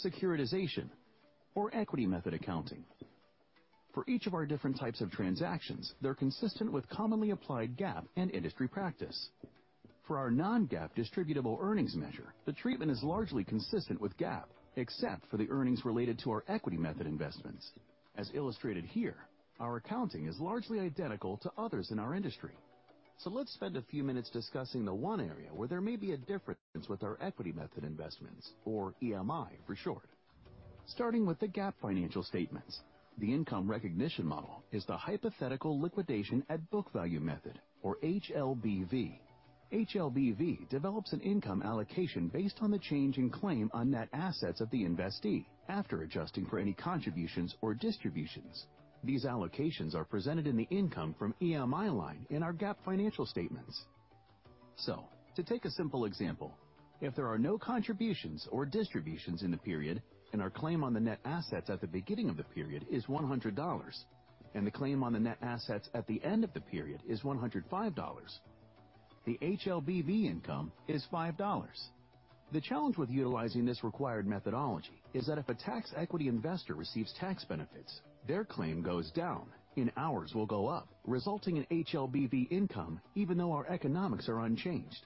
securitization, or equity method accounting. For each of our different types of transactions, they're consistent with commonly applied GAAP and industry practice. For our non-GAAP distributable earnings measure, the treatment is largely consistent with GAAP, except for the earnings related to our equity method investments. As illustrated here, our accounting is largely identical to others in our industry. Let's spend a few minutes discussing the one area where there may be a difference with our equity method investments or EMI for short. Starting with the GAAP financial statements, the income recognition model is the hypothetical liquidation at book value method or HLBV. HLBV develops an income allocation based on the change in claim on net assets of the investee after adjusting for any contributions or distributions. These allocations are presented in the income from EMI line in our GAAP financial statements. To take a simple example, if there are no contributions or distributions in the period, and our claim on the net assets at the beginning of the period is $100, and the claim on the net assets at the end of the period is $105, the HLBV income is $5. The challenge with utilizing this required methodology is that if a tax equity investor receives tax benefits, their claim goes down, and ours will go up, resulting in HLBV income even though our economics are unchanged.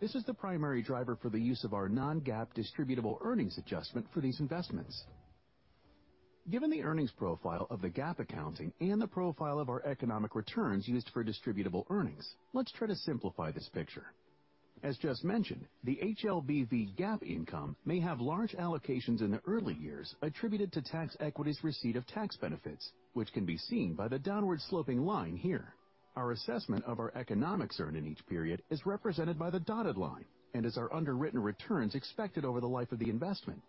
This is the primary driver for the use of our non-GAAP distributable earnings adjustment for these investments. Given the earnings profile of the GAAP accounting and the profile of our economic returns used for distributable earnings, let's try to simplify this picture. As just mentioned, the HLBV GAAP income may have large allocations in the early years attributed to tax equity's receipt of tax benefits, which can be seen by the downward sloping line here. Our assessment of our economics earned in each period is represented by the dotted line and is our underwritten returns expected over the life of the investment,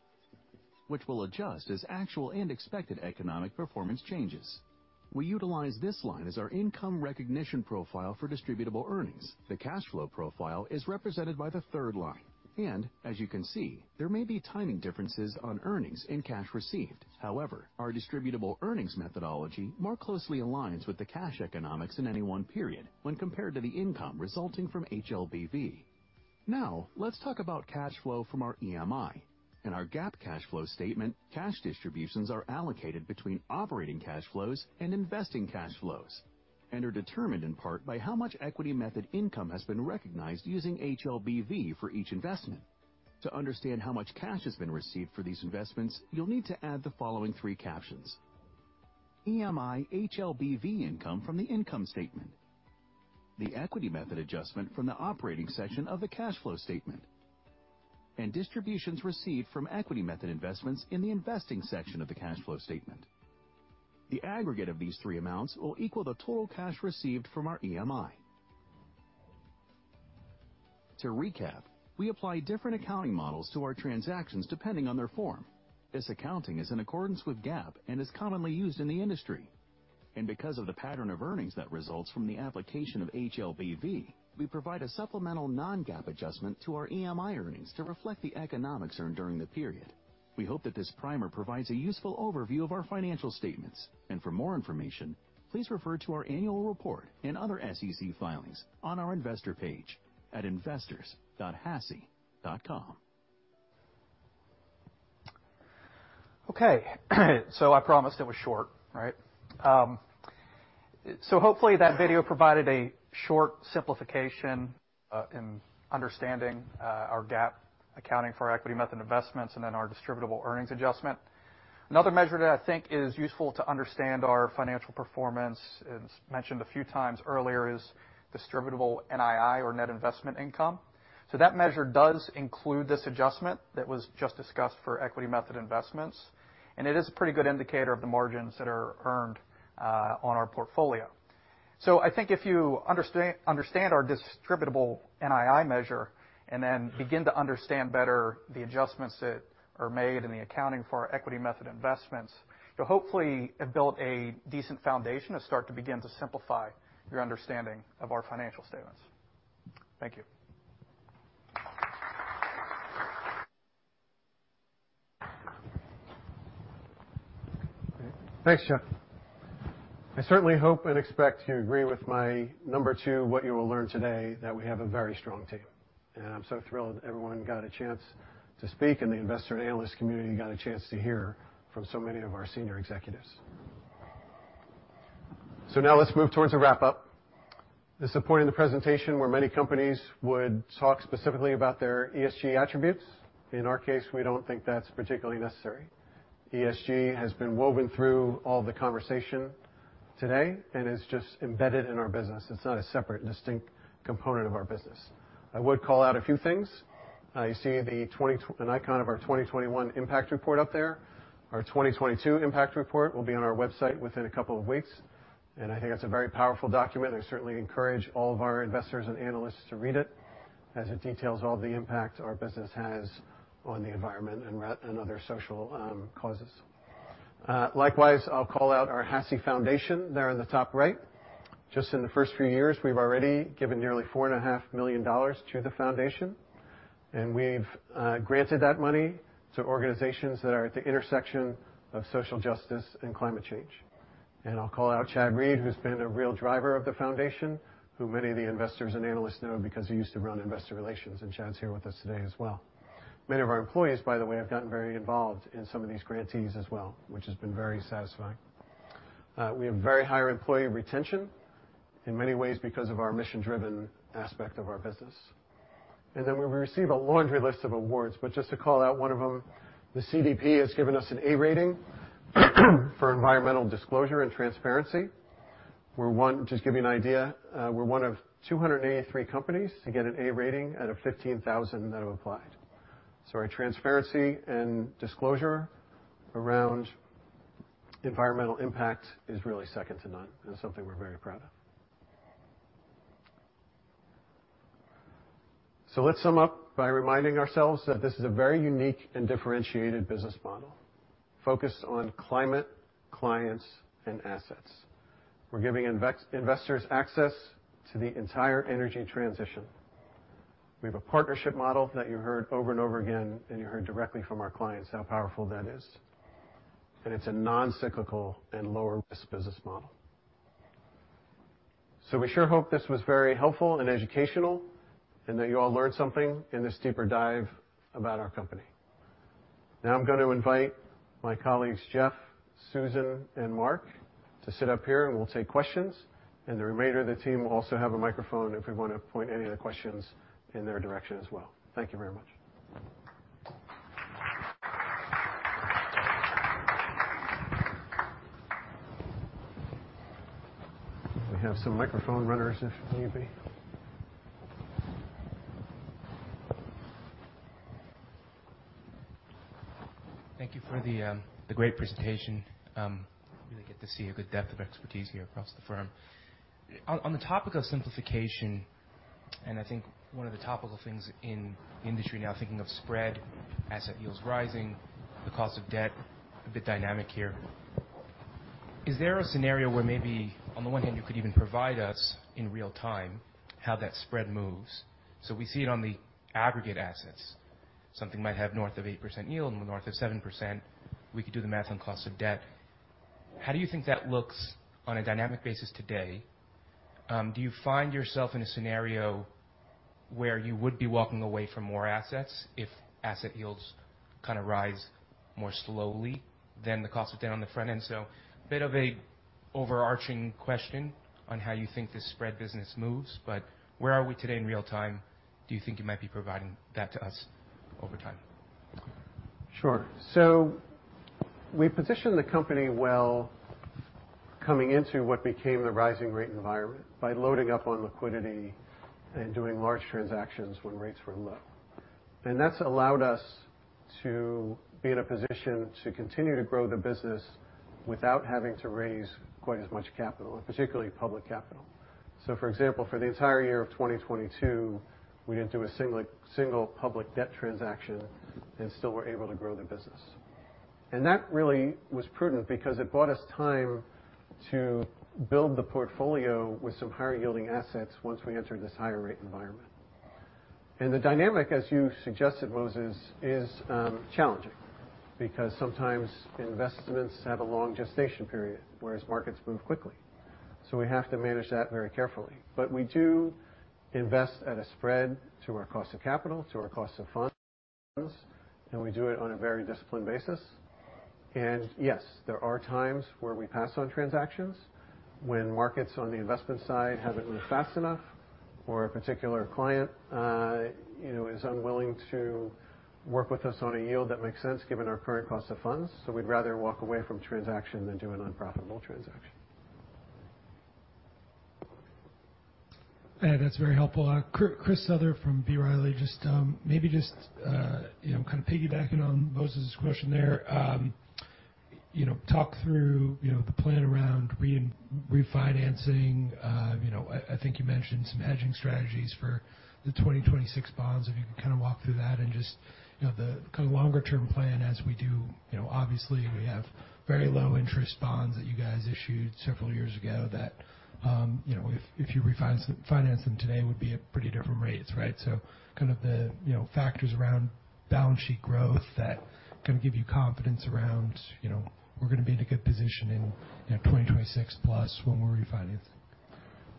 which will adjust as actual and expected economic performance changes. We utilize this line as our income recognition profile for distributable earnings. The cash flow profile is represented by the third line. As you can see, there may be timing differences on earnings and cash received. Our distributable earnings methodology more closely aligns with the cash economics in any one period when compared to the income resulting from HLBV. Let's talk about cash flow from our EMI. In our GAAP cash flow statement, cash distributions are allocated between operating cash flows and investing cash flows and are determined in part by how much equity method income has been recognized using HLBV for each investment. To understand how much cash has been received for these investments, you'll need to add the following three captions: EMI HLBV income from the income statement, the equity method adjustment from the operating section of the cash flow statement, and distributions received from equity method investments in the investing section of the cash flow statement. The aggregate of these three amounts will equal the total cash received from our EMI. To recap, we apply different accounting models to our transactions depending on their form. This accounting is in accordance with GAAP and is commonly used in the industry. Because of the pattern of earnings that results from the application of HLBV, we provide a supplemental non-GAAP adjustment to our EMI earnings to reflect the economics earned during the period. We hope that this primer provides a useful overview of our financial statements. For more information, please refer to our annual report and other SEC filings on our investor page at investors.hasi.com. Okay. I promised it was short, right? Hopefully that video provided a short simplification in understanding our GAAP accounting for our equity method investments and then our distributable earnings adjustment. Another measure that I think is useful to understand our financial performance, it's mentioned a few times earlier, is distributable NII or net investment income. That measure does include this adjustment that was just discussed for equity method investments, and it is a pretty good indicator of the margins that are earned on our portfolio. I think if you understand our distributable NII measure and then begin to understand better the adjustments that are made in the accounting for our equity method investments, you'll hopefully have built a decent foundation to start to begin to simplify your understanding of our financial statements. Thank you. Thanks, Jeff. I certainly hope and expect you agree with my number 2, what you will learn today, that we have a very strong team. I'm so thrilled everyone got a chance to speak, and the investor and analyst community got a chance to hear from so many of our senior executives. Now let's move towards a wrap-up. This is a point in the presentation where many companies would talk specifically about their ESG attributes. In our case, we don't think that's particularly necessary. ESG has been woven through all the conversation today and is just embedded in our business. It's not a separate distinct component of our business. I would call out a few things. You see an icon of our 2021 impact report up there. Our 2022 impact report will be on our website within a couple of weeks. I think it's a very powerful document. I certainly encourage all of our investors and analysts to read it as it details all the impact our business has on the environment and other social causes. Likewise, I'll call out our HASI Foundation there on the top right. Just in the first few years, we've already given nearly $4.5 million to the foundation, and we've granted that money to organizations that are at the intersection of social justice and climate change. I'll call out Chad Reed, who's been a real driver of the foundation, who many of the investors and analysts know because he used to run investor relations, and Chad's here with us today as well. Many of our employees, by the way, have gotten very involved in some of these grantees as well, which has been very satisfying. We have very high employee retention in many ways because of our mission-driven aspect of our business. We receive a laundry list of awards. Just to call out one of them, the CDP has given us an A rating for environmental disclosure and transparency. Just to give you an idea, we're one of 283 companies to get an A rating out of 15,000 that have applied. Our transparency and disclosure around environmental impact is really second to none and something we're very proud of. Let's sum up by reminding ourselves that this is a very unique and differentiated business model focused on climate, clients, and assets. We're giving investors access to the entire energy transition. We have a partnership model that you heard over and over again, and you heard directly from our clients how powerful that is. It's a non-cyclical and lower risk business model. We sure hope this was very helpful and educational, and that you all learned something in this deeper dive about our company. Now I'm going to invite my colleagues, Jeff, Susan, and Marc to sit up here, and we'll take questions. The remainder of the team will also have a microphone if we want to point any of the questions in their direction as well. Thank you very much. We have some microphone runners if need be. Thank you for the great presentation. We really get to see a good depth of expertise here across the firm. On the topic of simplification, and I think one of the topical things in the industry now, thinking of spread, asset yields rising, the cost of debt, a bit dynamic here. Is there a scenario where maybe, on the one hand, you could even provide us in real time how that spread moves? We see it on the aggregate assets. Something might have north of 8% yield, north of 7%. We could do the math on cost of debt. How do you think that looks on a dynamic basis today? Do you find yourself in a scenario where you would be walking away from more assets if asset yields kind of rise more slowly than the cost of debt on the front end? A bit of a overarching question on how you think this spread business moves, but where are we today in real time? Do you think you might be providing that to us over time? Sure. We positioned the company well coming into what became the rising rate environment by loading up on liquidity and doing large transactions when rates were low. That's allowed us to be in a position to continue to grow the business without having to raise quite as much capital, particularly public capital. For example, for the entire year of 2022, we didn't do a single public debt transaction and still were able to grow the business. That really was prudent because it bought us time to build the portfolio with some higher yielding assets once we entered this higher rate environment. The dynamic, as you suggested, Moses, is challenging because sometimes investments have a long gestation period, whereas markets move quickly. We have to manage that very carefully. We do invest at a spread to our cost of capital, to our cost of funds, and we do it on a very disciplined basis. Yes, there are times where we pass on transactions when markets on the investment side haven't moved fast enough or a particular client, you know, is unwilling to work with us on a yield that makes sense given our current cost of funds. We'd rather walk away from transaction than do an unprofitable transaction. Yeah, that's very helpful. Chris Souther from B. Riley. Just, you know, kind of piggybacking on Moses's question there. You know, talk through, you know, the plan around refinancing. You know, I think you mentioned some hedging strategies for the 2026 bonds. If you could kind of walk through that and just, you know, the kind of longer-term plan as we do. You know, obviously, we have very low interest bonds that you guys issued several years ago that, you know, if you refinance them today would be at pretty different rates, right? Kind of the, you know, factors around balance sheet growth that kind of give you confidence around, you know, we're gonna be in a good position in, 2026 plus when we're refinancing.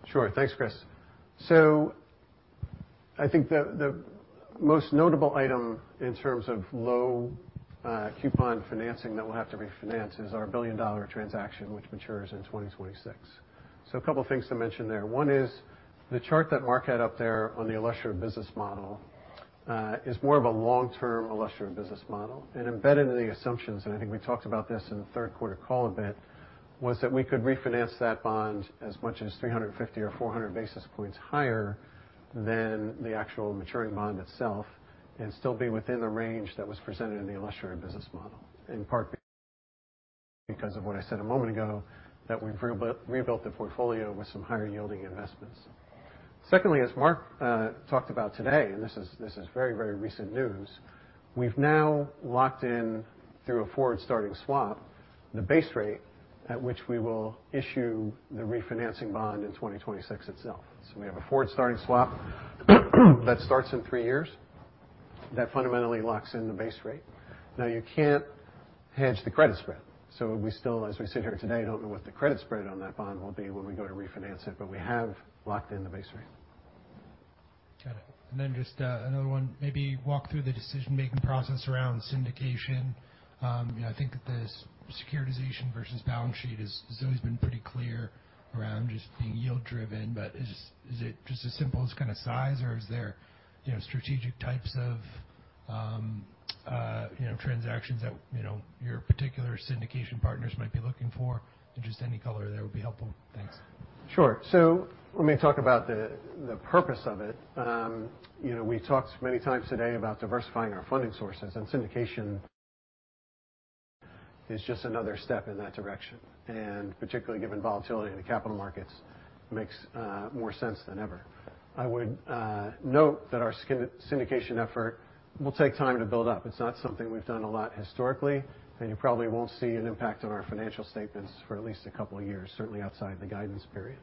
Sure. Thanks, Chris. I think the most notable item in terms of low coupon financing that we'll have to refinance is our billion-dollar transaction, which matures in 2026. A couple of things to mention there. One is the chart that Marc had up there on the illustrative business model is more of a long-term illustrative business model. Embedded in the assumptions, and I think we talked about this in the third quarter call a bit, was that we could refinance that bond as much as 350 or 400 basis points higher than the actual maturing bond itself and still be within the range that was presented in the illustrative business model, in part because of what I said a moment ago, that we've rebuilt the portfolio with some higher yielding investments. Secondly, as Mark talked about today, and this is very recent news, we've now locked in through a forward starting swap, the base rate at which we will issue the refinancing bond in 2026 itself. We have a forward starting swap that starts in three years that fundamentally locks in the base rate. You can't hedge the credit spread, so we still, as we sit here today, don't know what the credit spread on that bond will be when we go to refinance it, but we have locked in the base rate. Got it. Just another one. Maybe walk through the decision-making process around syndication. You know, I think that the securitization versus balance sheet has always been pretty clear around just being yield-driven. Is it just as simple as kind of size, or is there, you know, strategic types of, you know, transactions that, you know, your particular syndication partners might be looking for? Just any color there would be helpful. Thanks. Sure. Let me talk about the purpose of it. You know, we talked many times today about diversifying our funding sources, and syndication is just another step in that direction, and particularly given volatility in the capital markets makes more sense than ever. I would note that our syndication effort will take time to build up. It's not something we've done a lot historically, and you probably won't see an impact on our financial statements for at least a couple of years, certainly outside the guidance period.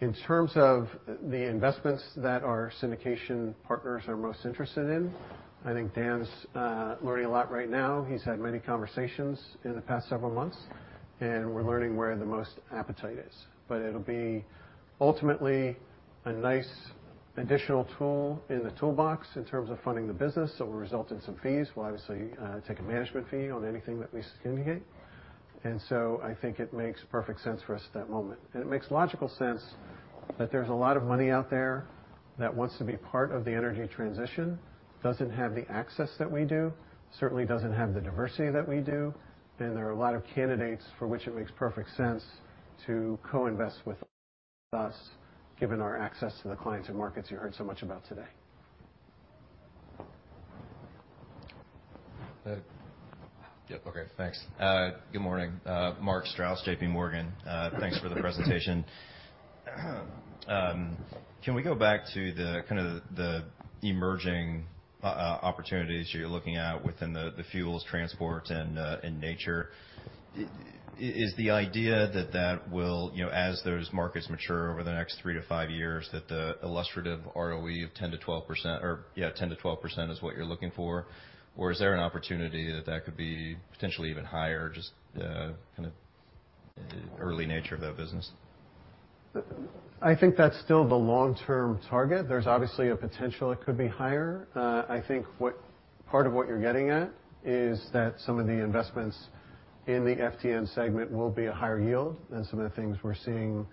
In terms of the investments that our syndication partners are most interested in, I think Dan's learning a lot right now. He's had many conversations in the past several months, and we're learning where the most appetite is. It'll be ultimately a nice additional tool in the toolbox in terms of funding the business. It will result in some fees. We'll obviously take a management fee on anything that we syndicate. I think it makes perfect sense for us at that moment. It makes logical sense that there's a lot of money out there that wants to be part of the energy transition, doesn't have the access that we do, certainly doesn't have the diversity that we do, and there are a lot of candidates for which it makes perfect sense to co-invest with us, given our access to the clients and markets you heard so much about today. Yep. Okay, thanks. Good morning, Mark Strouse, J.P. Morgan. Thanks for the presentation. Can we go back to the kind of the emerging opportunities you're looking at within the Fuels, Transport & Nature. Is the idea that that will, you know, as those markets mature over the next three to five years, that the illustrative ROE of 10%-12% or, yeah, 10%-12% is what you're looking for? Is there an opportunity that that could be potentially even higher, just, kind of early nature of that business? I think that's still the long-term target. There's obviously a potential it could be higher. I think part of what you're getting at is that some of the investments in the FTN segment will be a higher yield than some of the things we're seeing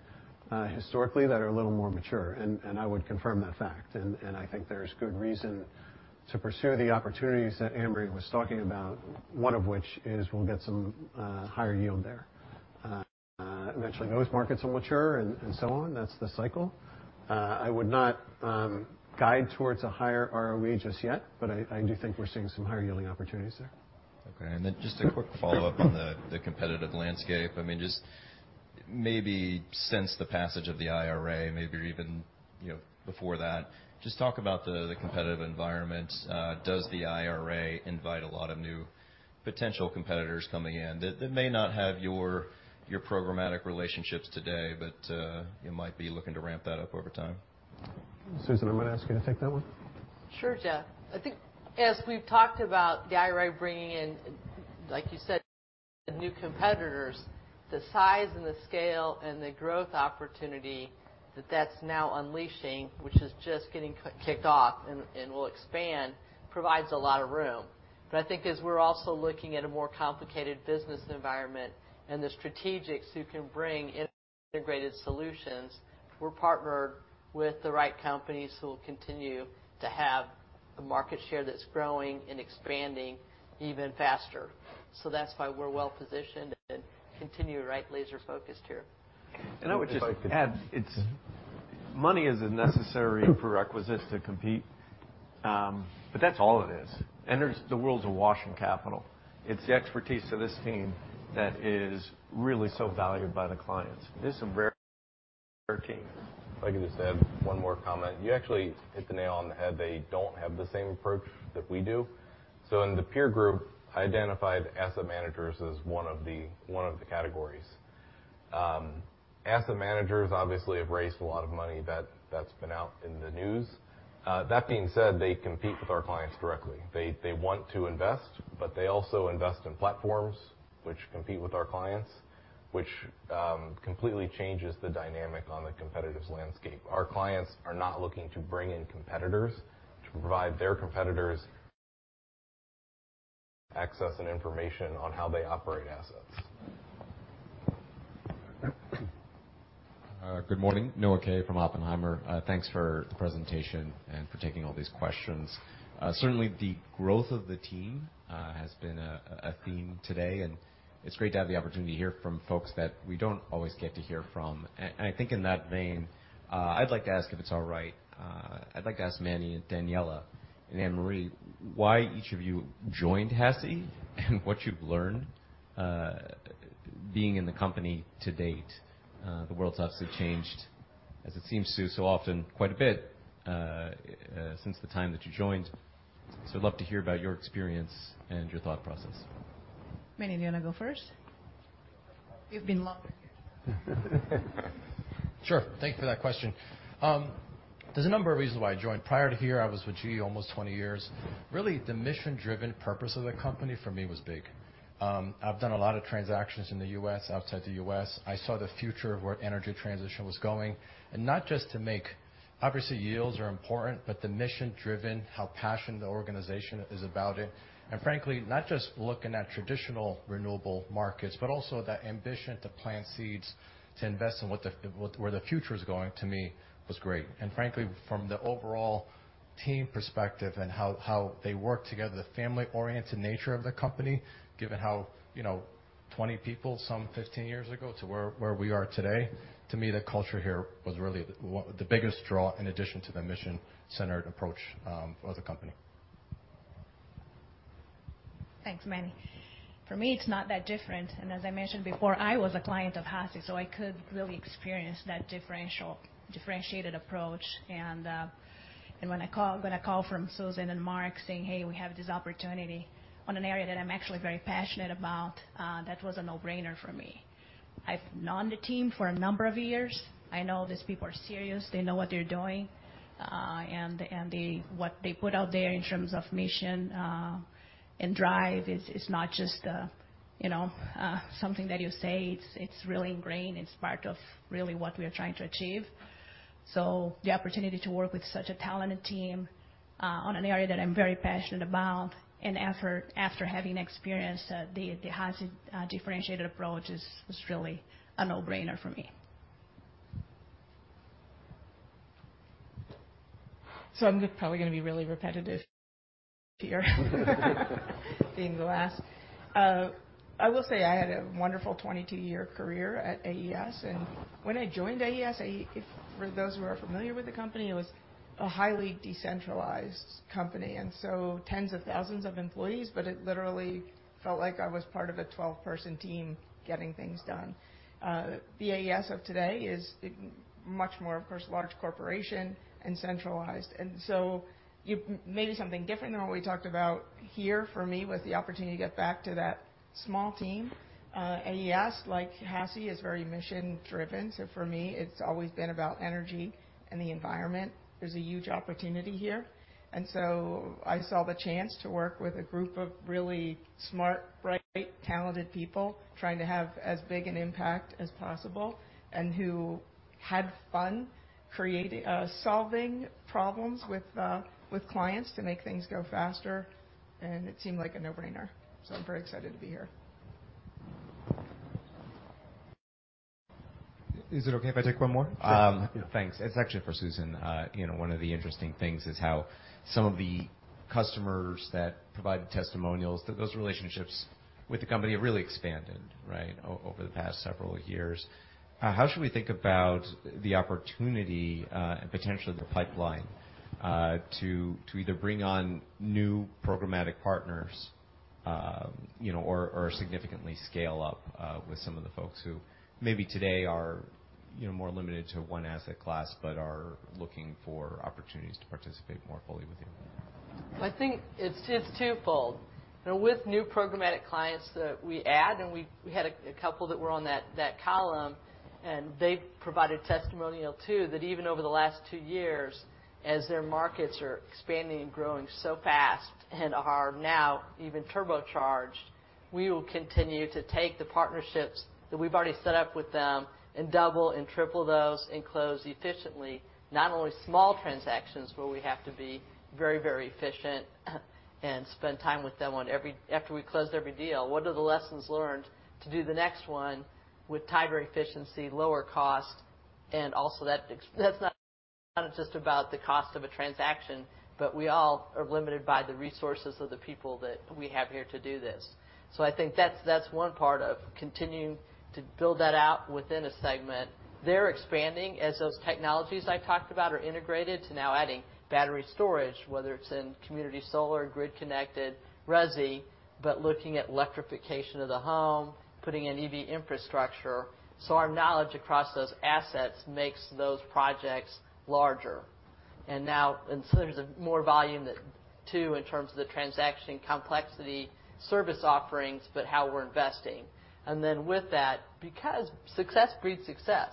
historically that are a little more mature, and I would confirm that fact. I think there's good reason to pursue the opportunities that Annmarie was talking about, one of which is we'll get some higher yield there. Eventually those markets will mature and so on. That's the cycle. I would not guide towards a higher ROE just yet, but I do think we're seeing some higher yielding opportunities there. Okay. Just a quick follow-up on the competitive landscape. I mean, just maybe since the passage of the IRA, maybe even, you know, before that, just talk about the competitive environment. Does the IRA invite a lot of new potential competitors coming in that may not have your programmatic relationships today, but you might be looking to ramp that up over time? Susan, I'm gonna ask you to take that one. Sure, Jeff. I think as we've talked about the IRA bringing in, like you said, new competitors, the size and the scale and the growth opportunity that that's now unleashing, which is just getting kicked off and will expand, provides a lot of room. I think as we're also looking at a more complicated business environment and the strategics who can bring integrated solutions, we're partnered with the right companies who will continue to have a market share that's growing and expanding even faster. That's why we're well positioned and continue right laser focused here. I would just add, Money is a necessary prerequisite to compete, but that's all it is. The world's awash in capital. It's the expertise of this team that is really so valued by the clients. This is a very team. If I could just add one more comment. You actually hit the nail on the head. They don't have the same approach that we do. In the peer group, I identified asset managers as one of the categories. Asset managers obviously have raised a lot of money that's been out in the news. That being said, they compete with our clients directly. They want to invest, but they also invest in platforms which compete with our clients, which completely changes the dynamic on the competitive landscape. Our clients are not looking to bring in competitors to provide their competitors access and information on how they operate assets. Good morning. Noah Kaye from Oppenheimer. Thanks for the presentation and for taking all these questions. Certainly the growth of the team has been a theme today, and it's great to have the opportunity to hear from folks that we don't always get to hear from. I think in that vein, I'd like to ask if it's all right, I'd like to ask Manny and Daniela and Annmarie why each of you joined HASI and what you've learned being in the company to date. The world's obviously changed, as it seems to so often, quite a bit since the time that you joined. I'd love to hear about your experience and your thought process. Manny, do you wanna go first? You've been long-- Sure. Thank you for that question. There's a number of reasons why I joined. Prior to here, I was with GE almost 20 years. Really, the mission-driven purpose of the company for me was big. I've done a lot of transactions in the U.S., outside the U.S. I saw the future of where energy transition was going, and not just obviously, yields are important, but the mission-driven, how passionate the organization is about it, and frankly, not just looking at traditional renewable markets, but also that ambition to plant seeds to invest in where the future is going, to me, was great. Frankly, from the overall team perspective and how they work together, the family-oriented nature of the company, given how, you know, 20 people, some 15 years ago to where we are today, to me, the culture here was really the biggest draw in addition to the mission-centered approach of the company. Thanks, Manny. For me, it's not that different. As I mentioned before, I was a client of HASI, so I could really experience that differentiated approach. When I call from Susan and Marc saying, "Hey, we have this opportunity on an area that I'm actually very passionate about," that was a no-brainer for me. I've known the team for a number of years. I know these people are serious. They know what they're doing, and they what they put out there in terms of mission and drive is not just, you know, something that you say, it's really ingrained. It's part of really what we are trying to achieve. The opportunity to work with such a talented team, on an area that I'm very passionate about and having experienced the HASI differentiated approach is really a no-brainer for me. I'm probably gonna be really repetitive here. Being the last. I will say I had a wonderful 22-year career at AES, and when I joined AES, for those who are familiar with the company, it was a highly decentralized company, and so tens of thousands of employees, but it literally felt like I was part of a 12-person team getting things done. The AES of today is much more, of course, large corporation and centralized. Maybe something different than what we talked about here for me was the opportunity to get back to that small team. AES, like HASI, is very mission-driven, so for me, it's always been about energy and the environment. There's a huge opportunity here. I saw the chance to work with a group of really smart, bright, talented people trying to have as big an impact as possible and who had fun creating, solving problems with clients to make things go faster. It seemed like a no-brainer. I'm very excited to be here. Is it okay if I take one more? Thanks. It's actually for Susan. you know, one of the interesting things is how some of the customers that provided testimonials, that those relationships with the company have really expanded, right, over the past several years. How should we think about the opportunity, potentially the pipeline, to either bring on new programmatic partners, you know, or significantly scale up with some of the folks who maybe today are, you know, more limited to one asset class but are looking for opportunities to participate more fully with you? I think it's twofold. You know, with new programmatic clients that we add, we had a couple that were on that column, and they provided testimonial, too, that even over the last two years, as their markets are expanding and growing so fast and are now even turbocharged, we will continue to take the partnerships that we've already set up with them and double and triple those and close efficiently, not only small transactions, where we have to be very, very efficient and spend time with them after we closed every deal. What are the lessons learned to do the next one with tighter efficiency, lower cost? That's not just about the cost of a transaction, but we all are limited by the resources of the people that we have here to do this. I think that's one part of continuing to build that out within a segment. They're expanding as those technologies I talked about are integrated to now adding battery storage, whether it's in community solar, grid-connected, resi, but looking at electrification of the home, putting in EV infrastructure. Our knowledge across those assets makes those projects larger. There's more volume that too, in terms of the transaction complexity, service offerings, but how we're investing. With that, because success breeds success.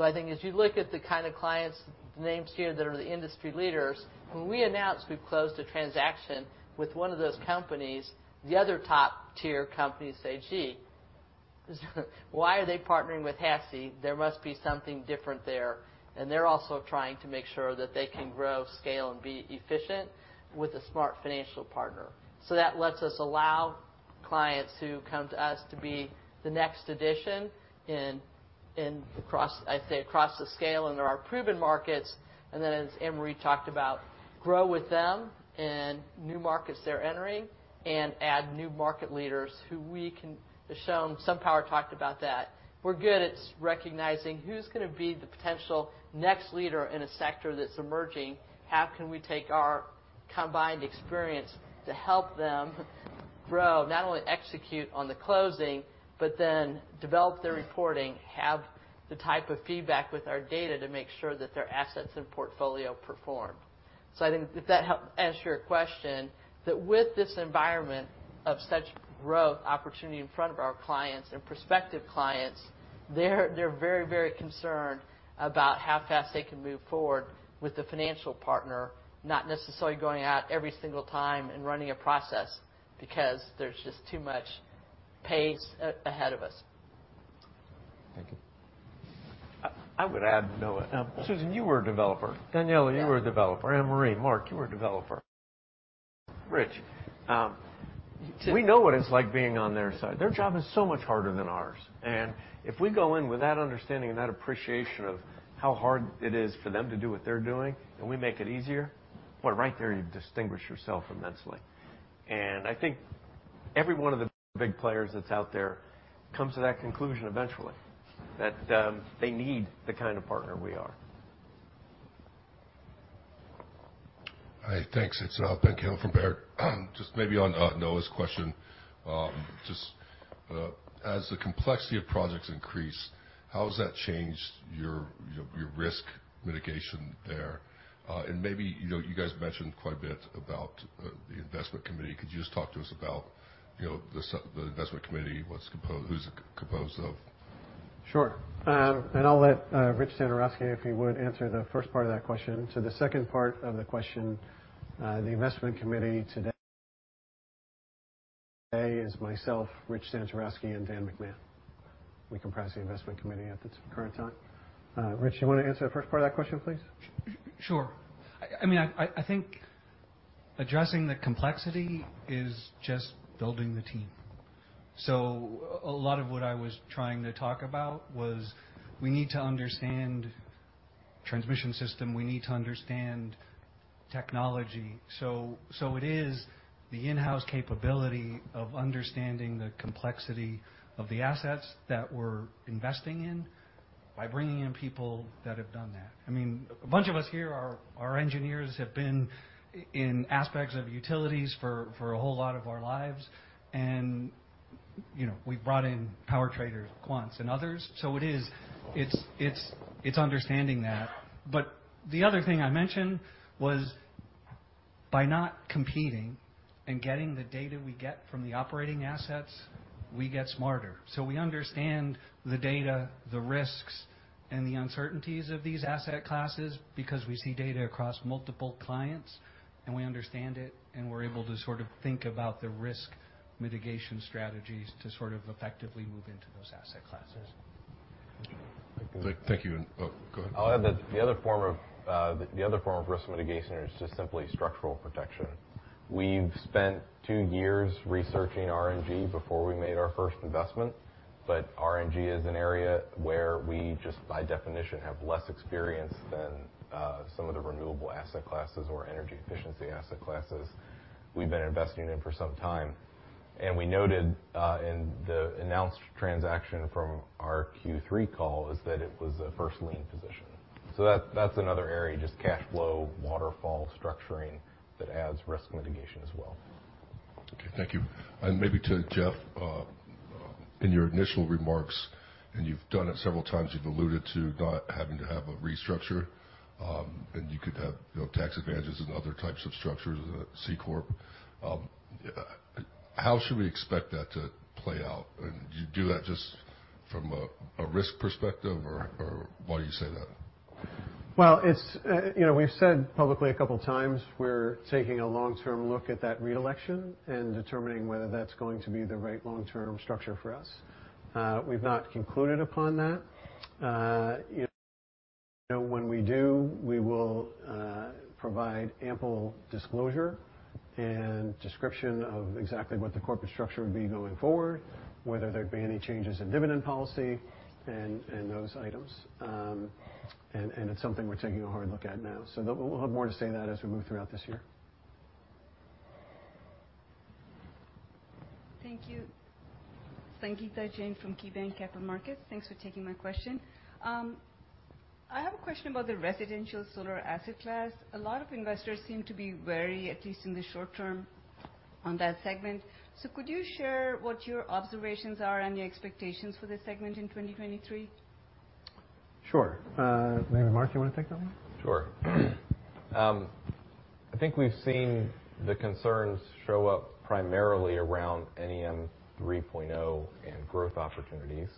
I think as you look at the kind of clients' names here that are the industry leaders, when we announce we've closed a transaction with one of those companies, the other top-tier companies say, "Gee, why are they partnering with HASI? There must be something different there." They're also trying to make sure that they can grow, scale, and be efficient with a smart financial partner. That lets us allow clients who come to us to be the next addition in across, I'd say, across the scale into our proven markets. Then as Annmarie talked about, grow with them in new markets they're entering and add new market leaders who we can show them. SunPower talked about that. We're good at recognizing who's gonna be the potential next leader in a sector that's emerging, how can we take our combined experience to help them grow, not only execute on the closing, but then develop their reporting, have the type of feedback with our data to make sure that their assets and portfolio perform. I think if that helped answer your question, that with this environment of such growth opportunity in front of our clients and prospective clients, they're very concerned about how fast they can move forward with the financial partner, not necessarily going out every single time and running a process because there's just too much pace ahead of us. Thank you. I would add, Noah. Susan, you were a developer. Daniella, you were a developer. Annmarie, Mark, you were a developer, Rich. We know what it's like being on their side. Their job is so much harder than ours. If we go in with that understanding and that appreciation of how hard it is for them to do what they're doing, and we make it easier, boy, right there, you distinguish yourself immensely. I think every one of the big players that's out there comes to that conclusion eventually, that they need the kind of partner we are. Hi. Thanks. It's Ben Kallo from Baird. Just maybe on Noah's question, just as the complexity of projects increase, how has that changed your, you know, your risk mitigation there? Maybe, you know, you guys mentioned quite a bit about the investment committee. Could you just talk to us about, you know, the investment committee, what's who's it composed of? Sure. I'll let Rich Santoroski, if he would, answer the first part of that question. The second part of the question, the investment committee today is myself, Rich Santoroski, and Dan McMahon. We comprise the investment committee at the current time. Rich, you wanna answer the first part of that question, please? Sure. I mean, I think addressing the complexity is just building the team. A lot of what I was trying to talk about was we need to understand transmission system, we need to understand technology. It is the in-house capability of understanding the complexity of the assets that we're investing in by bringing in people that have done that. I mean, a bunch of us here are engineers, have been in aspects of utilities for a whole lot of our lives. You know, we've brought in power traders, quants, and others. It's understanding that. The other thing I mentioned was by not competing and getting the data we get from the operating assets, we get smarter. We understand the data, the risks, and the uncertainties of these asset classes because we see data across multiple clients, and we understand it, and we're able to sort of think about the risk mitigation strategies to sort of effectively move into those asset classes. Thank you. Oh, go ahead. I'll add that the other form of the other form of risk mitigation is just simply structural protection. We've spent two years researching RNG before we made our first investment, but RNG is an area where we just by definition have less experience than some of the renewable asset classes or energy efficiency asset classes we've been investing in for some time. We noted in the announced transaction from our Q3 call is that it was a first lien position. That's another area, just cash flow, waterfall structuring that adds risk mitigation as well. Okay, thank you. Maybe to Jeff, in your initial remarks, and you've done it several times, you've alluded to not having to have a restructure, and you could have, you know, tax advantages and other types of structures, a C corp. How should we expect that to play out? Do you do that just from a risk perspective or why do you say that? It's, you know, we've said publicly a couple times we're taking a long-term look at that reelection and determining whether that's going to be the right long-term structure for us. We've not concluded upon that. You know, when we do, we will provide ample disclosure and description of exactly what the corporate structure would be going forward, whether there'd be any changes in dividend policy and those items. It's something we're taking a hard look at now. We'll have more to say on that as we move throughout this year. Thank you. Sangita Jain from KeyBanc Capital Markets. Thanks for taking my question. I have a question about the residential solar asset class. A lot of investors seem to be wary, at least in the short term, on that segment. Could you share what your observations are and your expectations for this segment in 2023? Sure. Maybe Marc, you want to take that one? Sure. I think we've seen the concerns show up primarily around NEM 3.0 and growth opportunities.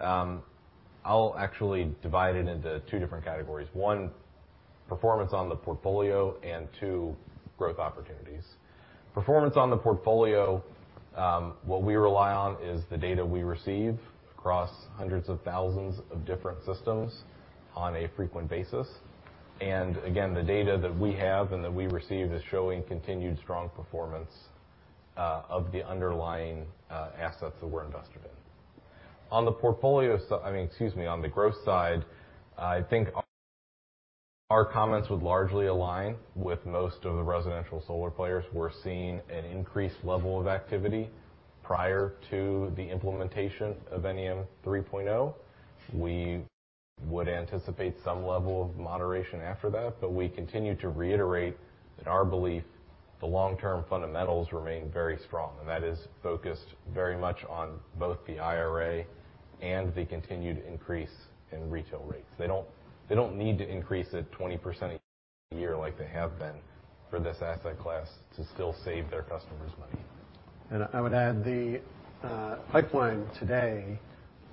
I'll actually divide it into two different categories. One, performance on the portfolio, and two, growth opportunities. Performance on the portfolio, what we rely on is the data we receive across hundreds of thousands of different systems on a frequent basis. Again, the data that we have and that we receive is showing continued strong performance of the underlying assets that we're invested in. On the growth side, I think our comments would largely align with most of the residential solar players. We're seeing an increased level of activity prior to the implementation of NEM 3.0. Would anticipate some level of moderation after that. We continue to reiterate that our belief, the long-term fundamentals remain very strong. That is focused very much on both the IRA and the continued increase in retail rates. They don't need to increase it 20% a year like they have been for this asset class to still save their customers money. I would add the pipeline today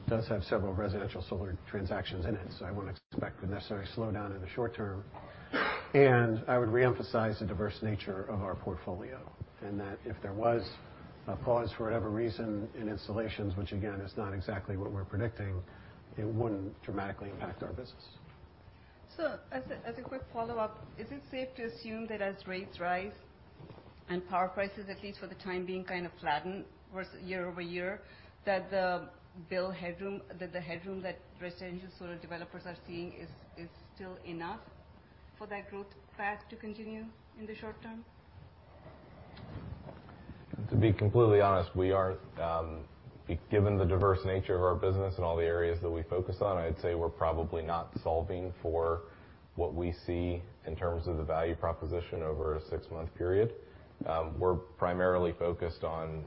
does have several residential solar transactions in it, so I wouldn't expect a necessary slowdown in the short term. I would reemphasize the diverse nature of our portfolio, and that if there was a pause for whatever reason in installations, which again is not exactly what we're predicting, it wouldn't dramatically impact our business. As a quick follow-up, is it safe to assume that as rates rise and power prices, at least for the time being, kind of flatten versus year-over-year, that the headroom that residential solar developers are seeing is still enough for that growth path to continue in the short term? To be completely honest, we are, given the diverse nature of our business and all the areas that we focus on, I'd say we're probably not solving for what we see in terms of the value proposition over a six-month period. We're primarily focused on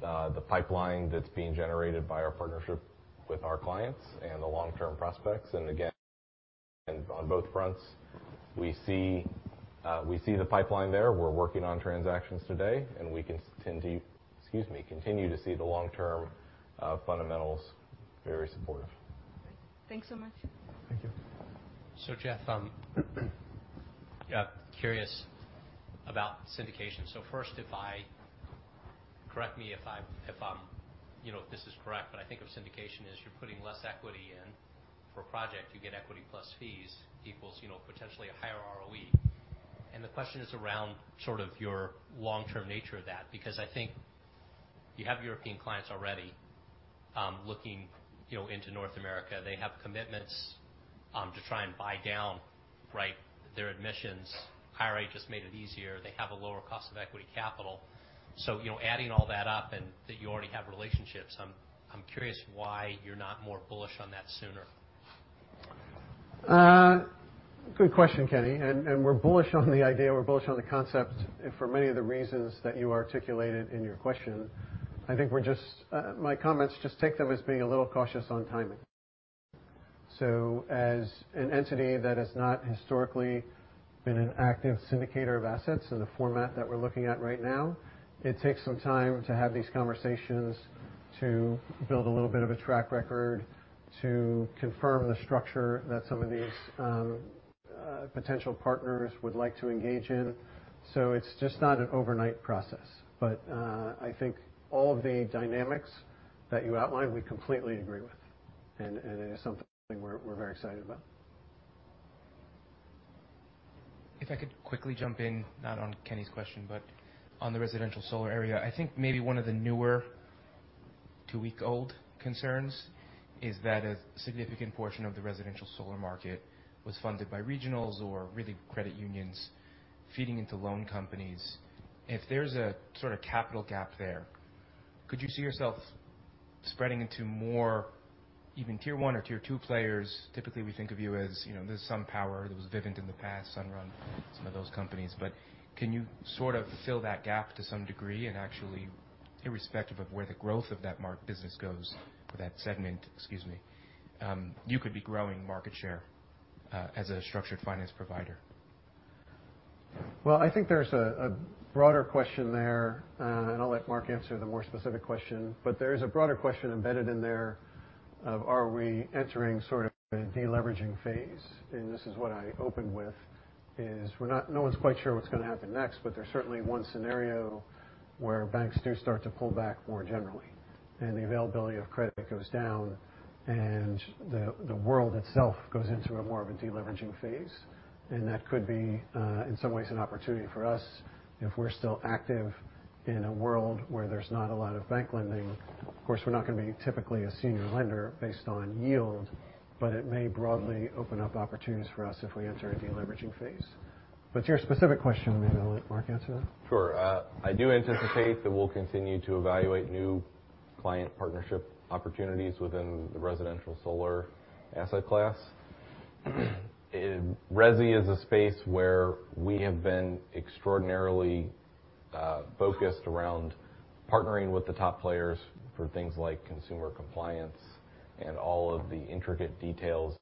the pipeline that's being generated by our partnership with our clients and the long-term prospects. On both fronts, we see the pipeline there. We're working on transactions today, and we can tend to, excuse me, continue to see the long-term, fundamentals very supportive. Great. Thanks so much. Thank you. Jeff, yeah, curious about syndication. First, correct me if I'm, you know, if this is correct, but I think of syndication as you're putting less equity in for a project, you get equity plus fees equals, you know, potentially a higher ROE. The question is around sort of your long-term nature of that, because I think you have European clients already, looking, you know, into North America. They have commitments to try and buy down, right, their admissions. IRA just made it easier. They have a lower cost of equity capital. You know, adding all that up and that you already have relationships, I'm curious why you're not more bullish on that sooner? Good question, Kenny. We're bullish on the idea, we're bullish on the concept for many of the reasons that you articulated in your question. My comments, just take them as being a little cautious on timing. As an entity that has not historically been an active syndicator of assets in the format that we're looking at right now, it takes some time to have these conversations, to build a little bit of a track record, to confirm the structure that some of these potential partners would like to engage in. It's just not an overnight process, but I think all the dynamics that you outlined, we completely agree with. It is something we're very excited about. If I could quickly jump in, not on Kenny's question, but on the residential solar area. I think maybe one of the newer two-week-old concerns is that a significant portion of the residential solar market was funded by regionals or really credit unions feeding into loan companies. If there's a sort of capital gap there, could you see yourself spreading into more even tier one or tier two players? Typically, we think of you as, you know, there's SunPower, there was Vivint in the past, Sunrun, some of those companies. Can you sort of fill that gap to some degree and actually, irrespective of where the growth of that business goes for that segment, excuse me, you could be growing market share as a structured finance provider? Well, I think there's a broader question there, I'll let Marc answer the more specific question. There is a broader question embedded in there of are we entering sort of a deleveraging phase? This is what I opened with is no one's quite sure what's going to happen next, but there's certainly one scenario where banks do start to pull back more generally, and the availability of credit goes down, and the world itself goes into a more of a deleveraging phase. That could be in some ways an opportunity for us if we're still active in a world where there's not a lot of bank lending. Of course, we're not going to be typically a senior lender based on yield, but it may broadly open up opportunities for us if we enter a deleveraging phase. But to your specific question, maybe I'll let Marc answer that. Sure. I do anticipate that we'll continue to evaluate new client partnership opportunities within the residential solar asset class. Resi is a space where we have been extraordinarily focused around partnering with the top players for things like consumer compliance and all of the intricate details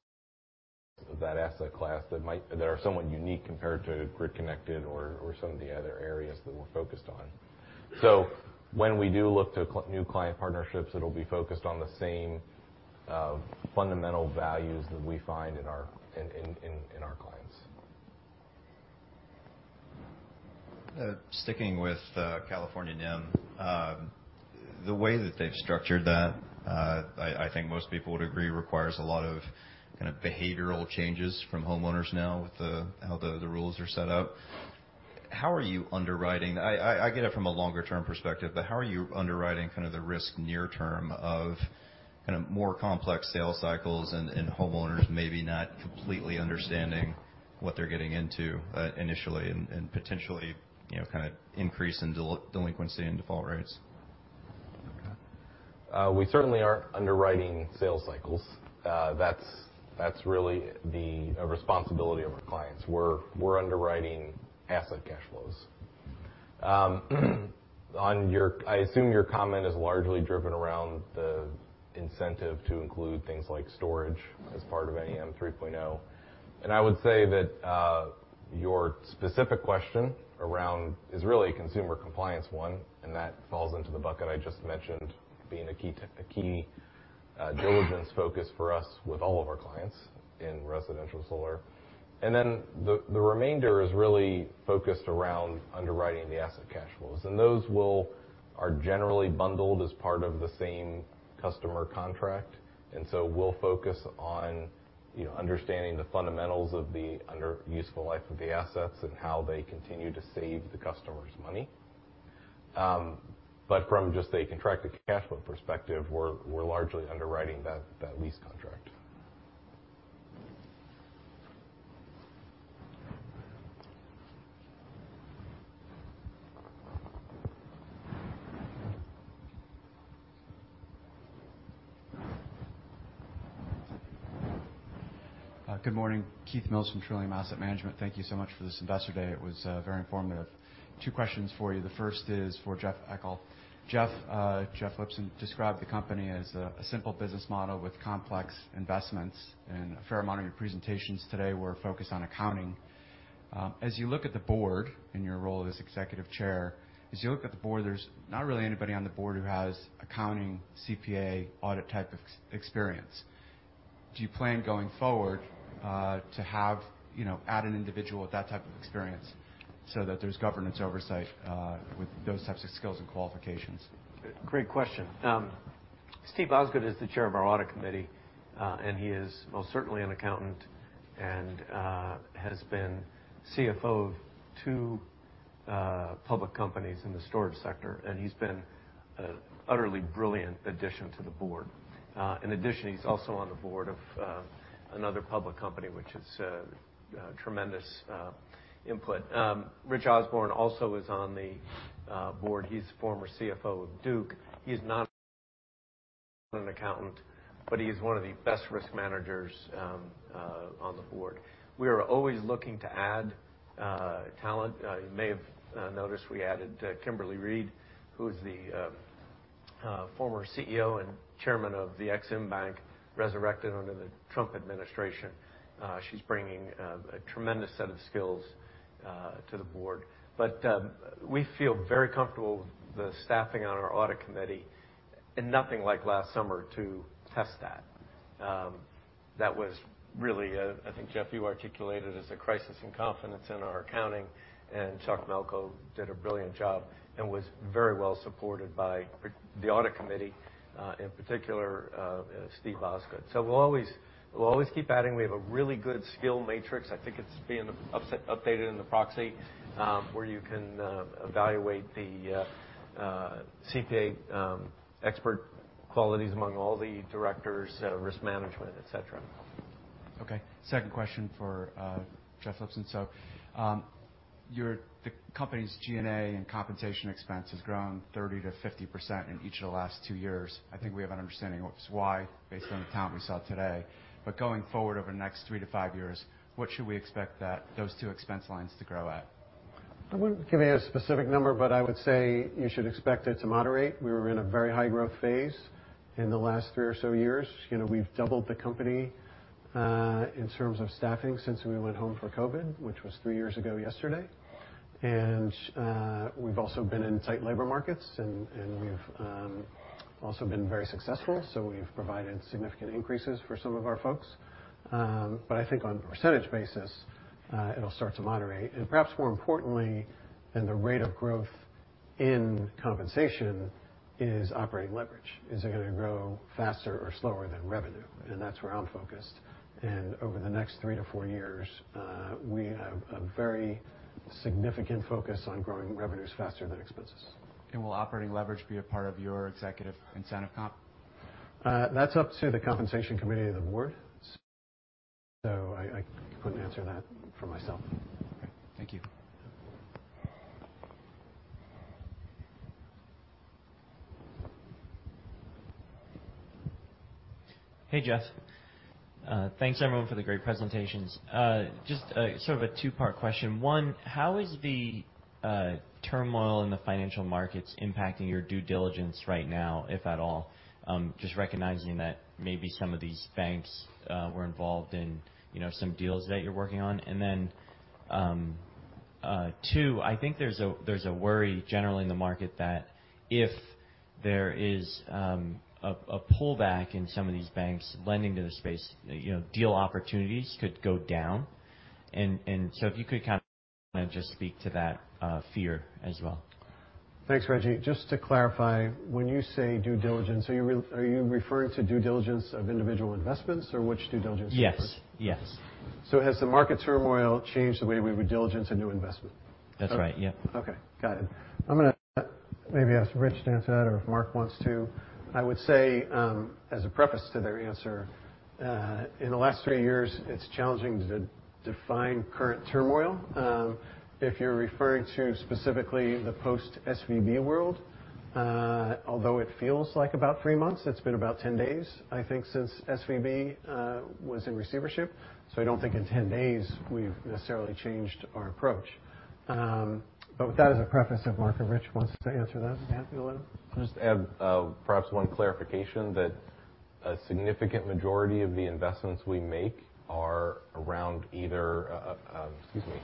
of that asset class that are somewhat unique compared to grid-connected or some of the other areas that we're focused on. When we do look to new client partnerships, it'll be focused on the same fundamental values that we find in our clients. Sticking with California NEM, the way that they've structured that, I think most people would agree requires a lot of kinda behavioral changes from homeowners now with how the rules are set up. How are you underwriting? I get it from a longer term perspective. How are you underwriting kind of the risk near term of kind of more complex sales cycles and homeowners maybe not completely understanding what they're getting into, initially and potentially, you know, kinda increase in delinquency and default rates? Okay. We certainly aren't underwriting sales cycles. That's really the responsibility of our clients. We're underwriting asset cash flows. On your I assume your comment is largely driven around the incentive to include things like storage as part of NEM 3.0. I would say that your specific question around is really a consumer compliance one, and that falls into the bucket I just mentioned, being a key diligence focus for us with all of our clients in residential solar. The remainder is really focused around underwriting the asset cash flows. Those will are generally bundled as part of the same customer contract. We'll focus on, you know, understanding the fundamentals of the under useful life of the assets and how they continue to save the customers money. But from just a contracted cash flow perspective, we're largely underwriting that lease contract. Good morning, Keith Mills from Trillium Asset Management. Thank you so much for this investor day. It was very informative. Two questions for you. The first is for Jeff Eckel. Jeff Lipson described the company as a simple business model with complex investments. A fair amount of your presentations today were focused on accounting. As you look at the board in your role as Executive Chair, as you look at the board, there's not really anybody on the board who has accounting CPA audit type of experience. Do you plan going forward to have, you know, add an individual with that type of experience so that there's governance oversight with those types of skills and qualifications? Great question. Steve Osgood is the chair of our audit committee, and he is most certainly an accountant and has been CFO of two public companies in the storage sector, and he's been an utterly brilliant addition to the board. In addition, he's also on the board of another public company, which is a tremendous input. Rich Osborne also is on the board. He's former CFO of Duke. He's not an accountant, but he's one of the best risk managers on the board. We are always looking to add talent. You may have noticed we added Kimberly Reed, who is the former CEO and Chairman of the EXIM Bank, resurrected under the Trump administration. She's bringing a tremendous set of skills to the board. We feel very comfortable with the staffing on our audit committee and nothing like last summer to test that. That was really, I think, Jeff Eckel, you articulated as a crisis in confidence in our accounting, and Chuck Melko did a brilliant job and was very well supported by the audit committee, in particular, Steve Osgood. We'll always keep adding. We have a really good skill matrix. I think it's being updated in the proxy, where you can evaluate the CPA expert qualities among all the directors, risk management, et cetera. Second question for Jeff Lipson. The company's G&A and compensation expense has grown 30%-50% in each of the last twi years. I think we have an understanding of why based on the talent we saw today. Going forward over the next 3-5 years, what should we expect those two expense lines to grow at? I wouldn't give you a specific number, but I would say you should expect it to moderate. We were in a very high-growth phase in the last three or so years. You know, we've doubled the company in terms of staffing since we went home for COVID, which was three years ago yesterday. We've also been in tight labor markets, and we've also been very successful, so we've provided significant increases for some of our folks. I think on a percentage basis, it'll start to moderate. Perhaps more importantly than the rate of growth in compensation is operating leverage. Is it gonna grow faster or slower than revenue? That's where I'm focused. Over the next three to four years, we have a very significant focus on growing revenues faster than expenses. Will operating leverage be a part of your executive incentive comp? That's up to the compensation committee of the board. I couldn't answer that for myself. Okay. Thank you. Yeah. Hey, Jeff. Thanks, everyone for the great presentations. Just, sort of a two-part question. One, how is the turmoil in the financial markets impacting your due diligence right now, if at all? Just recognizing that maybe some of these banks were involved in, you know, some deals that you're working on. Then, two, I think there's a worry generally in the market that if there is a pullback in some of these banks lending to the space, you know, deal opportunities could go down. If you could kind of just speak to that fear as well. Thanks, Reggie. Just to clarify, when you say due diligence, are you referring to due diligence of individual investments or which due diligence in particular? Yes. Yes. Has the market turmoil changed the way we due diligence a new investment? That's right. Yeah. Got it. I'm gonna maybe ask Rich to answer that or if Marc wants to. I would say, as a preface to their answer, in the last three years, it's challenging to define current turmoil. If you're referring to specifically the post-SVB world, although it feels like about three months, it's been about 10 days, I think, since SVB was in receivership. I don't think in 10 days we've necessarily changed our approach. With that as a preface, if Marc or Rich wants to answer that. Yeah, if you wanna. Just add, perhaps one clarification that a significant majority of the investments we make are around either, excuse me,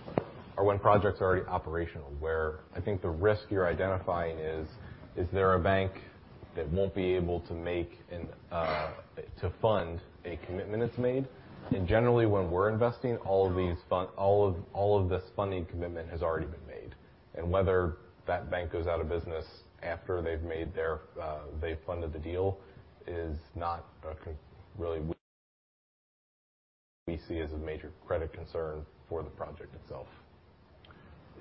are when projects are already operational, where I think the risk you're identifying is there a bank that won't be able to make and to fund a commitment it's made? Generally, when we're investing, all of this funding commitment has already been made. Whether that bank goes out of business after they've made their, they've funded the deal is not really we see as a major credit concern for the project itself.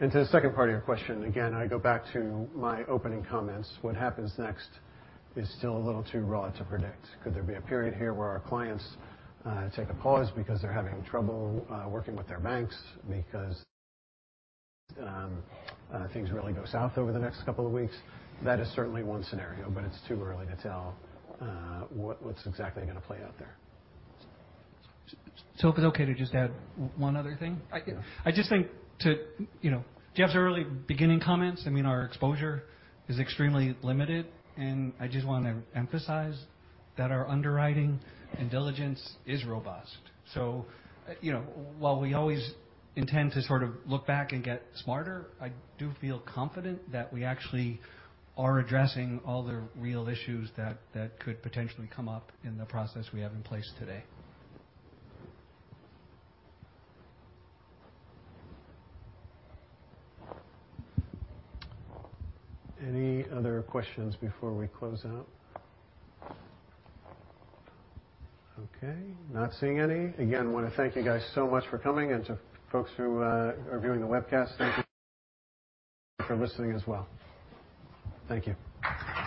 To the second part of your question, again, I go back to my opening comments. What happens next is still a little too raw to predict. Could there be a period here where our clients take a pause because they're having trouble working with their banks because things really go south over the next couple of weeks? That is certainly one scenario, but it's too early to tell what's exactly gonna play out there. If it's okay to just add one other thing? I do. I just think to, you know, Jeff's early beginning comments, I mean, our exposure is extremely limited, and I just wanna emphasize that our underwriting and diligence is robust. You know, while we always intend to sort of look back and get smarter, I do feel confident that we actually are addressing all the real issues that could potentially come up in the process we have in place today. Any other questions before we close out? Okay, not seeing any. Again, wanna thank you guys so much for coming. To folks who are viewing the webcast, thank you for listening as well. Thank you.